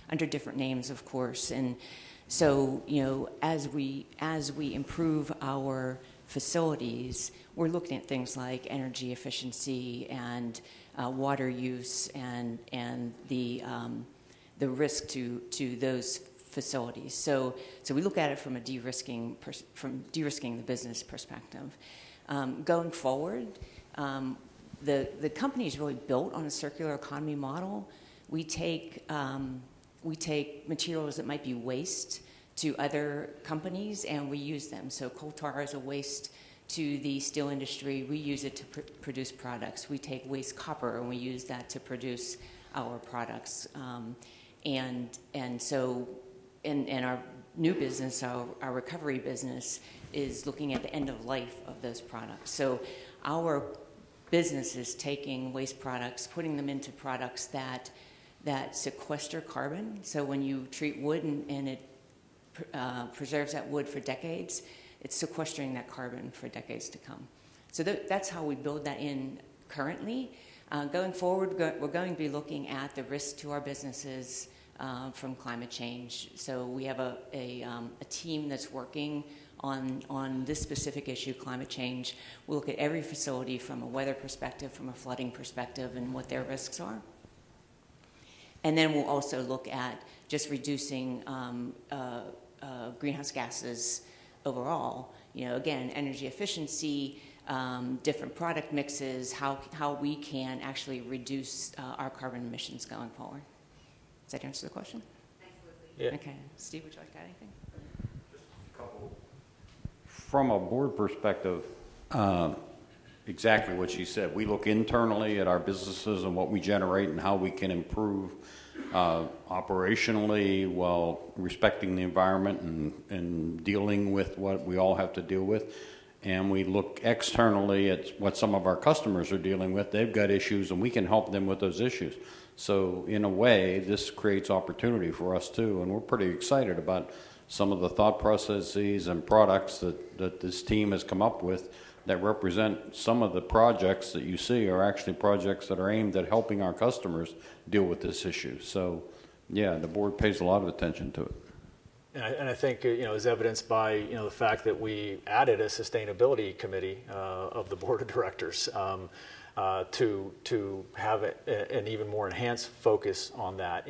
Speaker 5: under different names, of course. As we improve our facilities, we're looking at things like energy efficiency and water use and the risk to those facilities. We look at it from a de-risking the business perspective. Going forward, the company's really built on a circular economy model. We take materials that might be waste to other companies, and we use them. Coal tar is a waste to the steel industry. We use it to produce products. We take waste copper, and we use that to produce our products. Our new business, our recovery business, is looking at the end of life of those products. Our business is taking waste products, putting them into products that sequester carbon. When you treat wood and it preserves that wood for decades, it's sequestering that carbon for decades to come. That's how we build that in currently. Going forward, we're going to be looking at the risk to our businesses from climate change. We have a team that's working on this specific issue, climate change. We'll look at every facility from a weather perspective, from a flooding perspective, and what their risks are. We'll also look at just reducing greenhouse gases overall. Again, energy efficiency, different product mixes, how we can actually reduce our carbon emissions going forward. Does that answer the question?
Speaker 18: Thanks, Leslie.
Speaker 4: Yeah.
Speaker 5: Okay. Steve, would you like to add anything?
Speaker 3: Just a couple. From a board perspective, exactly what she said. We look internally at our businesses and what we generate and how we can improve operationally while respecting the environment and dealing with what we all have to deal with. We look externally at what some of our customers are dealing with. They've got issues, and we can help them with those issues. In a way, this creates opportunity for us, too, and we're pretty excited about some of the thought processes and products that this team has come up with that represent some of the projects that you see are actually projects that are aimed at helping our customers deal with this issue. Yeah, the board pays a lot of attention to it.
Speaker 4: I think as evidenced by the fact that we added a sustainability committee of the board of directors to have an even more enhanced focus on that.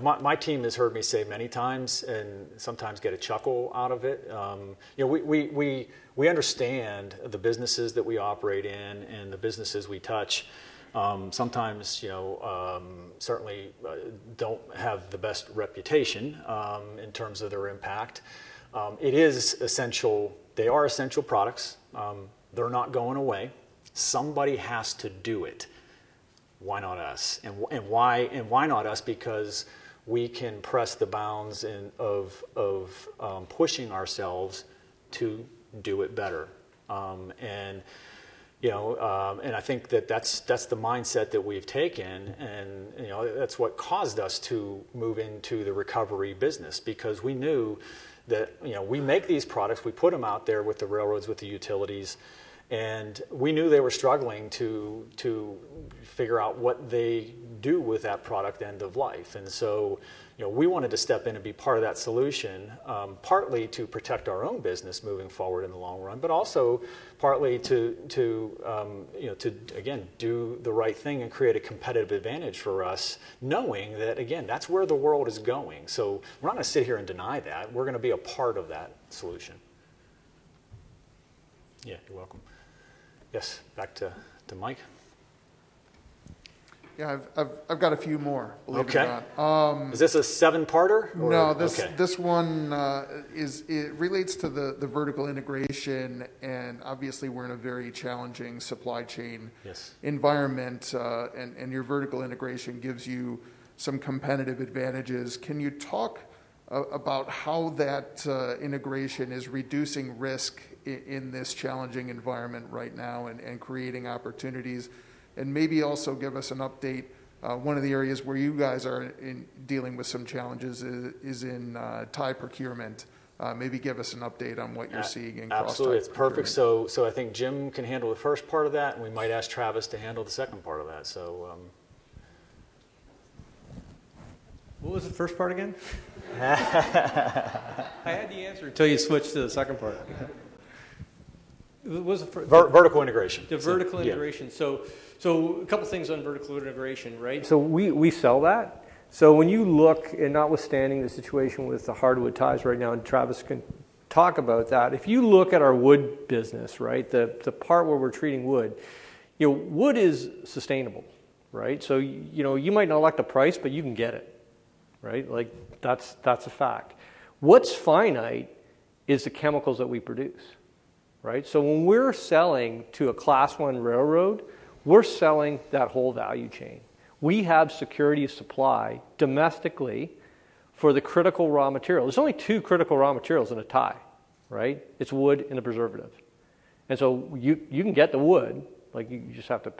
Speaker 4: My team has heard me say many times, and sometimes get a chuckle out of it, we understand the businesses that we operate in and the businesses we touch, sometimes certainly don't have the best reputation in terms of their impact. They are essential products. They're not going away. Somebody has to do it. Why not us? Why not us? Because we can press the bounds of pushing ourselves to do it better. I think that that's the mindset that we've taken, and that's what caused us to move into the recovery business because we knew that we make these products, we put them out there with the railroads, with the utilities, and we knew they were struggling to figure out what they do with that product end of life. We wanted to step in and be part of that solution, partly to protect our own business moving forward in the long run, but also partly to, again, do the right thing and create a competitive advantage for us, knowing that, again, that's where the world is going. We're not going to sit here and deny that. We're going to be a part of that solution. Yeah, you're welcome. Yes, back to Mike.
Speaker 16: Yeah, I've got a few more, believe it or not.
Speaker 4: Okay. Is this a seven-parter or-
Speaker 16: No.
Speaker 4: Okay.
Speaker 16: This one relates to the vertical integration, and obviously, we're in a very challenging supply chain-
Speaker 4: Yes.
Speaker 16: -environment, and your vertical integration gives you some competitive advantages. Can you talk about how that integration is reducing risk in this challenging environment right now and creating opportunities? Maybe also give us an update. One of the areas where you guys are dealing with some challenges is in tie procurement. Maybe give us an update on what you're seeing in crossties procurement.
Speaker 4: Absolutely. Perfect. I think Jim can handle the first part of that, and we might ask Travis to handle the second part of that.
Speaker 6: What was the first part again? I had the answer until you switched to the second part.
Speaker 16: Vertical integration.
Speaker 6: The vertical integration.
Speaker 16: Yeah.
Speaker 6: A couple of things on vertical integration. We sell that. When you look, and notwithstanding the situation with the hardwood ties right now, and Travis can talk about that, if you look at our wood business, the part where we're treating wood is sustainable. You might not like the price, but you can get it. That's a fact. What's finite is the chemicals that we produce. When we're selling to a Class I railroad, we're selling that whole value chain. We have security of supply domestically for the critical raw material. There's only two critical raw materials in a tie. It's wood and a preservative. You can get the wood, you just have to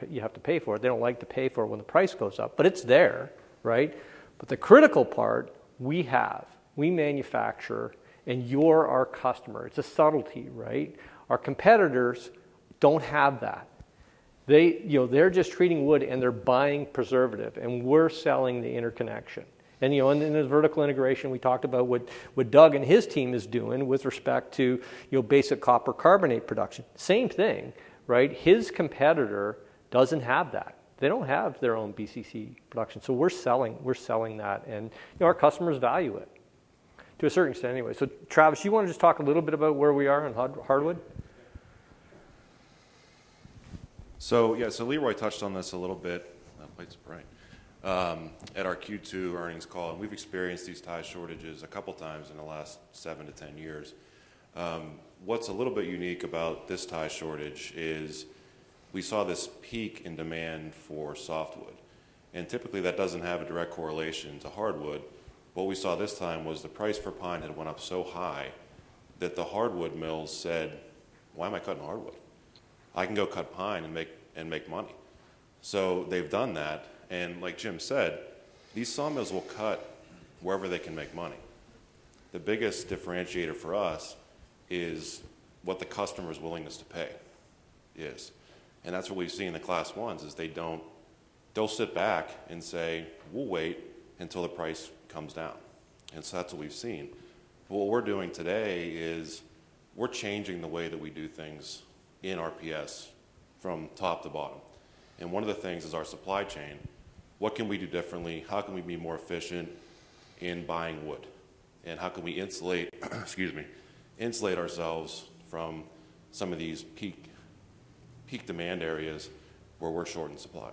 Speaker 6: pay for it. They don't like to pay for it when the price goes up, but it's there. The critical part we have, we manufacture, and you're our customer. It's a subtlety. Our competitors don't have that. They're just treating wood and they're buying preservative, and we're selling the interconnection. In the vertical integration, we talked about what Doug and his team is doing with respect to basic copper carbonate production. Same thing. His competitor doesn't have that. They don't have their own BCC production. We're selling that, and our customers value it to a certain extent anyway. Travis, you want to just talk a little bit about where we are on hardwood?
Speaker 10: Yeah. Leroy Ball touched on this a little bit, that light's bright, at our Q2 earnings call. We've experienced these tie shortages a couple of times in the last 7-10 years. What's a little bit unique about this tie shortage is we saw this peak in demand for softwood. Typically, that doesn't have a direct correlation to hardwood. What we saw this time was the price for pine had went up so high that the hardwood mills said, "Why am I cutting hardwood? I can go cut pine and make money." They've done that. Like Jim Sullivan said, these sawmills will cut wherever they can make money. The biggest differentiator for us is what the customer's willingness to pay is. That's what we've seen in the Class Is is they'll sit back and say, "We'll wait until the price comes down." That's what we've seen. What we're doing today is we're changing the way that we do things in RPS from top to bottom. One of the things is our supply chain. What can we do differently? How can we be more efficient in buying wood? How can we insulate ourselves from some of these peak demand areas where we're short in supply?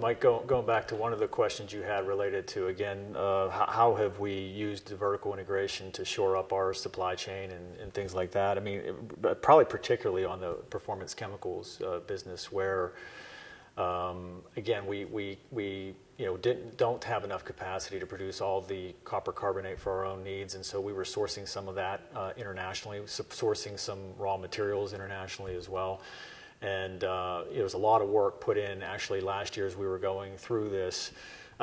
Speaker 4: Mike, going back to one of the questions you had related to, again, how have we used vertical integration to shore up our supply chain and things like that. Probably particularly on the Performance Chemicals business where, again, we don't have enough capacity to produce all the copper carbonate for our own needs. We were sourcing some of that internationally, sourcing some raw materials internationally as well. It was a lot of work put in, actually, last year as we were going through this.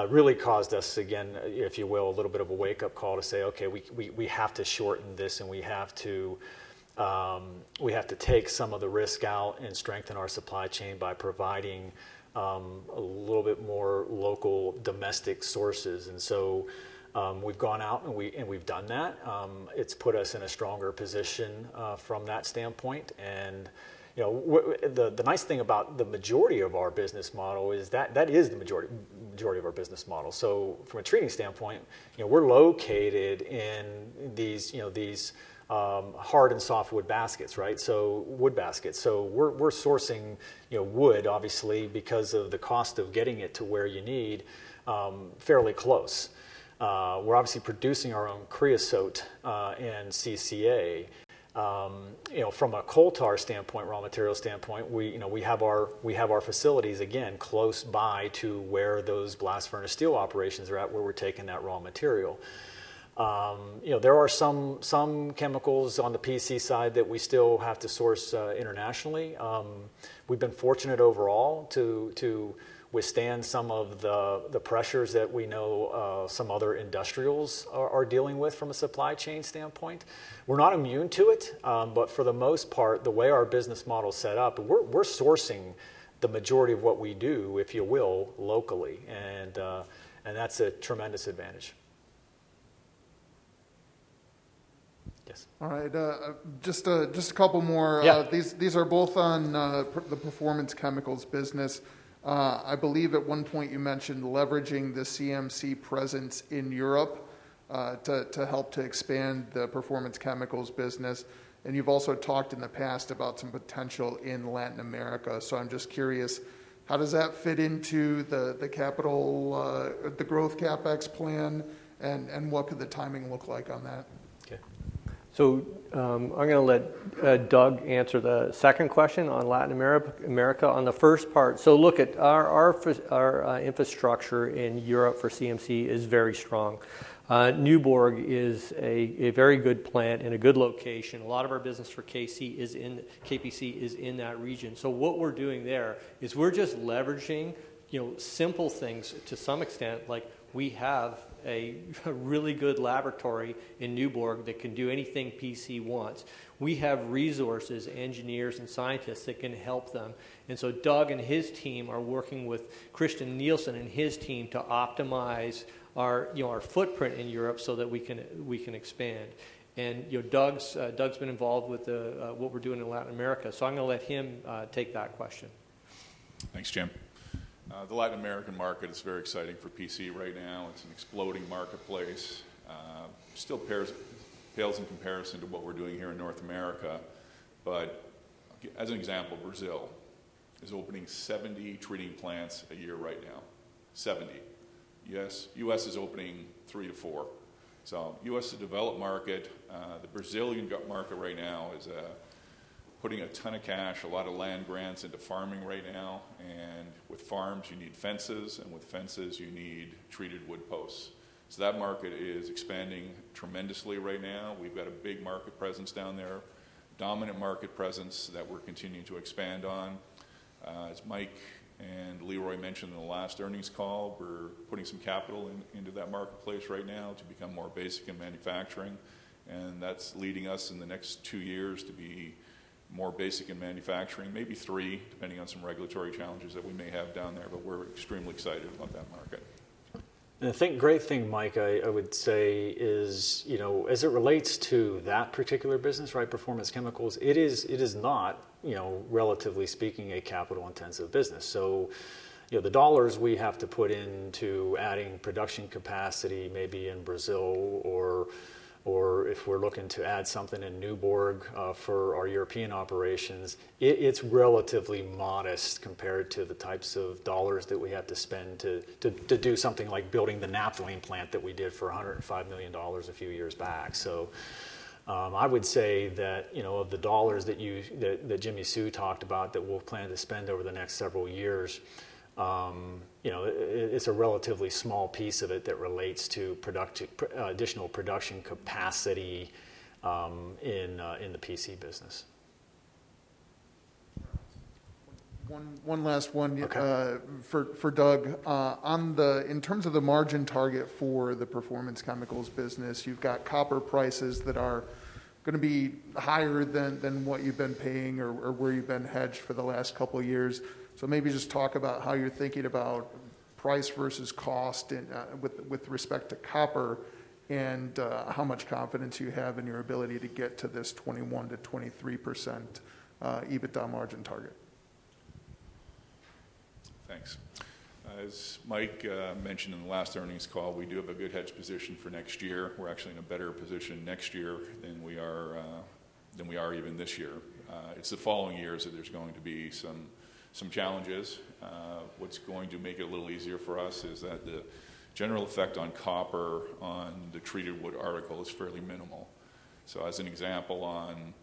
Speaker 4: Really caused us, again, if you will, a little bit of a wake-up call to say, "Okay, we have to shorten this, and we have to take some of the risk out and strengthen our supply chain by providing a little bit more local domestic sources." We've gone out and we've done that. It's put us in a stronger position from that standpoint. The nice thing about the majority of our business model is that is the majority of our business model. From a treating standpoint, we're located in these hard and softwood baskets, so wood baskets. We're sourcing wood, obviously, because of the cost of getting it to where you need, fairly close. We're obviously producing our own creosote and CCA. From a coal tar standpoint, raw material standpoint, we have our facilities, again, close by to where those blast furnace steel operations are at where we're taking that raw material. There are some chemicals on the PC side that we still have to source internationally. We've been fortunate overall to withstand some of the pressures that we know some other industrials are dealing with from a supply chain standpoint. We're not immune to it. For the most part, the way our business model's set up, we're sourcing the majority of what we do, if you will, locally. That's a tremendous advantage. Yes.
Speaker 16: All right. Just a couple more.
Speaker 4: Yeah.
Speaker 16: These are both on the Performance Chemicals business. I believe at one point you mentioned leveraging the CMC presence in Europe to help to expand the Performance Chemicals business. You've also talked in the past about some potential in Latin America. I'm just curious, how does that fit into the growth CapEx plan, and what could the timing look like on that?
Speaker 4: Okay.
Speaker 6: I'm going to let Doug answer the second question on Latin America. On the first part, look, our infrastructure in Europe for CMC is very strong. Nyborg is a very good plant in a good location. A lot of our business for KPC is in that region. What we're doing there is we're just leveraging simple things to some extent. We have a really good laboratory in Nyborg that can do anything PC wants. We have resources, engineers, and scientists that can help them. Doug and his team are working with Christian Nielsen and his team to optimize our footprint in Europe so that we can expand. Doug's been involved with what we're doing in Latin America, so I'm going to let him take that question.
Speaker 9: Thanks, Jim. The Latin American market is very exciting for PC right now. It's an exploding marketplace. Still pales in comparison to what we're doing here in North America. As an example, Brazil is opening 70 treating plants a year right now. 70. Yes, the U.S. is opening 3-4. The U.S. is a developed market. The Brazilian market right now is putting a ton of cash, a lot of land grants into farming right now. With farms, you need fences, and with fences, you need treated wood posts. That market is expanding tremendously right now. We've got a big market presence down there, dominant market presence that we're continuing to expand on. As Mike and Leroy mentioned in the last earnings call, we're putting some capital into that marketplace right now to become more basic in manufacturing. That's leading us in the next two years to be more basic in manufacturing, maybe three, depending on some regulatory challenges that we may have down there. We're extremely excited about that market.
Speaker 4: I think the great thing, Mike, I would say is, as it relates to that particular business, Performance Chemicals, it is not, relatively speaking, a capital-intensive business. The dollars we have to put into adding production capacity, maybe in Brazil or if we're looking to add something in Nyborg for our European operations, it's relatively modest compared to the types of dollars that we had to spend to do something like building the naphthalene plant that we did for $105 million a few years back. I would say that of the dollars that Jimmi Sue talked about that we'll plan to spend over the next several years, it's a relatively small piece of it that relates to additional production capacity in the PC business.
Speaker 16: One last one-
Speaker 4: Okay
Speaker 16: -for Doug. In terms of the margin target for the Performance Chemicals business, you've got copper prices that are going to be higher than what you've been paying or where you've been hedged for the last couple of years. Maybe just talk about how you're thinking about price versus cost with respect to copper and how much confidence you have in your ability to get to this 21%-23% EBITDA margin target.
Speaker 9: Thanks. As Mike mentioned in the last earnings call, we do have a good hedge position for next year. We're actually in a better position next year than we are even this year. It's the following years that there's going to be some challenges. What's going to make it a little easier for us is that the general effect on copper on the treated wood article is fairly minimal. As an example, on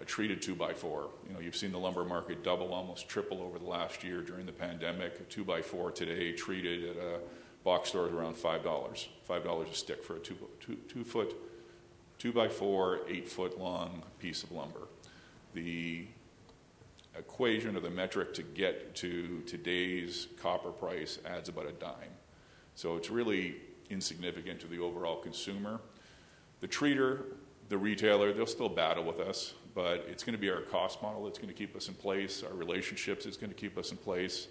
Speaker 9: a treated two-by-four, you've seen the lumber market double, almost triple over the last year during the pandemic. A two-by-four today treated at a box store is around $5. $5 a stick for a two-by-four, eight-foot-long piece of lumber. The equation or the metric to get to today's copper price adds about $0.10. It's really insignificant to the overall consumer. The treater, the retailer, they'll still battle with us, but it's going to be our cost model that's going to keep us in place, our relationships is going to keep us in place.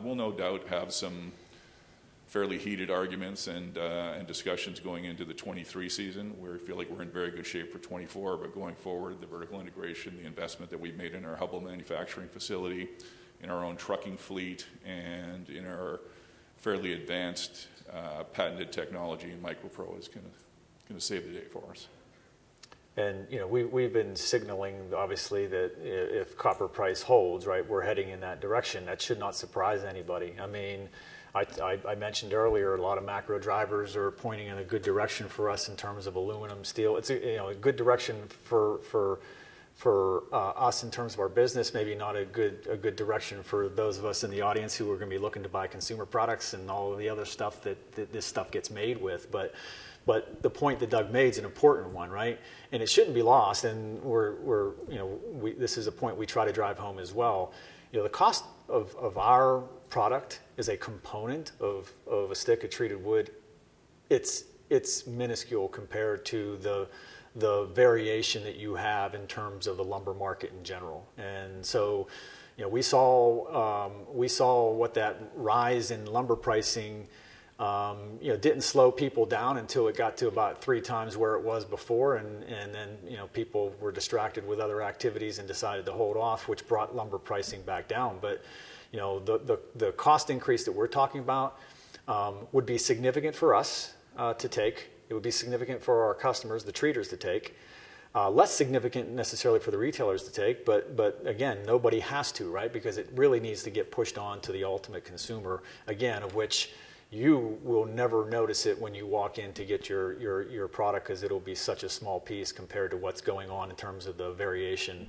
Speaker 9: We'll no doubt have some fairly heated arguments and discussions going into the 2023 season, where I feel like we're in very good shape for 2024. Going forward, the vertical integration, the investment that we've made in our Hubbell manufacturing facility, in our own trucking fleet, and in our fairly advanced patented technology in MicroPro is going to save the day for us.
Speaker 4: We've been signaling, obviously, that if copper price holds, we're heading in that direction. That should not surprise anybody. I mentioned earlier a lot of macro drivers are pointing in a good direction for us in terms of aluminum, steel. It's a good direction for us in terms of our business, maybe not a good direction for those of us in the audience who are going to be looking to buy consumer products and all of the other stuff that this stuff gets made with. The point that Doug made is an important one. It shouldn't be lost, and this is a point we try to drive home as well. The cost of our product as a component of a stick of treated wood, it's minuscule compared to the variation that you have in terms of the lumber market in general. We saw what that rise in lumber pricing didn't slow people down until it got to about three times where it was before, and then people were distracted with other activities and decided to hold off, which brought lumber pricing back down. The cost increase that we're talking about would be significant for us to take. It would be significant for our customers, the treaters to take. Less significant necessarily for the retailers to take, but again, nobody has to. It really needs to get pushed on to the ultimate consumer, again, of which you will never notice it when you walk in to get your product because it'll be such a small piece compared to what's going on in terms of the variation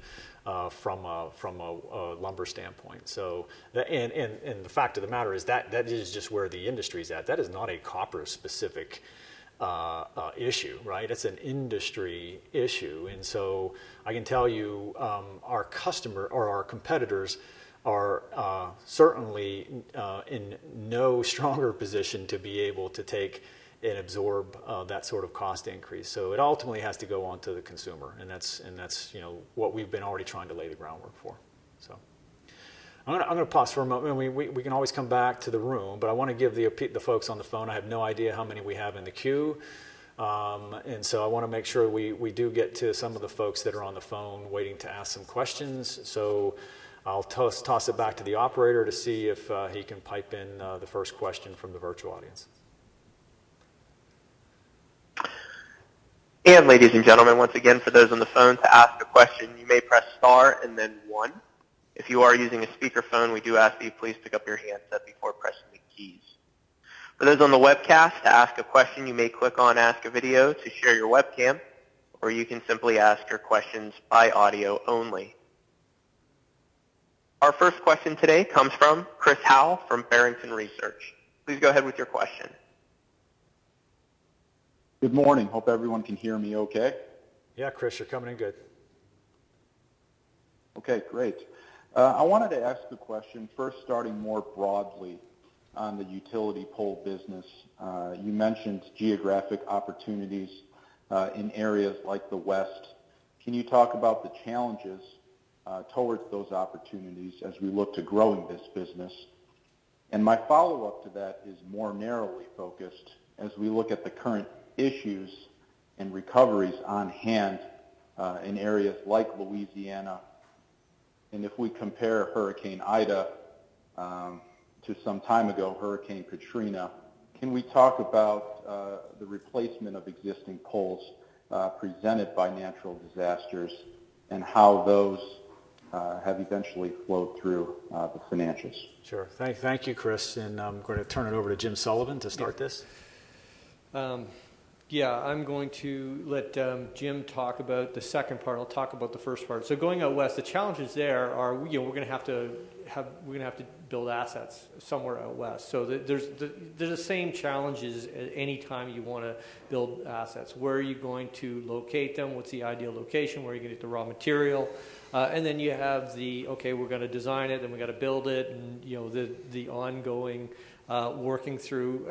Speaker 4: from a lumber standpoint. The fact of the matter is that is just where the industry's at. That is not a Koppers-specific issue. It is an industry issue. I can tell you our competitors are certainly in no stronger position to be able to take and absorb that sort of cost increase. It ultimately has to go on to the consumer, and that's what we've been already trying to lay the groundwork for. I'm going to pause for a moment. We can always come back to the room, but I want to give the folks on the phone. I have no idea how many we have in the queue. I want to make sure we do get to some of the folks that are on the phone waiting to ask some questions. I'll toss it back to the operator to see if he can pipe in the first question from the virtual audience.
Speaker 14: Ladies and gentlemen, once again, for those on the phone, to ask a question, you may press star and then one. If you are using a speaker phone, we do ask that you please pick up your handset before pressing the keys. For those on the webcast, to ask a question, you may click on Ask a Video to share your webcam, or you can simply ask your questions by audio only. Our first question today comes from Chris Howe from Barrington Research. Please go ahead with your question.
Speaker 19: Good morning. Hope everyone can hear me okay.
Speaker 4: Yeah, Chris, you're coming in good.
Speaker 19: Okay, great. I wanted to ask a question first starting more broadly on the utility pole business. You mentioned geographic opportunities in areas like the West. Can you talk about the challenges towards those opportunities as we look to growing this business? My follow-up to that is more narrowly focused as we look at the current issues and recoveries on hand in areas like Louisiana, and if we compare Hurricane Ida to some time ago, Hurricane Katrina, can we talk about the replacement of existing poles presented by natural disasters and how those have eventually flowed through the financials?
Speaker 4: Sure. Thank you, Chris, and I'm going to turn it over to Jim Sullivan to start this.
Speaker 6: Yeah. I'm going to let Jim talk about the second part. I'll talk about the first part. Going out west, the challenges there are we're going to have to build assets somewhere out west. There's the same challenges any time you want to build assets. Where are you going to locate them? What's the ideal location? Where are you going to get the raw material? Then you have the, okay, we're going to design it, then we got to build it, and the ongoing working through.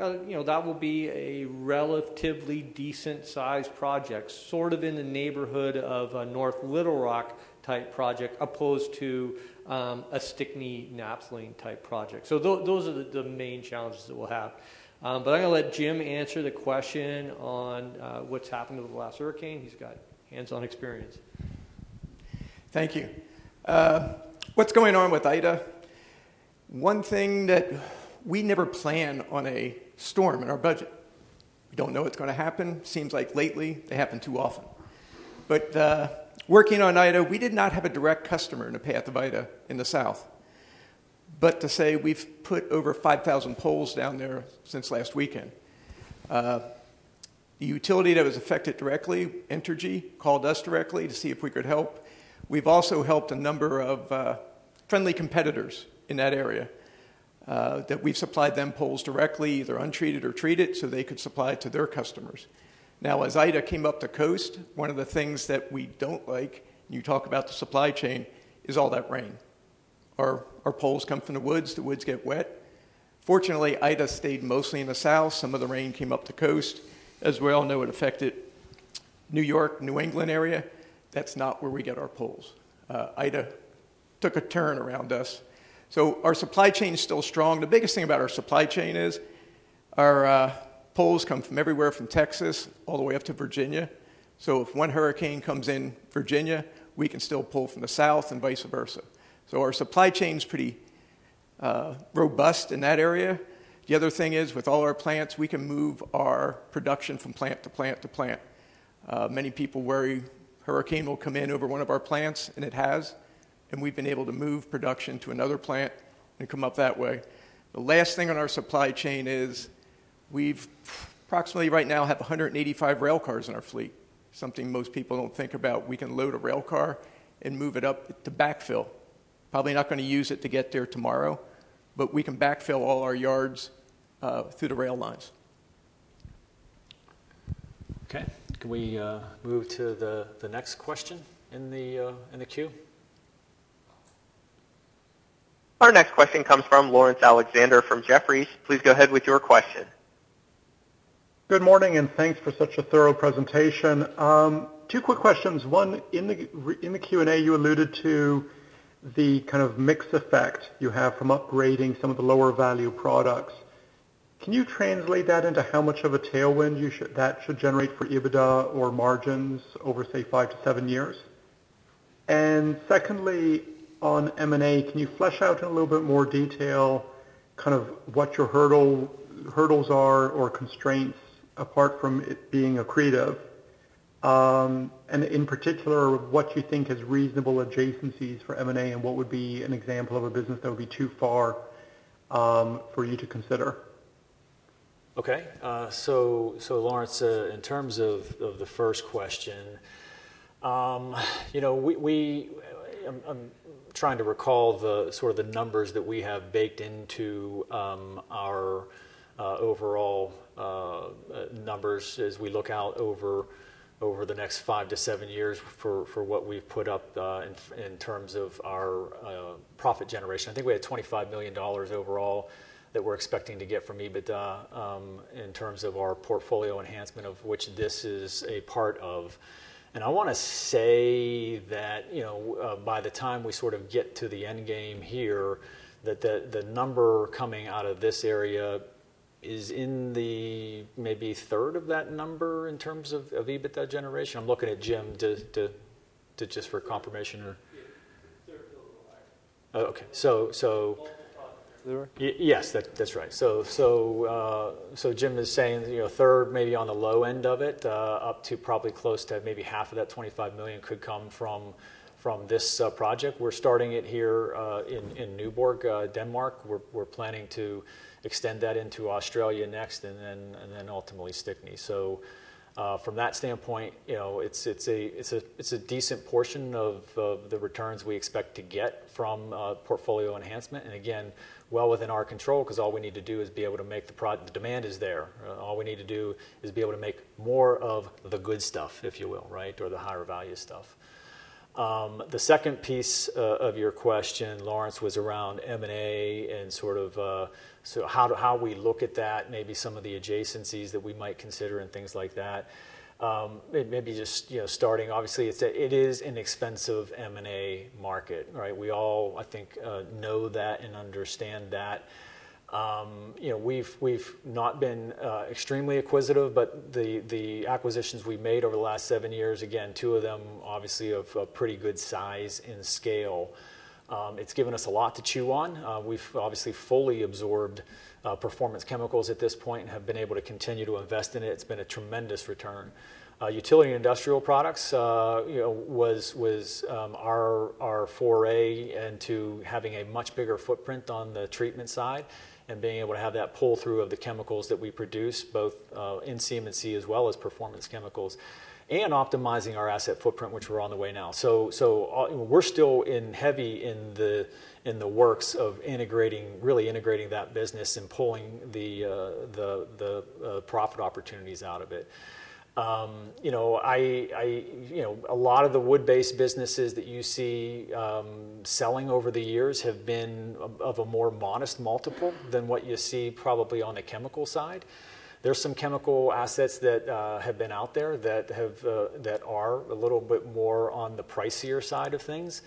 Speaker 6: That will be a relatively decent-sized project, sort of in the neighborhood of a North Little Rock-type project as opposed to a Stickney-Naperville-type project. Those are the main challenges that we'll have. I'm going to let Jim answer the question on what's happened with the last hurricane. He's got hands-on experience.
Speaker 11: Thank you. What's going on with Ida? One thing that we never plan on a storm in our budget. We don't know it's going to happen. Seems like lately they happen too often. Working on Ida, we did not have a direct customer in the path of Ida in the South. To say we've put over 5,000 poles down there since last weekend. The utility that was affected directly, Entergy, called us directly to see if we could help. We've also helped a number of friendly competitors in that area that we've supplied them poles directly, either untreated or treated, so they could supply it to their customers. As Ida came up the coast, one of the things that we don't like, you talk about the supply chain, is all that rain. Our poles come from the woods. The woods get wet. Fortunately, Ida stayed mostly in the south. Some of the rain came up the coast. As we all know, it affected New York, New England area. That's not where we get our poles. Ida took a turn around us, our supply chain is still strong. The biggest thing about our supply chain is our poles come from everywhere from Texas all the way up to Virginia. If one hurricane comes in Virginia, we can still pull from the south and vice versa. Our supply chain's pretty robust in that area. The other thing is, with all our plants, we can move our production from plant to plant to plant. Many people worry hurricane will come in over one of our plants, and it has, and we've been able to move production to another plant and come up that way. The last thing on our supply chain is we've approximately right now 185 rail cars in our fleet. Something most people don't think about. We can load a rail car and move it up to backfill. Probably not going to use it to get there tomorrow, but we can backfill all our yards through the rail lines.
Speaker 4: Okay. Can we move to the next question in the queue?
Speaker 14: Our next question comes from Laurence Alexander from Jefferies. Please go ahead with your question.
Speaker 20: Good morning. Thanks for such a thorough presentation. Two quick questions. One, in the Q&A you alluded to the kind of mixed effect you have from upgrading some of the lower value products. Can you translate that into how much of a tailwind that should generate for EBITDA or margins over, say, 5-7 years? Secondly, on M&A, can you flesh out in a little bit more detail kind of what your hurdles are or constraints apart from it being accretive? In particular, what you think is reasonable adjacencies for M&A, and what would be an example of a business that would be too far for you to consider?
Speaker 4: Okay. Laurence, in terms of the first question, I'm trying to recall the sort of the numbers that we have baked into our overall numbers as we look out over the next 5-7 years for what we've put up in terms of our profit generation. I think we had $25 million overall that we're expecting to get from EBITDA in terms of our portfolio enhancement of which this is a part of. I want to say by the time we sort of get to the end game here, the number coming out of this area is in maybe a third of that number in terms of EBITDA generation. I'm looking at Jim just for confirmation.
Speaker 6: Yeah. A third feels a little high.
Speaker 4: Okay.
Speaker 6: Multiples.
Speaker 4: Yes. That's right. Jim is saying a third, maybe on the low end of it, up to probably close to maybe half of that $25 million could come from this project. We're starting it here in Nyborg, Denmark. We're planning to extend that into Australia next, and then ultimately Stickney. From that standpoint, it's a decent portion of the returns we expect to get from portfolio enhancement, and again, well within our control because all we need to do is be able to make. The demand is there. All we need to do is be able to make more of the good stuff, if you will, or the higher value stuff. The second piece of your question, Laurence Alexander, was around M&A and how we look at that, maybe some of the adjacencies that we might consider and things like that. Maybe just starting, obviously, it is an expensive M&A market. We all, I think, know that and understand that. We've not been extremely acquisitive, but the acquisitions we've made over the last seven years, again, two of them obviously of a pretty good size and scale. It's given us a lot to chew on. We've obviously fully absorbed Performance Chemicals at this point and have been able to continue to invest in it. It's been a tremendous return. Utility and Industrial Products was our foray into having a much bigger footprint on the treatment side and being able to have that pull-through of the chemicals that we produce, both in CM&C as well as Performance Chemicals, and optimizing our asset footprint, which we're on the way now. We're still in heavy in the works of really integrating that business and pulling the profit opportunities out of it. A lot of the wood-based businesses that you see selling over the years have been of a more modest multiple than what you see probably on the chemical side. There's some chemical assets that have been out there that are a little bit more on the pricier side of things.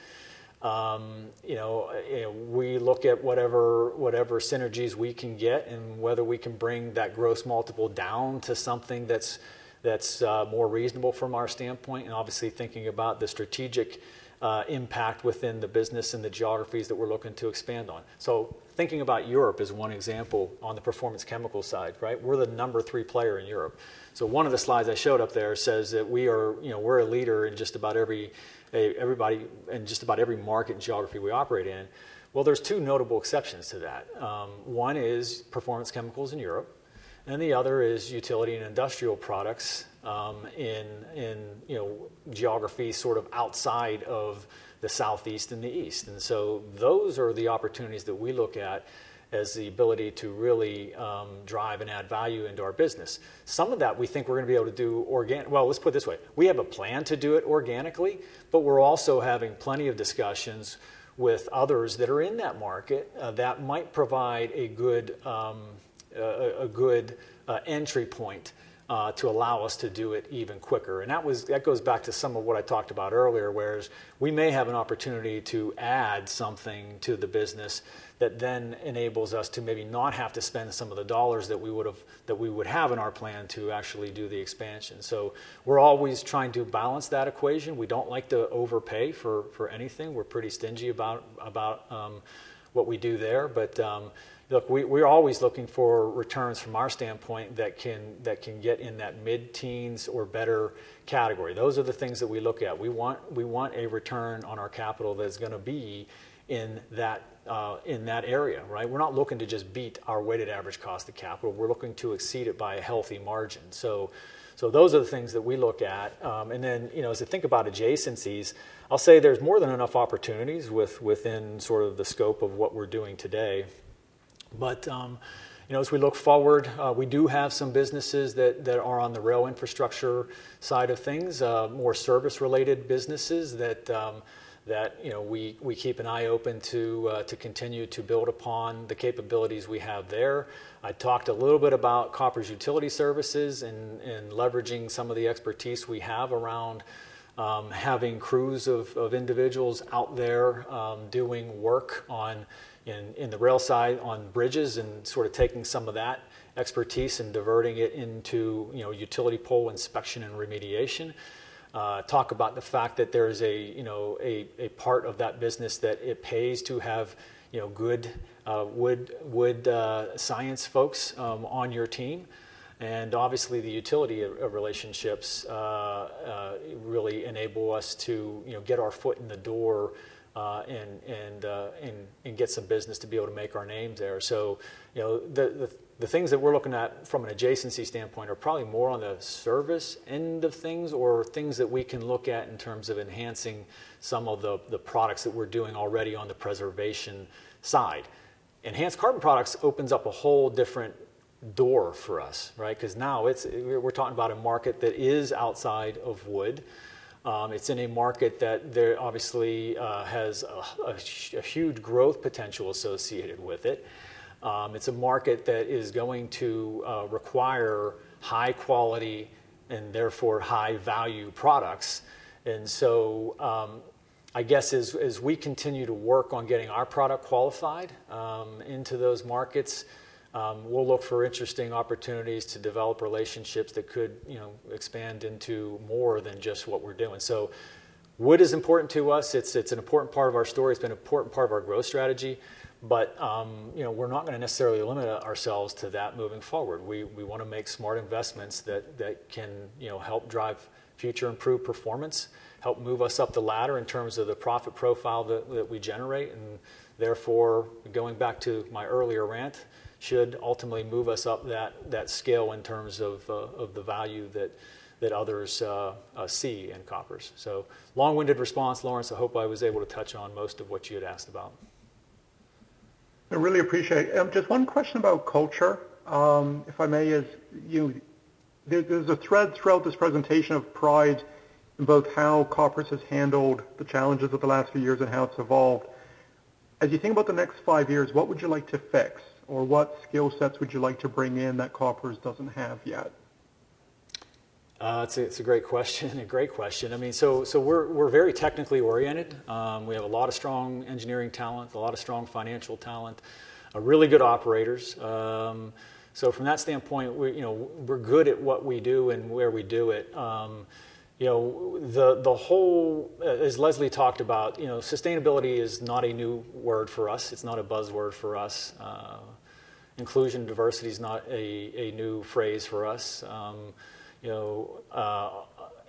Speaker 4: We look at whatever synergies we can get and whether we can bring that gross multiple down to something that's more reasonable from our standpoint, and obviously thinking about the strategic impact within the business and the geographies that we're looking to expand on. Thinking about Europe as one example on the Performance Chemicals side. We're the number three player in Europe. One of the slides I showed up there says that we're a leader in just about every market and geography we operate in. Well, there's two notable exceptions to that. One is Performance Chemicals in Europe, and the other is Utility and Industrial Products in geography sort of outside of the southeast and the east. Those are the opportunities that we look at as the ability to really drive and add value into our business. Some of that we think we're going to be able to do. Well, let's put it this way. We have a plan to do it organically, but we're also having plenty of discussions with others that are in that market that might provide a good entry point to allow us to do it even quicker. That goes back to some of what I talked about earlier, whereas we may have an opportunity to add something to the business that then enables us to maybe not have to spend some of the dollars that we would have in our plan to actually do the expansion. We're always trying to balance that equation. We don't like to overpay for anything. We're pretty stingy about what we do there. Look, we're always looking for returns from our standpoint that can get in that mid-teens or better category. Those are the things that we look at. We want a return on our capital that is going to be in that area. We're not looking to just beat our weighted average cost of capital. We're looking to exceed it by a healthy margin. Those are the things that we look at. As I think about adjacencies, I'll say there's more than enough opportunities within sort of the scope of what we're doing today. As we look forward, we do have some businesses that are on the rail infrastructure side of things, more service-related businesses that we keep an eye open to continue to build upon the capabilities we have there. I talked a little bit about Koppers Utility Services and leveraging some of the expertise we have around having crews of individuals out there doing work in the rail side on bridges and sort of taking some of that expertise and diverting it into utility pole inspection and remediation. Talk about the fact that there is a part of that business that it pays to have good wood science folks on your team. Obviously, the utility of relationships really enable us to get our foot in the door and get some business to be able to make our name there. The things that we're looking at from an adjacency standpoint are probably more on the service end of things or things that we can look at in terms of enhancing some of the products that we're doing already on the preservation side. Enhanced Carbon Products opens up a whole different door for us. Now we're talking about a market that is outside of wood. It's in a market that obviously has a huge growth potential associated with it. It's a market that is going to require high quality and therefore high-value products. I guess as we continue to work on getting our product qualified into those markets, we'll look for interesting opportunities to develop relationships that could expand into more than just what we're doing. Wood is important to us. It's an important part of our story. It's been an important part of our growth strategy. We're not going to necessarily limit ourselves to that moving forward. We want to make smart investments that can help drive future improved performance, help move us up the ladder in terms of the profit profile that we generate, and therefore, going back to my earlier rant, should ultimately move us up that scale in terms of the value that others see in Koppers. Long-winded response, Laurence. I hope I was able to touch on most of what you had asked about.
Speaker 20: I really appreciate it. Just one question about culture, if I may. There's a thread throughout this presentation of pride in both how Koppers has handled the challenges of the last few years and how it's evolved. As you think about the next five years, what would you like to fix, or what skill sets would you like to bring in that Koppers doesn't have yet?
Speaker 4: It's a great question. We're very technically oriented. We have a lot of strong engineering talent, a lot of strong financial talent, really good operators. From that standpoint, we're good at what we do and where we do it. As Leslie talked about, sustainability is not a new word for us. It's not a buzzword for us. Inclusion, diversity is not a new phrase for us.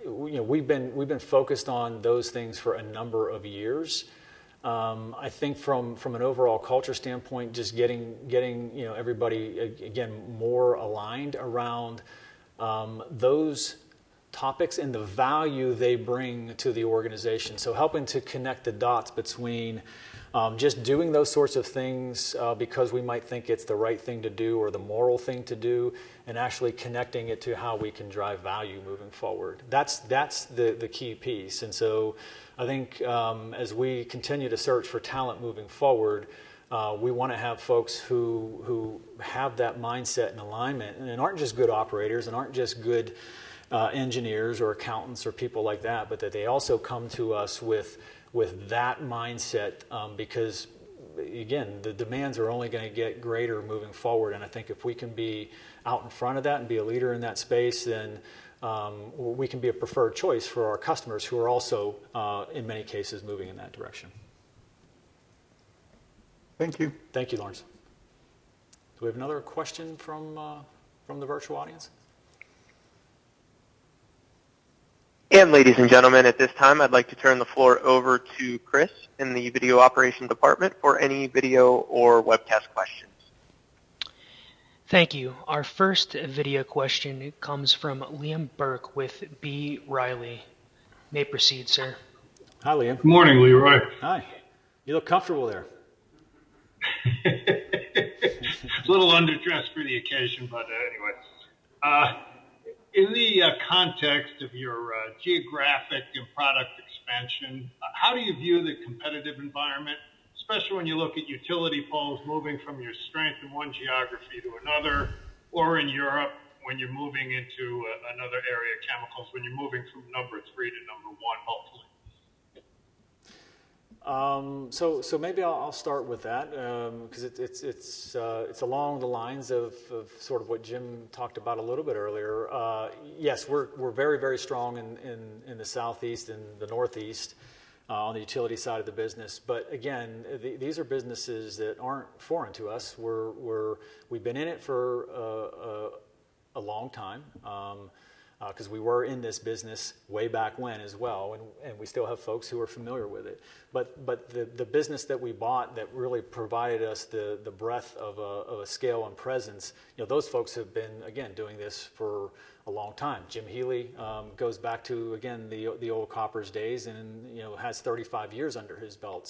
Speaker 4: We've been focused on those things for a number of years. I think from an overall culture standpoint, just getting everybody, again, more aligned around those topics and the value they bring to the organization. Helping to connect the dots between just doing those sorts of things because we might think it's the right thing to do or the moral thing to do, and actually connecting it to how we can drive value moving forward. That's the key piece. I think as we continue to search for talent moving forward, we want to have folks who have that mindset and alignment and aren't just good operators and aren't just good engineers or accountants or people like that, but that they also come to us with that mindset. Again, the demands are only going to get greater moving forward, and I think if we can be out in front of that and be a leader in that space, then we can be a preferred choice for our customers who are also, in many cases, moving in that direction.
Speaker 20: Thank you.
Speaker 4: Thank you, Laurence. Do we have another question from the virtual audience?
Speaker 14: Ladies and gentlemen, at this time, I'd like to turn the floor over to Chris in the video operations department for any video or webcast questions.
Speaker 21: Thank you. Our first video question comes from Liam Burke with B. Riley. You may proceed, sir.
Speaker 4: Hi, Liam.
Speaker 22: Good morning, Leroy.
Speaker 4: Hi. You look comfortable there.
Speaker 22: A little underdressed for the occasion, but anyways. In the context of your geographic and product expansion, how do you view the competitive environment, especially when you look at utility poles moving from your strength in one geography to another, or in Europe, when you're moving into another area of chemicals, when you're moving from number 3 to number 1, hopefully?
Speaker 4: Maybe I'll start with that. It's along the lines of what Jim talked about a little bit earlier. Yes, we're very strong in the Southeast and the Northeast on the utility side of the business. Again, these are businesses that aren't foreign to us. We've been in it for a long time. We were in this business way back when as well, and we still have folks who are familiar with it. The business that we bought that really provided us the breadth of a scale and presence, those folks have been, again, doing this for a long time. Jim Healey goes back to, again, the old Koppers days, and has 35 years under his belt.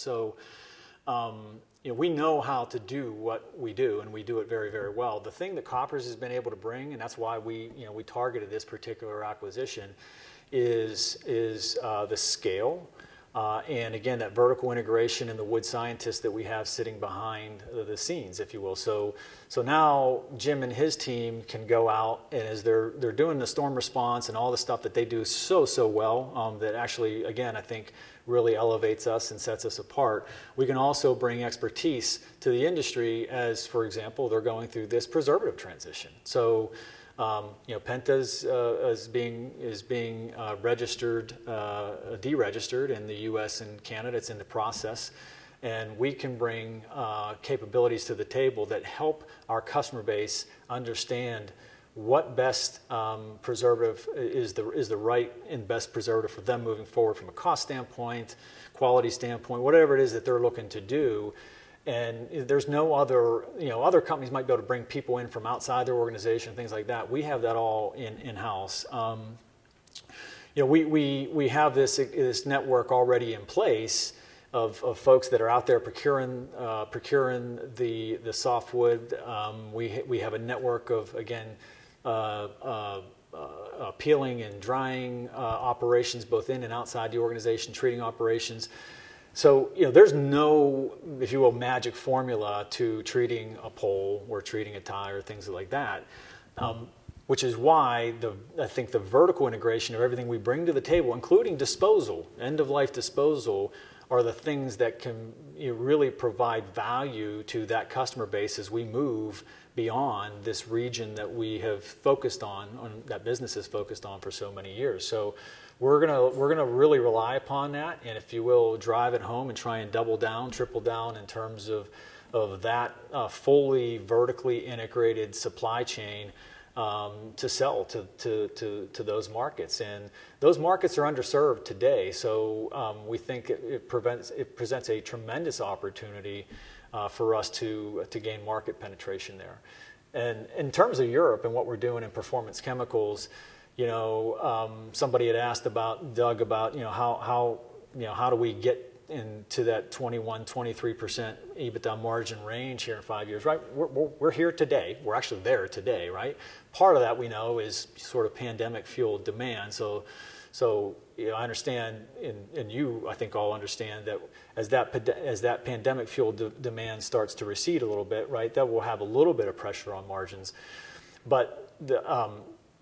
Speaker 4: We know how to do what we do, and we do it very well. The thing that Koppers has been able to bring, and that's why we targeted this particular acquisition, is the scale, and again, that vertical integration and the wood scientists that we have sitting behind the scenes, if you will. Now Jim and his team can go out, and as they're doing the storm response and all the stuff that they do so well, that actually, again, I think really elevates us and sets us apart. We can also bring expertise to the industry as, for example, they're going through this preservative transition. Penta is being de-registered in the U.S. and Canada is in the process. We can bring capabilities to the table that help our customer base understand what best preservative is the right and best preservative for them moving forward from a cost standpoint, quality standpoint, whatever it is that they're looking to do. Other companies might be able to bring people in from outside their organization, things like that. We have that all in-house. We have this network already in place of folks that are out there procuring the softwood. We have a network of, again, peeling and drying operations both in and outside the organization, treating operations. There's no, if you will, magic formula to treating a pole or treating a tie, things like that. Which is why I think the vertical integration of everything we bring to the table, including disposal, end of life disposal, are the things that can really provide value to that customer base as we move beyond this region that we have focused on, that business has focused on for so many years. We're going to really rely upon that, and if you will, drive it home and try and double down, triple down in terms of that fully vertically integrated supply chain, to sell to those markets. Those markets are underserved today. We think it presents a tremendous opportunity for us to gain market penetration there. In terms of Europe and what we're doing in Performance Chemicals, somebody had asked Doug about how do we get into that 21%, 23% EBITDA margin range here in five years, right? We're here today. We're actually there today, right? Part of that, we know, is sort of pandemic-fueled demand. I understand, and you, I think all understand that as that pandemic-fueled demand starts to recede a little bit, right, that will have a little bit of pressure on margins.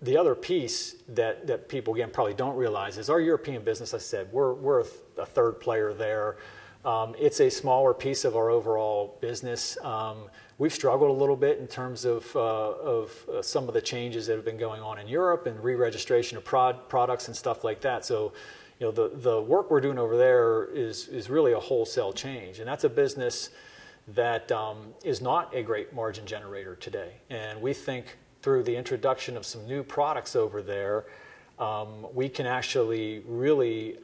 Speaker 4: The other piece that people, again, probably don't realize is our European business, I said, we're a third player there. It's a smaller piece of our overall business. We've struggled a little bit in terms of some of the changes that have been going on in Europe and re-registration of products and stuff like that. The work we're doing over there is really a wholesale change, and that's a business that is not a great margin generator today. We think through the introduction of some new products over there, we can actually really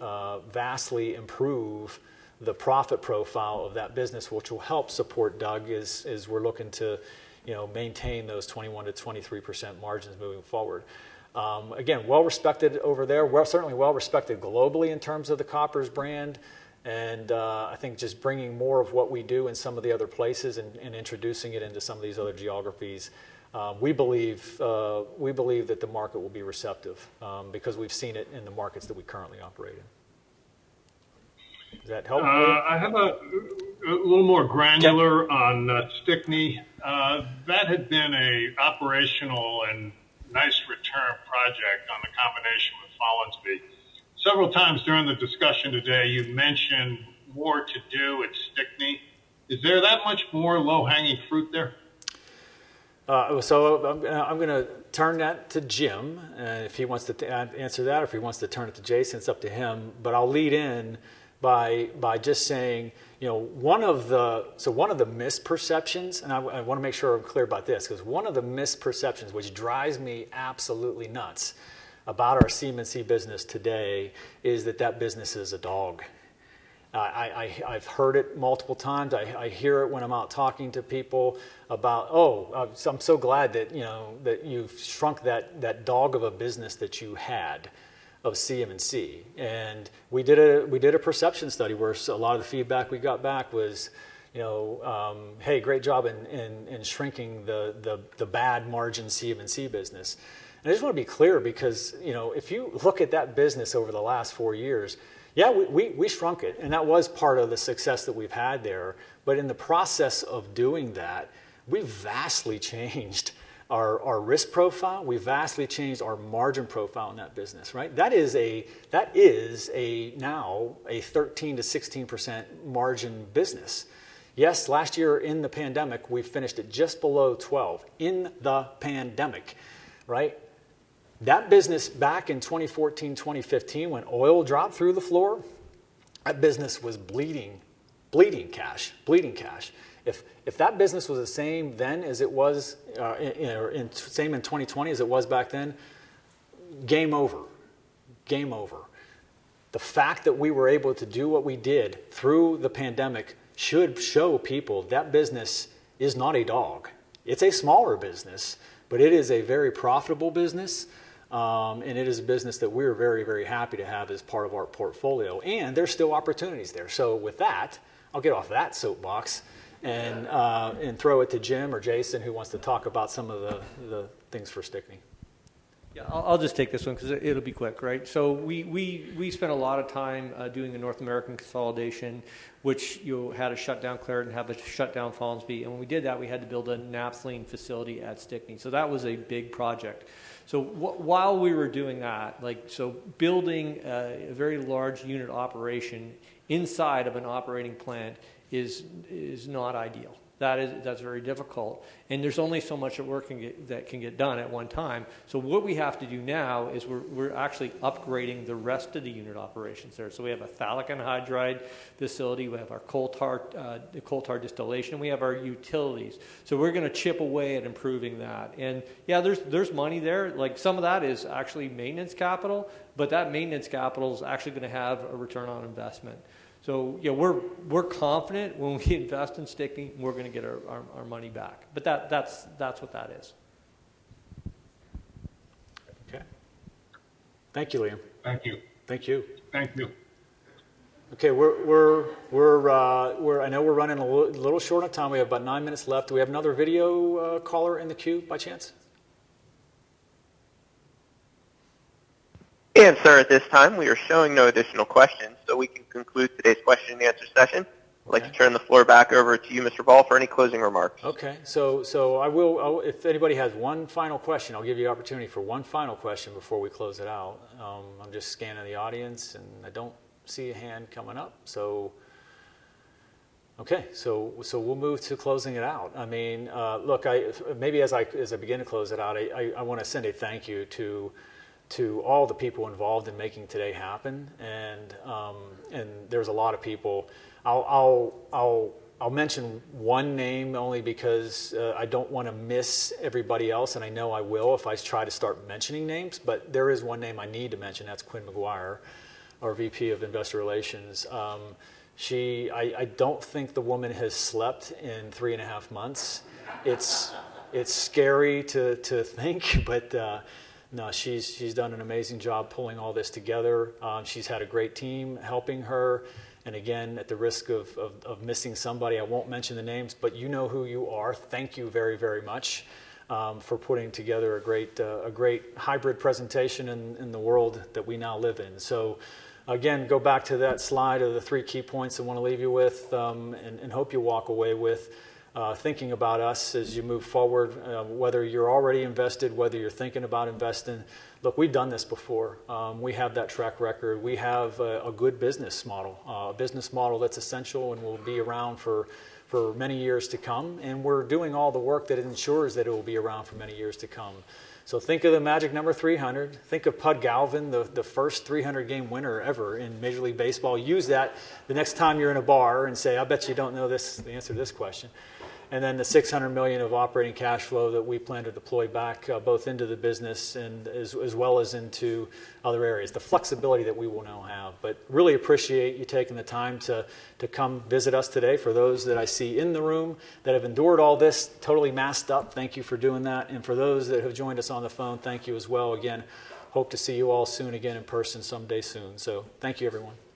Speaker 4: vastly improve the profit profile of that business, which will help support Doug as we're looking to maintain those 21%-23% margins moving forward. Again, well-respected over there. Certainly well-respected globally in terms of the Koppers brand, I think just bringing more of what we do in some of the other places and introducing it into some of these other geographies, we believe that the market will be receptive, because we've seen it in the markets that we currently operate in. Does that help? [inaudible]
Speaker 22: I have a little more granular-
Speaker 4: Yeah.
Speaker 22: -on Stickney. That had been an operational and nice return project on the combination with Follansbee. Several times during the discussion today, you've mentioned more to do at Stickney. Is there that much more low-hanging fruit there?
Speaker 4: I'm going to turn that to Jim. If he wants to answer that, or if he wants to turn it to Jason, it's up to him. I'll lead in by just saying, one of the misperceptions, and I want to make sure I'm clear about this, because one of the misperceptions, which drives me absolutely nuts about our CM&C business today, is that that business is a dog. I've heard it multiple times. I hear it when I'm out talking to people about, "Oh, I'm so glad that you've shrunk that dog of a business that you had of CM&C." We did a perception study where a lot of the feedback we got back was, "Hey, great job in shrinking the bad margin CM&C business." I just want to be clear because, if you look at that business over the last four years, yeah, we shrunk it, and that was part of the success that we've had there. In the process of doing that, we've vastly changed our risk profile. We've vastly changed our margin profile in that business, right? That is now a 13%-16% margin business. Yes, last year in the pandemic, we finished at just below 12%, in the pandemic. Right? That business back in 2014, 2015, when oil dropped through the floor, that business was bleeding cash. Bleeding cash. If that business was the same then as it was in 2020 as it was back then, game over. Game over. The fact that we were able to do what we did through the pandemic should show people that business is not a dog. It's a smaller business, but it is a very profitable business. It is a business that we're very, very happy to have as part of our portfolio, and there's still opportunities there. With that, I'll get off that soapbox and throw it to Jim or Jason, who wants to talk about some of the things for Stickney.
Speaker 6: Yeah, I'll just take this one because it'll be quick, right? We spent a lot of time doing the North American consolidation, which you had to shut down Clairton and have to shut down Follansbee. When we did that, we had to build a naphthalene facility at Stickney. That was a big project. While we were doing that, building a very large unit operation inside of an operating plant is not ideal. That's very difficult, and there's only so much work that can get done at one time. What we have to do now is we're actually upgrading the rest of the unit operations there. We have a phthalic anhydride facility, we have our coal tar distillation, we have our utilities. We're going to chip away at improving that. Yeah, there's money there. Some of that is actually maintenance capital, but that maintenance capital is actually going to have a return on investment. Yeah, we're confident when we invest in Stickney, we're going to get our money back. That's what that is.
Speaker 4: Okay. Thank you, Liam.
Speaker 22: Thank you.
Speaker 4: Thank you.
Speaker 22: Thank you.
Speaker 4: I know we're running a little short on time. We have about 9 minutes left. Do we have another video caller in the queue by chance?
Speaker 14: Sir, at this time, we are showing no additional questions. We can conclude today's question and answer session.
Speaker 4: Okay.
Speaker 14: I'd like to turn the floor back over to you, Mr. Ball, for any closing remarks.
Speaker 4: Okay. If anybody has one final question, I'll give you opportunity for one final question before we close it out. I'm just scanning the audience, and I don't see a hand coming up. Okay. We'll move to closing it out. Look, maybe as I begin to close it out, I want to send a thank you to all the people involved in making today happen. There's a lot of people. I'll mention one name only because I don't want to miss everybody else, and I know I will if I try to start mentioning names, but there is one name I need to mention, that's Quynh McGuire, our VP of Investor Relations. I don't think the woman has slept in three and a half months. It's scary to think, but no, she's done an amazing job pulling all this together. She's had a great team helping her. Again, at the risk of missing somebody, I won't mention the names, but you know who you are. Thank you very, very much for putting together a great hybrid presentation in the world that we now live in. Again, go back to that slide of the three key points I want to leave you with and hope you walk away with thinking about us as you move forward, whether you're already invested, whether you're thinking about investing. Look, we've done this before. We have that track record. We have a good business model. A business model that's essential and will be around for many years to come, and we're doing all the work that ensures that it will be around for many years to come. Think of the magic number 300. Think of Pud Galvin, the first 300-game winner ever in Major League Baseball. Use that the next time you're in a bar and say, "I bet you don't know the answer to this question." The $600 million of operating cash flow that we plan to deploy back both into the business and as well as into other areas. The flexibility that we will now have. We really appreciate you taking the time to come visit us today. For those that I see in the room that have endured all this totally masked up, thank you for doing that, and for those that have joined us on the phone, thank you as well. We hope to see you all soon again in person someday soon. Thank you everyone.